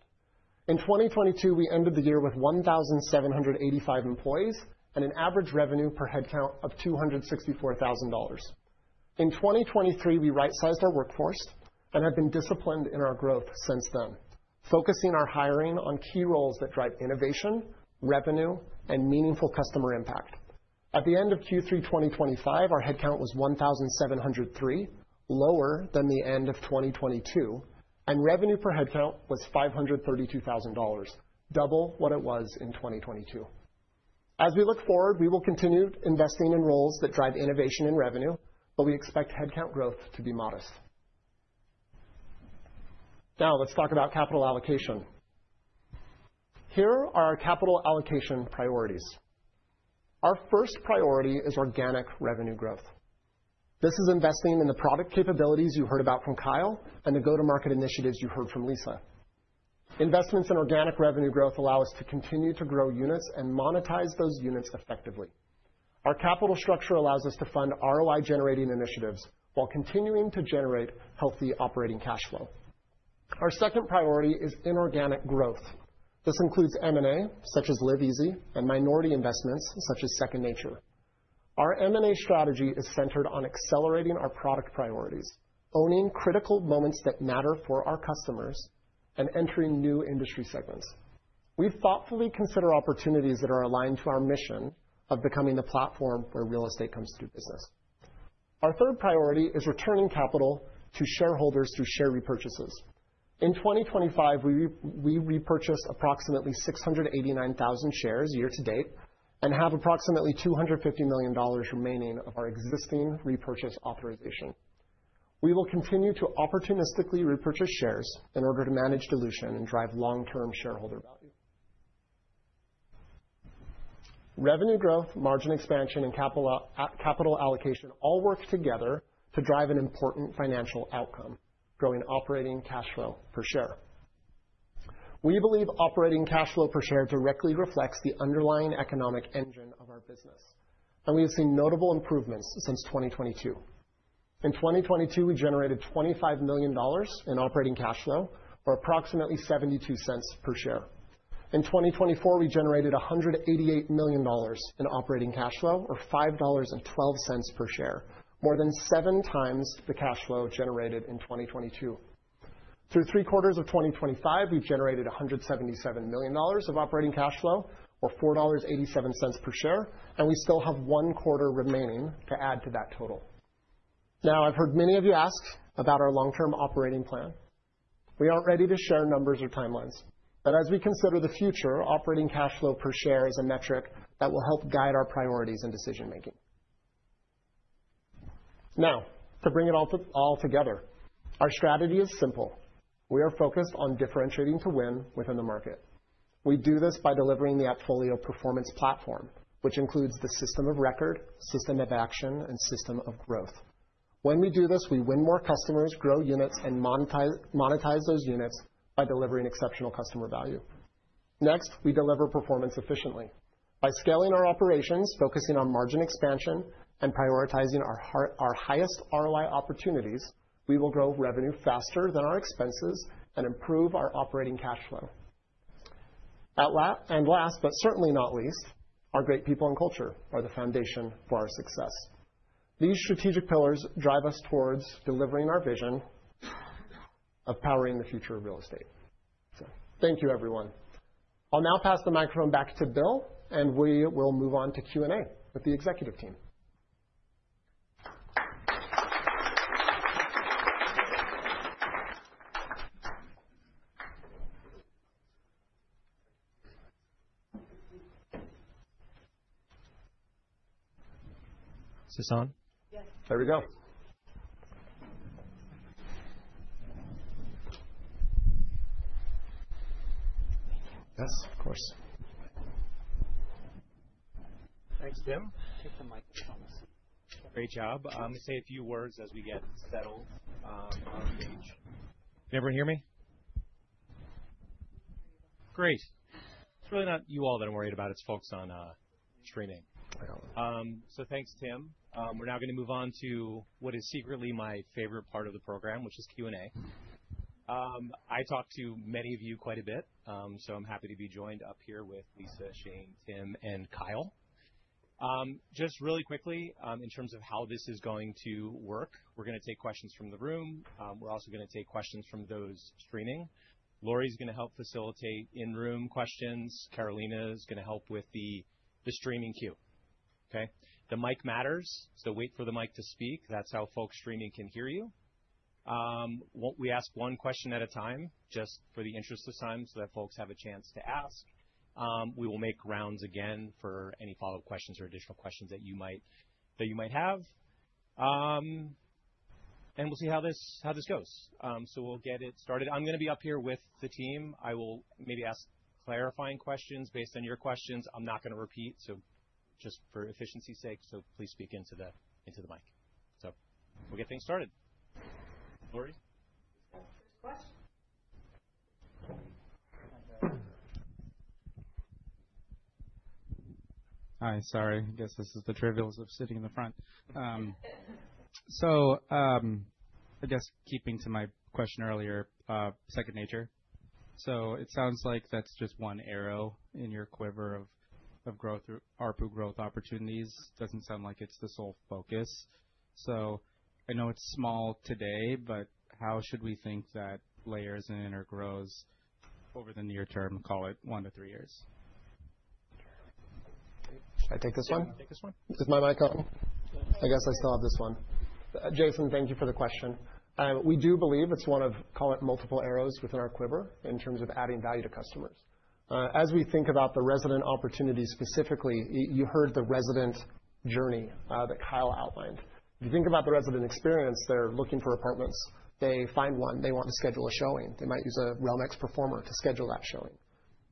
In 2022, we ended the year with 1,785 employees and an average revenue per head count of $264,000. In 2023, we right-sized our workforce and have been disciplined in our growth since then, focusing our hiring on key roles that drive innovation, revenue, and meaningful customer impact. At the end of Q3 2025, our head count was 1,703, lower than the end of 2022, and revenue per head count was $532,000, double what it was in 2022. As we look forward, we will continue investing in roles that drive innovation and revenue, but we expect head count growth to be modest. Now, let's talk about capital allocation. Here are our capital allocation priorities. Our first priority is organic revenue growth. This is investing in the product capabilities you heard about from Kyle and the go-to-market initiatives you heard from Lisa. Investments in organic revenue growth allow us to continue to grow units and monetize those units effectively. Our capital structure allows us to fund ROI-generating initiatives while continuing to generate healthy operating cash flow. Our second priority is inorganic growth. This includes M&A, such as LazyZ, and minority investments, such as Second Nature. Our M&A strategy is centered on accelerating our product priorities, owning critical moments that matter for our customers, and entering new industry segments. We thoughtfully consider opportunities that are aligned to our mission of becoming the platform where real estate comes to business. Our third priority is returning capital to shareholders through share repurchases. In 2025, we repurchased approximately 689,000 shares year to date and have approximately $250 million remaining of our existing repurchase authorization. We will continue to opportunistically repurchase shares in order to manage dilution and drive long-term shareholder value. Revenue growth, margin expansion, and capital allocation all work together to drive an important financial outcome: growing operating cash flow per share. We believe operating cash flow per share directly reflects the underlying economic engine of our business, and we have seen notable improvements since 2022. In 2022, we generated $25 million in operating cash flow, or approximately $0.72 per share. In 2024, we generated $188 million in operating cash flow, or $5.12 per share, more than seven times the cash flow generated in 2022. Through three quarters of 2025, we've generated $177 million of operating cash flow, or $4.87 per share, and we still have one quarter remaining to add to that total. Now, I've heard many of you ask about our long-term operating plan. We aren't ready to share numbers or timelines, but as we consider the future, operating cash flow per share is a metric that will help guide our priorities and decision-making. Now, to bring it all together, our strategy is simple. We are focused on differentiating to win within the market. We do this by delivering the AppFolio performance platform, which includes the system of record, system of action, and system of growth. When we do this, we win more customers, grow units, and monetize those units by delivering exceptional customer value. Next, we deliver performance efficiently. By scaling our operations, focusing on margin expansion, and prioritizing our highest ROI opportunities, we will grow revenue faster than our expenses and improve our operating cash flow. Last, but certainly not least, our great people and culture are the foundation for our success. These strategic pillars drive us towards delivering our vision of powering the future of real estate. Thank you, everyone. I'll now pass the microphone back to Bill, and we will move on to Q&A with the executive team. Is this on? Yes. There we go. Thank you. Yes, of course. Thanks, Jim. Take the microphone. Great job. Let me say a few words as we get settled on stage. Can everyone hear me? Great. It's really not you all that I'm worried about. It's folks on streaming. Thanks, Tim. We're now going to move on to what is secretly my favorite part of the program, which is Q&A. I talk to many of you quite a bit, so I'm happy to be joined up here with Lisa, Shane, Tim, and Kyle. Just really quickly, in terms of how this is going to work, we're going to take questions from the room. We're also going to take questions from those streaming. Lori is going to help facilitate in-room questions. Carolina is going to help with the streaming cue. Okay? The mic matters, so wait for the mic to speak. That's how folks streaming can hear you. We ask one question at a time, just for the interest of time, so that folks have a chance to ask. We will make rounds again for any follow-up questions or additional questions that you might have. We will see how this goes. We will get it started. I'm going to be up here with the team. I will maybe ask clarifying questions based on your questions. I'm not going to repeat, just for efficiency's sake, so please speak into the mic. We will get things started. Lori? First question. Hi. Sorry. I guess this is the trivials of sitting in the front. I guess keeping to my question earlier, Second Nature. It sounds like that's just one arrow in your quiver of growth, RPU growth opportunities. It does not sound like it's the sole focus. I know it's small today, but how should we think that layers in or grows over the near term, call it one to three years? Should I take this one? Take this one. Is my mic on? I guess I still have this one. Jason, thank you for the question. We do believe it's one of, call it multiple arrows within our quiver in terms of adding value to customers. As we think about the resident opportunity specifically, you heard the resident journey that Kyle outlined. If you think about the resident experience, they're looking for apartments. They find one. They want to schedule a showing. They might use a RealmX performer to schedule that showing.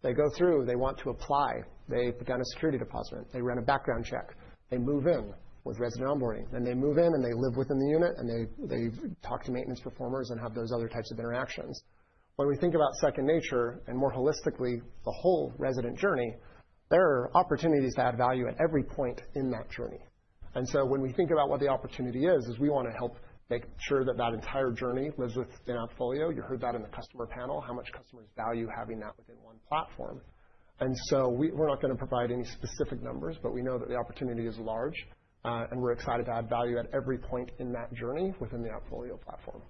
They go through. They want to apply. They put down a security deposit. They run a background check. They move in with resident onboarding. They move in, and they live within the unit, and they talk to maintenance performers and have those other types of interactions. When we think about Second Nature and more holistically, the whole resident journey, there are opportunities to add value at every point in that journey. When we think about what the opportunity is, we want to help make sure that the entire journey lives within AppFolio. You heard that in the customer panel, how much customers value having that within one platform. We are not going to provide any specific numbers, but we know that the opportunity is large, and we are excited to add value at every point in that journey within the AppFolio platform.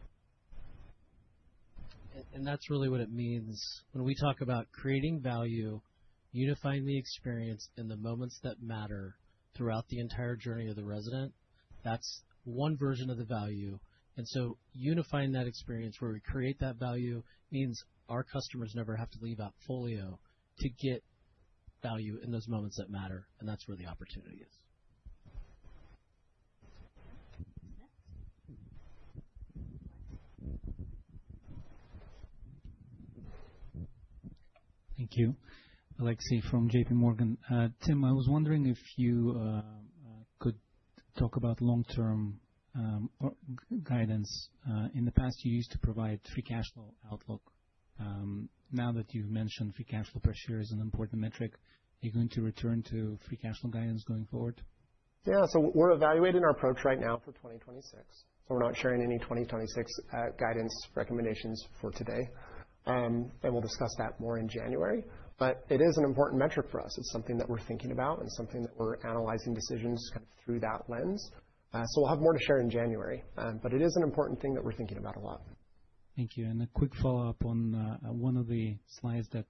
That is really what it means. When we talk about creating value, unifying the experience in the moments that matter throughout the entire journey of the resident, that's one version of the value. Unifying that experience where we create that value means our customers never have to leave AppFolio to get value in those moments that matter, and that's where the opportunity is. Thank you. Alexey from JPMorgan. Tim, I was wondering if you could talk about long-term guidance. In the past, you used to provide free cash flow outlook. Now that you've mentioned free cash flow per share is an important metric, are you going to return to free cash flow guidance going forward? Yeah. We're evaluating our approach right now for 2026. We're not sharing any 2026 guidance recommendations for today. We will discuss that more in January. It is an important metric for us. It's something that we're thinking about and something that we're analyzing decisions kind of through that lens. We'll have more to share in January, but it is an important thing that we're thinking about a lot. Thank you. A quick follow-up on one of the slides that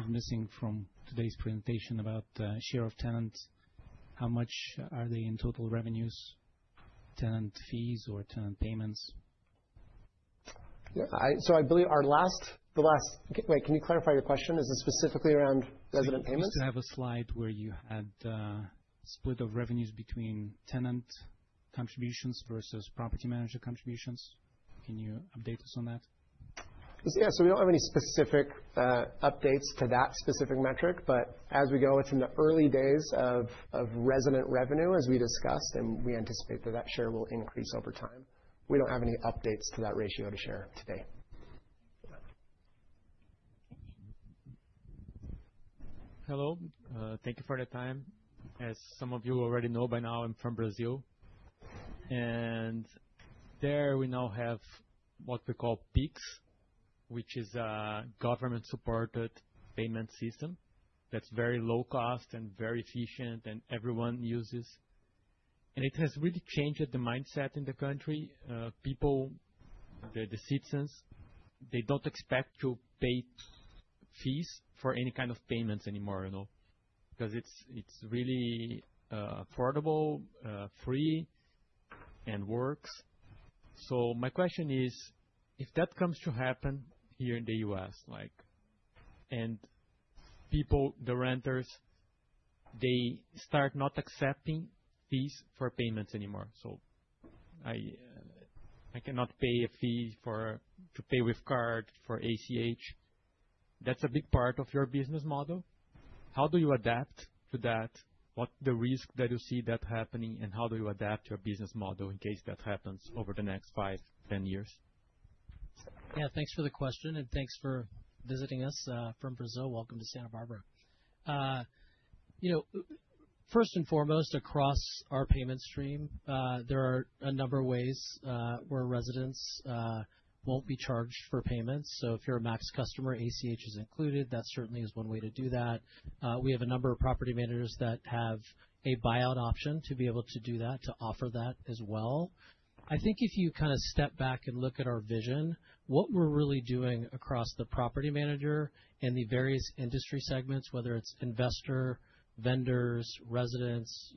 is missing from today's presentation about share of tenants. How much are they in total revenues, tenant fees, or tenant payments? I believe our last, the last, wait, can you clarify your question? Is it specifically around resident payments? We used to have a slide where you had split of revenues between tenant contributions versus property manager contributions. Can you update us on that? Yeah. We do not have any specific updates to that specific metric, but as we go, it is in the early days of resident revenue, as we discussed, and we anticipate that that share will increase over time. We do not have any updates to that ratio to share today. Hello. Thank you for the time. As some of you already know by now, I am from Brazil. And there we now have what we call PIX, which is a government-supported payment system that is very low-cost and very efficient and everyone uses. It has really changed the mindset in the country. People, the citizens, they do not expect to pay fees for any kind of payments anymore because it is really affordable, free, and works. My question is, if that comes to happen here in the U.S., and people, the renters, they start not accepting fees for payments anymore. I cannot pay a fee to pay with card for ACH. That's a big part of your business model. How do you adapt to that? What's the risk that you see that happening, and how do you adapt your business model in case that happens over the next 5, 10 years? Yeah. Thanks for the question, and thanks for visiting us from Brazil. Welcome to Santa Barbara. First and foremost, across our payment stream, there are a number of ways where residents won't be charged for payments. If you're a Max customer, ACH is included. That certainly is one way to do that. We have a number of property managers that have a buyout option to be able to do that, to offer that as well. I think if you kind of step back and look at our vision, what we're really doing across the property manager and the various industry segments, whether it's investor, vendors, residents,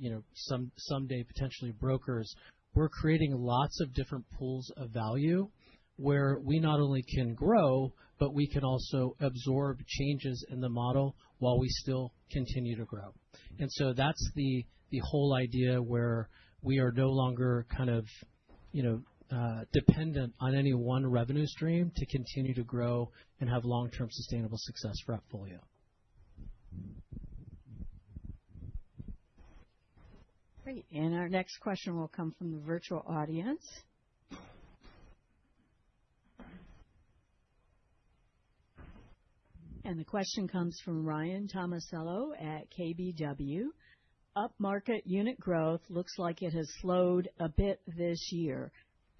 someday potentially brokers, we're creating lots of different pools of value where we not only can grow, but we can also absorb changes in the model while we still continue to grow. That's the whole idea where we are no longer kind of dependent on any one revenue stream to continue to grow and have long-term sustainable success for AppFolio. Great. Our next question will come from the virtual audience. The question comes from Ryan Tomasello at KBW. Upmarket unit growth looks like it has slowed a bit this year.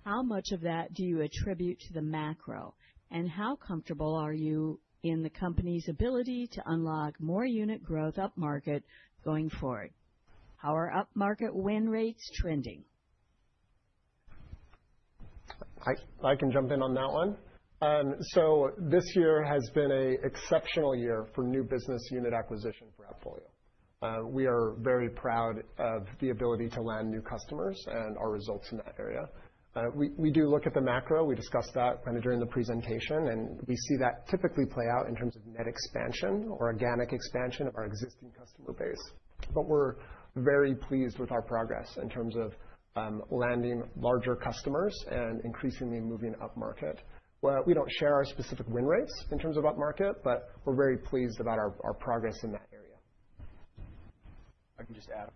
How much of that do you attribute to the macro? How comfortable are you in the company's ability to unlock more unit growth upmarket going forward? How are upmarket win rates trending? I can jump in on that one. This year has been an exceptional year for new business unit acquisition for AppFolio. We are very proud of the ability to land new customers and our results in that area. We do look at the macro. We discussed that kind of during the presentation, and we see that typically play out in terms of net expansion or organic expansion of our existing customer base. We are very pleased with our progress in terms of landing larger customers and increasingly moving upmarket. We do not share our specific win rates in terms of upmarket, but we are very pleased about our progress in that area. I can just add on.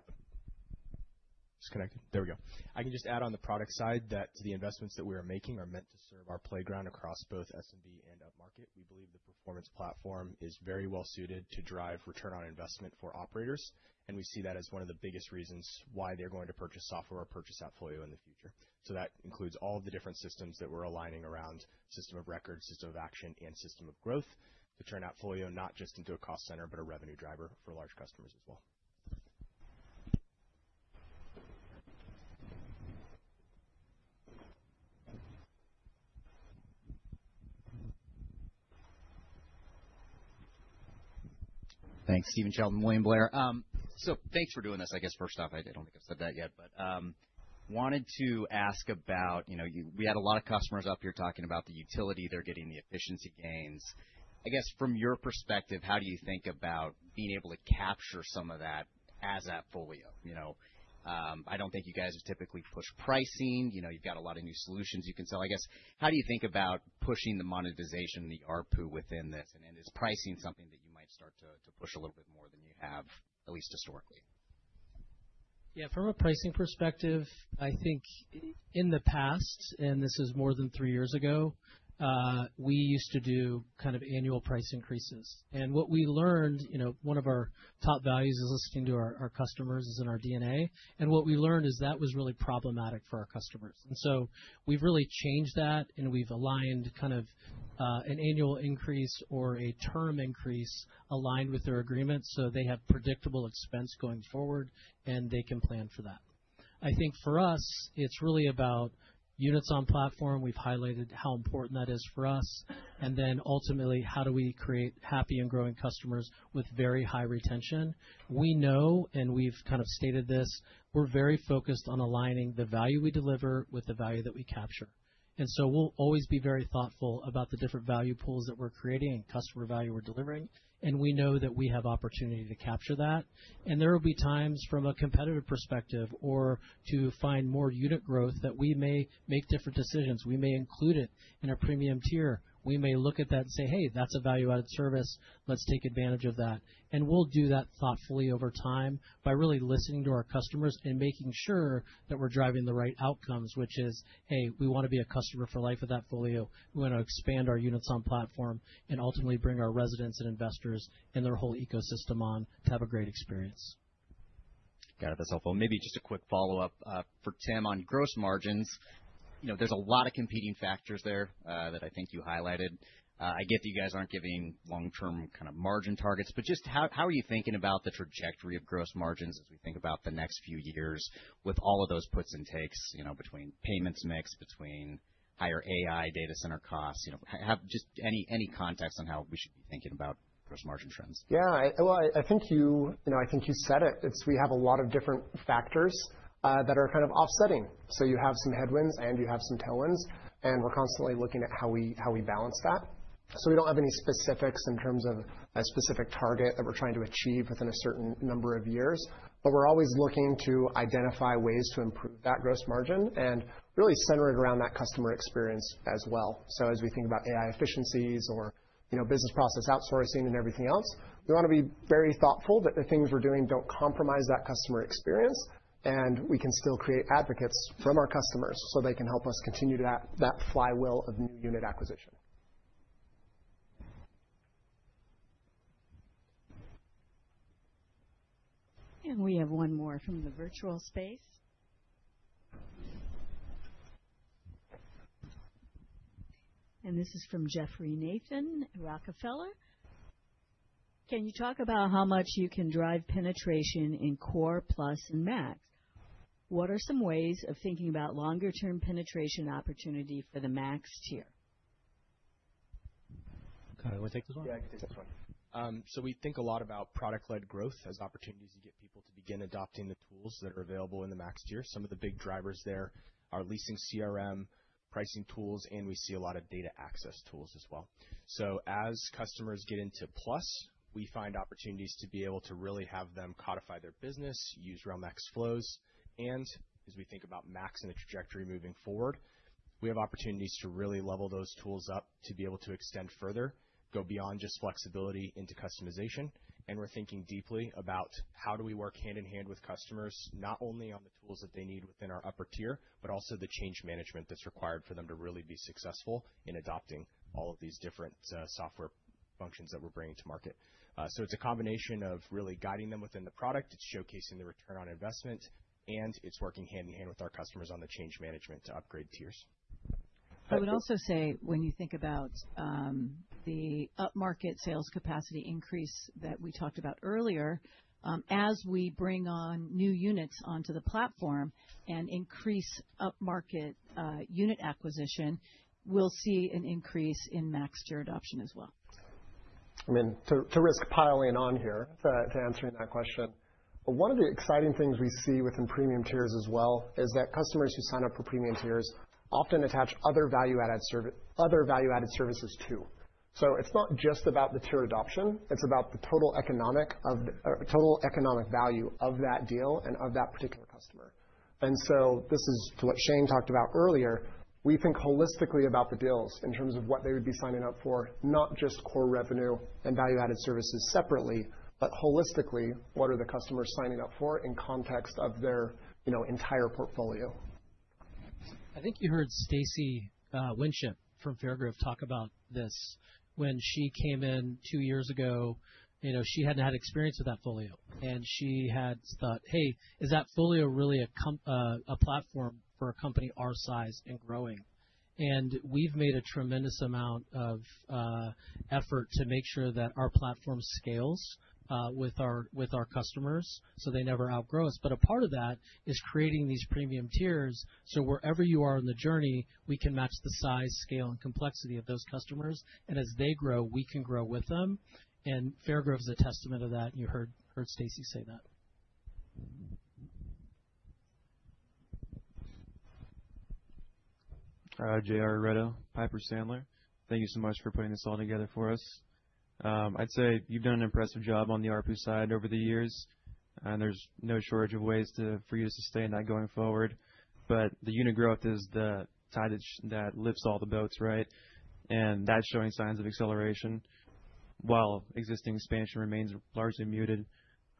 Disconnected. There we go. I can just add on the product side that the investments that we are making are meant to serve our playground across both S&B and upmarket. We believe the performance platform is very well suited to drive return on investment for operators, and we see that as one of the biggest reasons why they're going to purchase software or purchase AppFolio in the future. That includes all of the different systems that we're aligning around: system of record, system of action, and system of growth to turn AppFolio not just into a cost center, but a revenue driver for large customers as well. Thanks. Stephen Sheldon, William Blair. Thanks for doing this. I guess first off, I do not think I have said that yet, but wanted to ask about, we had a lot of customers up here talking about the utility they're getting, the efficiency gains. I guess from your perspective, how do you think about being able to capture some of that as AppFolio? I don't think you guys have typically pushed pricing. You've got a lot of new solutions you can sell. I guess how do you think about pushing the monetization and the RPU within this? Is pricing something that you might start to push a little bit more than you have, at least historically? Yeah. From a pricing perspective, I think in the past, and this is more than three years ago, we used to do kind of annual price increases. What we learned, one of our top values is listening to our customers is in our DNA. What we learned is that was really problematic for our customers. We have really changed that, and we have aligned kind of an annual increase or a term increase aligned with their agreement so they have predictable expense going forward, and they can plan for that. I think for us, it is really about units on platform. We have highlighted how important that is for us. Ultimately, how do we create happy and growing customers with very high retention? We know, and we have kind of stated this, we are very focused on aligning the value we deliver with the value that we capture. We will always be very thoughtful about the different value pools that we are creating and customer value we are delivering. We know that we have opportunity to capture that. There will be times from a competitive perspective or to find more unit growth that we may make different decisions. We may include it in a premium tier. We may look at that and say, "Hey, that's a value-added service. Let's take advantage of that." We will do that thoughtfully over time by really listening to our customers and making sure that we're driving the right outcomes, which is, "Hey, we want to be a customer for life with AppFolio. We want to expand our units on platform and ultimately bring our residents and investors and their whole ecosystem on to have a great experience." Got it. That's helpful. Maybe just a quick follow-up for Tim on gross margins. There's a lot of competing factors there that I think you highlighted. I get that you guys aren't giving long-term kind of margin targets, but just how are you thinking about the trajectory of gross margins as we think about the next few years with all of those puts and takes between payments mix, between higher AI data center costs? Just any context on how we should be thinking about gross margin trends. Yeah. I think you said it. We have a lot of different factors that are kind of offsetting. You have some headwinds and you have some tailwinds. We're constantly looking at how we balance that. We don't have any specifics in terms of a specific target that we're trying to achieve within a certain number of years, but we're always looking to identify ways to improve that gross margin and really center it around that customer experience as well. As we think about AI efficiencies or business process outsourcing and everything else, we want to be very thoughtful that the things we're doing do not compromise that customer experience, and we can still create advocates from our customers so they can help us continue that flywheel of new unit acquisition. We have one more from the virtual space. This is from Jeffrey Nathan Rockefeller. Can you talk about how much you can drive penetration in Core, Plus, and Max? What are some ways of thinking about longer-term penetration opportunity for the Max tier? Can I take this one? Yeah, you can take this one. We think a lot about product-led growth as opportunities to get people to begin adopting the tools that are available in the Max tier. Some of the big drivers there are Leasing CRM, pricing tools, and we see a lot of data access tools as well. As customers get into Plus, we find opportunities to be able to really have them codify their business, use RealmX Flows. As we think about Max and the trajectory moving forward, we have opportunities to really level those tools up to be able to extend further, go beyond just flexibility into customization. We are thinking deeply about how do we work hand in hand with customers, not only on the tools that they need within our upper tier, but also the change management that is required for them to really be successful in adopting all of these different software functions that we are bringing to market. It is a combination of really guiding them within the product. It's showcasing the return on investment, and it's working hand in hand with our customers on the change management to upgrade tiers. I would also say when you think about the upmarket sales capacity increase that we talked about earlier, as we bring on new units onto the platform and increase upmarket unit acquisition, we'll see an increase in Max tier adoption as well. I mean, to risk piling on here to answering that question, one of the exciting things we see within premium tiers as well is that customers who sign up for premium tiers often attach other value-added services too. It's not just about the tier adoption. It's about the total economic value of that deal and of that particular customer. This is to what Shane talked about earlier. We think holistically about the deals in terms of what they would be signing up for, not just core revenue and value-added services separately, but holistically, what are the customers signing up for in context of their entire portfolio? I think you heard Stacy Winchip from Fairgrove talk about this. When she came in two years ago, she had not had experience with AppFolio, and she had thought, "Hey, is AppFolio really a platform for a company our size and growing?" We have made a tremendous amount of effort to make sure that our platform scales with our customers so they never outgrow us. A part of that is creating these premium tiers so wherever you are in the journey, we can match the size, scale, and complexity of those customers. As they grow, we can grow with them. Fairgrove is a testament to that, and you heard Stacy say that. JR Reddo, Piper Sandler. Thank you so much for putting this all together for us. I'd say you've done an impressive job on the RPU side over the years, and there's no shortage of ways for you to sustain that going forward. The unit growth is the tide that lifts all the boats, right? That's showing signs of acceleration while existing expansion remains largely muted.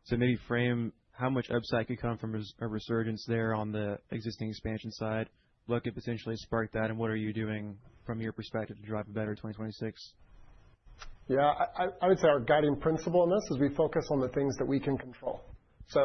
Maybe frame how much upside could come from a resurgence there on the existing expansion side. What could potentially spark that, and what are you doing from your perspective to drive a better 2026? Yeah. I would say our guiding principle in this is we focus on the things that we can control.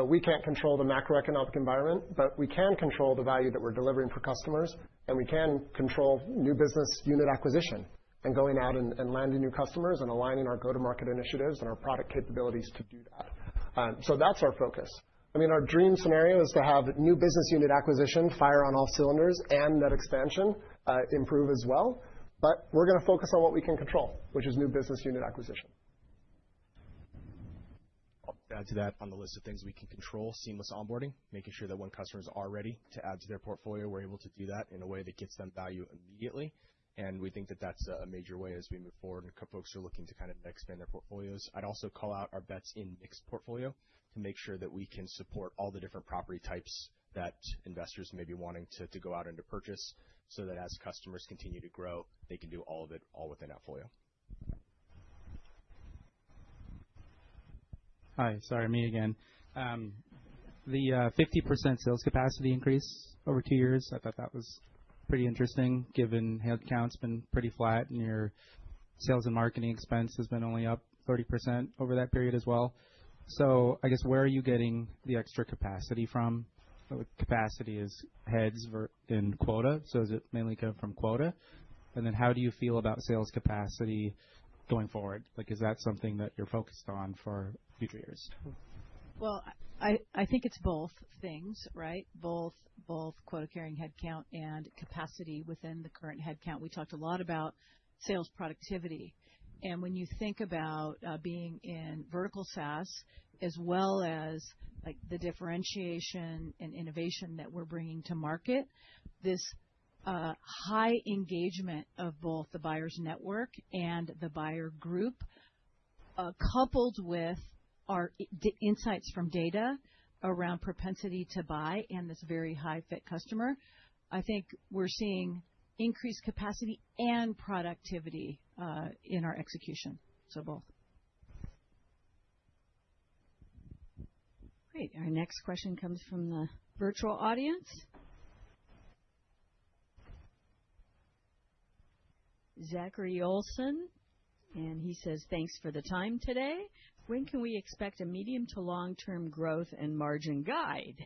We can't control the macroeconomic environment, but we can control the value that we're delivering for customers, and we can control new business unit acquisition and going out and landing new customers and aligning our go-to-market initiatives and our product capabilities to do that. That's our focus. I mean, our dream scenario is to have new business unit acquisition fire on all cylinders and that expansion improve as well. We're going to focus on what we can control, which is new business unit acquisition. I'll add to that on the list of things we can control: seamless onboarding, making sure that when customers are ready to add to their portfolio, we're able to do that in a way that gets them value immediately. We think that that's a major way as we move forward and folks are looking to kind of expand their portfolios. I'd also call out our bets in mixed portfolio to make sure that we can support all the different property types that investors may be wanting to go out and to purchase so that as customers continue to grow, they can do all of it all within AppFolio. Hi. Sorry, me again. The 50% sales capacity increase over two years, I thought that was pretty interesting given headcount's been pretty flat and your sales and marketing expense has been only up 30% over that period as well. I guess where are you getting the extra capacity from? Capacity is heads in quota. Is it mainly coming from quota? How do you feel about sales capacity going forward? Is that something that you're focused on for future years? I think it's both things, right? Both quota carrying headcount and capacity within the current headcount. We talked a lot about sales productivity. When you think about being in vertical SaaS as well as the differentiation and innovation that we are bringing to market, this high engagement of both the buyer's network and the buyer group, coupled with our insights from data around propensity to buy and this very high-fit customer, I think we are seeing increased capacity and productivity in our execution. Both. Great. Our next question comes from the virtual audience. Zachary Olsen, and he says, "Thanks for the time today. When can we expect a medium to long-term growth and margin guide?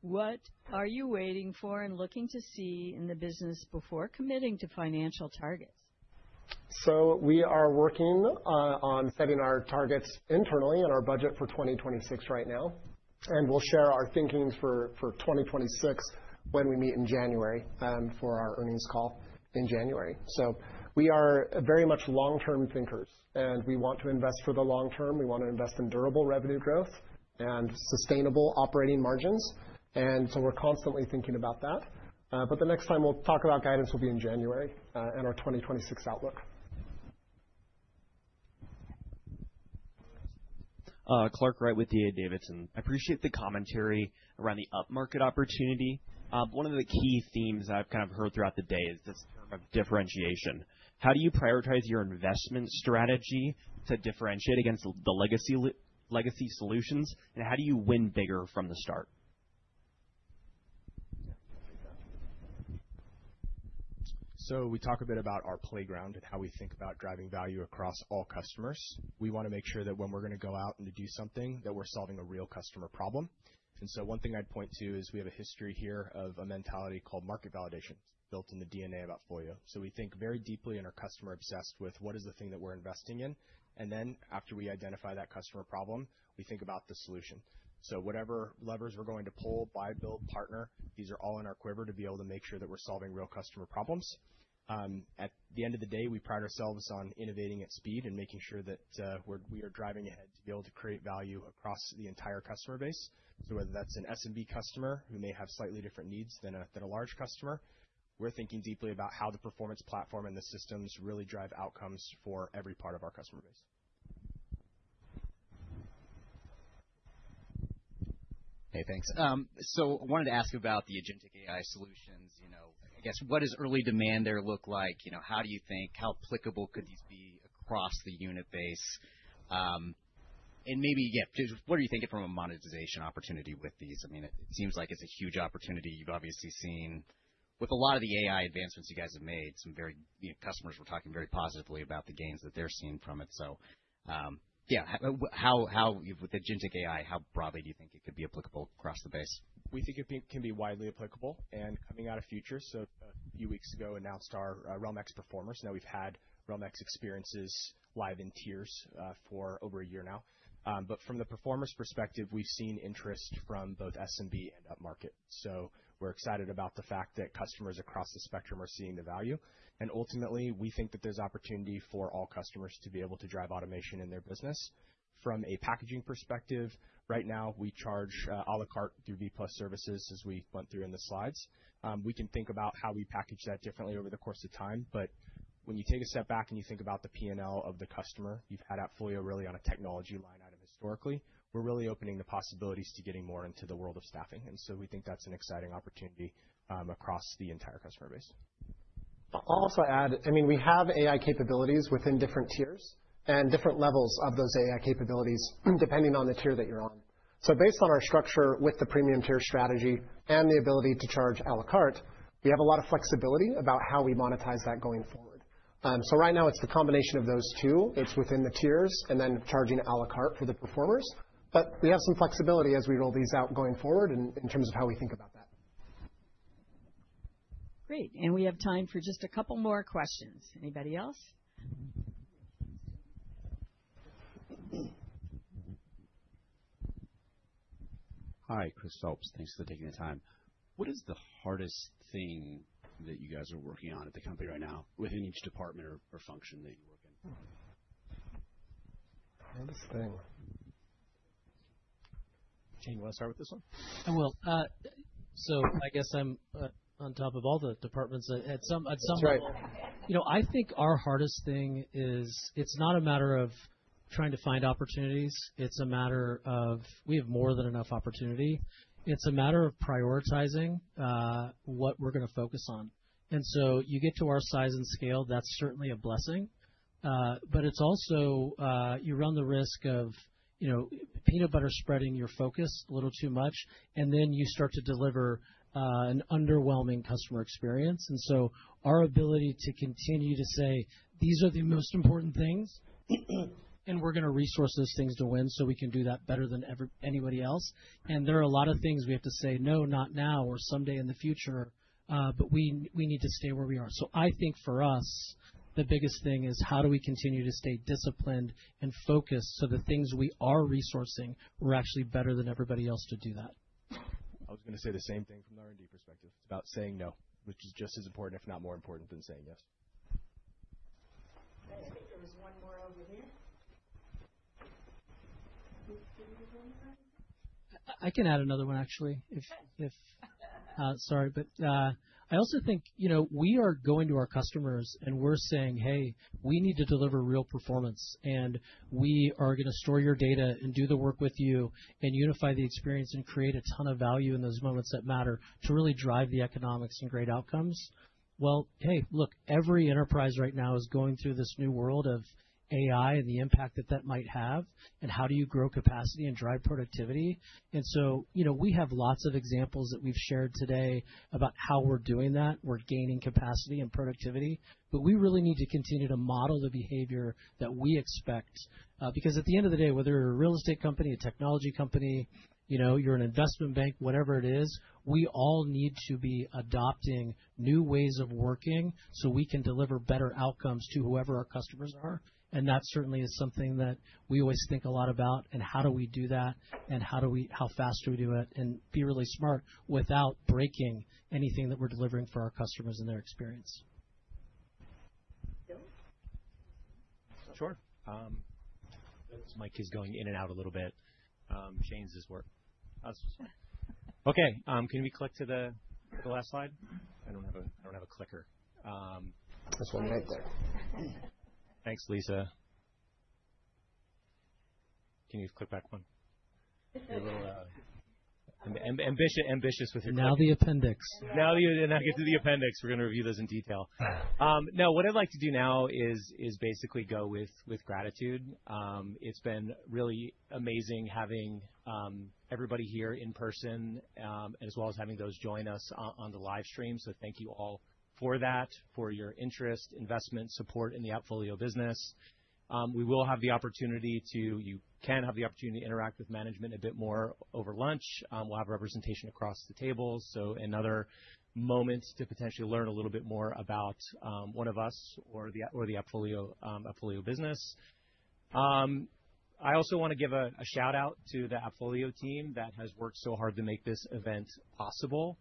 What are you waiting for and looking to see in the business before committing to financial targets?" We are working on setting our targets internally in our budget for 2026 right now. We will share our thinkings for 2026 when we meet in January for our earnings call in January.We are very much long-term thinkers, and we want to invest for the long term. We want to invest in durable revenue growth and sustainable operating margins. We are constantly thinking about that. The next time we will talk about guidance will be in January and our 2026 outlook. Clark Wright with DA Davidson. I appreciate the commentary around the upmarket opportunity. One of the key themes I have kind of heard throughout the day is this term of differentiation. How do you prioritize your investment strategy to differentiate against the legacy solutions, and how do you win bigger from the start? We talk a bit about our playground and how we think about driving value across all customers. We want to make sure that when we are going to go out and do something, we are solving a real customer problem. One thing I'd point to is we have a history here of a mentality called market validation built in the DNA of AppFolio. We think very deeply and are customer-obsessed with what is the thing that we're investing in. Then after we identify that customer problem, we think about the solution. Whatever levers we're going to pull, buy, build, partner, these are all in our quiver to be able to make sure that we're solving real customer problems. At the end of the day, we pride ourselves on innovating at speed and making sure that we are driving ahead to be able to create value across the entire customer base. Whether that's an S&B customer who may have slightly different needs than a large customer, we're thinking deeply about how the performance platform and the systems really drive outcomes for every part of our customer base. Hey, thanks. I wanted to ask about the agentic AI solutions. I guess what does early demand there look like? How do you think, how applicable could these be across the unit base? And maybe, yeah, what are you thinking from a monetization opportunity with these? I mean, it seems like it's a huge opportunity. You've obviously seen with a lot of the AI advancements you guys have made, some very customers were talking very positively about the gains that they're seeing from it. Yeah, with agentic AI, how broadly do you think it could be applicable across the base? We think it can be widely applicable and coming out of future. A few weeks ago, announced our RealmX Performers. Now, we've had RealmX experiences live in tiers for over a year now. From the Performers' perspective, we've seen interest from both S&B and upmarket. We are excited about the fact that customers across the spectrum are seeing the value. Ultimately, we think that there's opportunity for all customers to be able to drive automation in their business. From a packaging perspective, right now, we charge à la carte through V+ services as we went through in the slides. We can think about how we package that differently over the course of time. When you take a step back and you think about the P&L of the customer, you've had AppFolio really on a technology line item historically. We're really opening the possibilities to getting more into the world of staffing. We think that's an exciting opportunity across the entire customer base. I'll also add, I mean, we have AI capabilities within different tiers and different levels of those AI capabilities depending on the tier that you're on. Based on our structure with the premium tier strategy and the ability to charge à la carte, we have a lot of flexibility about how we monetize that going forward. Right now, it's the combination of those two. It's within the tiers and then charging à la carte for the performers. We have some flexibility as we roll these out going forward in terms of how we think about that. Great. We have time for just a couple more questions. Anybody else? Hi, Chris Sopes. Thanks for taking the time. What is the hardest thing that you guys are working on at the company right now within each department or function that you work in? Hardest thing. Can you start with this one? I will. I guess I'm on top of all the departments at some level. I think our hardest thing is it's not a matter of trying to find opportunities. It's a matter of we have more than enough opportunity. It's a matter of prioritizing what we're going to focus on. You get to our size and scale. That's certainly a blessing. It's also you run the risk of peanut butter spreading your focus a little too much, and then you start to deliver an underwhelming customer experience. Our ability to continue to say, "These are the most important things," and we are going to resource those things to win so we can do that better than anybody else. There are a lot of things we have to say, "No, not now," or someday in the future, but we need to stay where we are. I think for us, the biggest thing is how do we continue to stay disciplined and focused so the things we are resourcing, we are actually better than everybody else to do that. I was going to say the same thing from the R&D perspective. It is about saying no, which is just as important, if not more important, than saying yes. I think there was one more over here. I can add another one, actually. Sorry. I also think we are going to our customers and we're saying, "Hey, we need to deliver real performance, and we are going to store your data and do the work with you and unify the experience and create a ton of value in those moments that matter to really drive the economics and great outcomes." Every enterprise right now is going through this new world of AI and the impact that that might have and how do you grow capacity and drive productivity? We have lots of examples that we've shared today about how we're doing that. We're gaining capacity and productivity, but we really need to continue to model the behavior that we expect. Because at the end of the day, whether you're a real estate company, a technology company, you're an investment bank, whatever it is, we all need to be adopting new ways of working so we can deliver better outcomes to whoever our customers are. That certainly is something that we always think a lot about. How do we do that, and how fast do we do it, and be really smart without breaking anything that we're delivering for our customers and their experience? Sure. Mike is going in and out a little bit. Shane's this work. Okay. Can we click to the last slide? I don't have a clicker. This one right there. Thanks, Lisa. Can you click back one? You're a little ambitious with your click. Now the appendix. Now get to the appendix. We're going to review those in detail. Now, what I'd like to do now is basically go with gratitude. It's been really amazing having everybody here in person as well as having those join us on the live stream. Thank you all for that, for your interest, investment, support in the AppFolio business. We will have the opportunity to—you can have the opportunity to interact with management a bit more over lunch. We'll have representation across the table. Another moment to potentially learn a little bit more about one of us or the AppFolio business. I also want to give a shout-out to the AppFolio team that has worked so hard to make this event possible.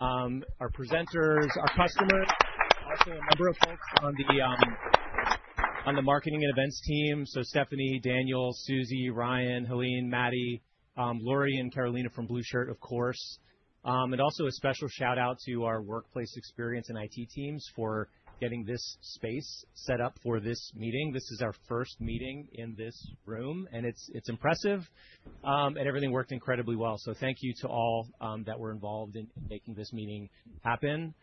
Our presenters, our customers, also a number of folks on the marketing and events team. Stephanie, Daniel, Susie, Ryan, Helene, Maddie, Lori, and Carolina from Blue Shirt, of course. Also a special shout-out to our workplace experience and IT teams for getting this space set up for this meeting. This is our first meeting in this room, and it's impressive. Everything worked incredibly well. Thank you to all that were involved in making this meeting happen.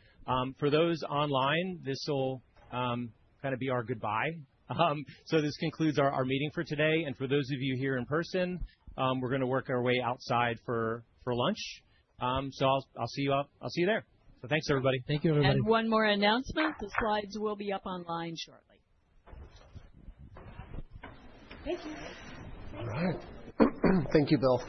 For those online, this will kind of be our goodbye. This concludes our meeting for today. For those of you here in person, we're going to work our way outside for lunch. I'll see you there. Thanks, everybody. Thank you, everybody. One more announcement. The slides will be up online shortly. Thank you. All right. Thank you, Bill.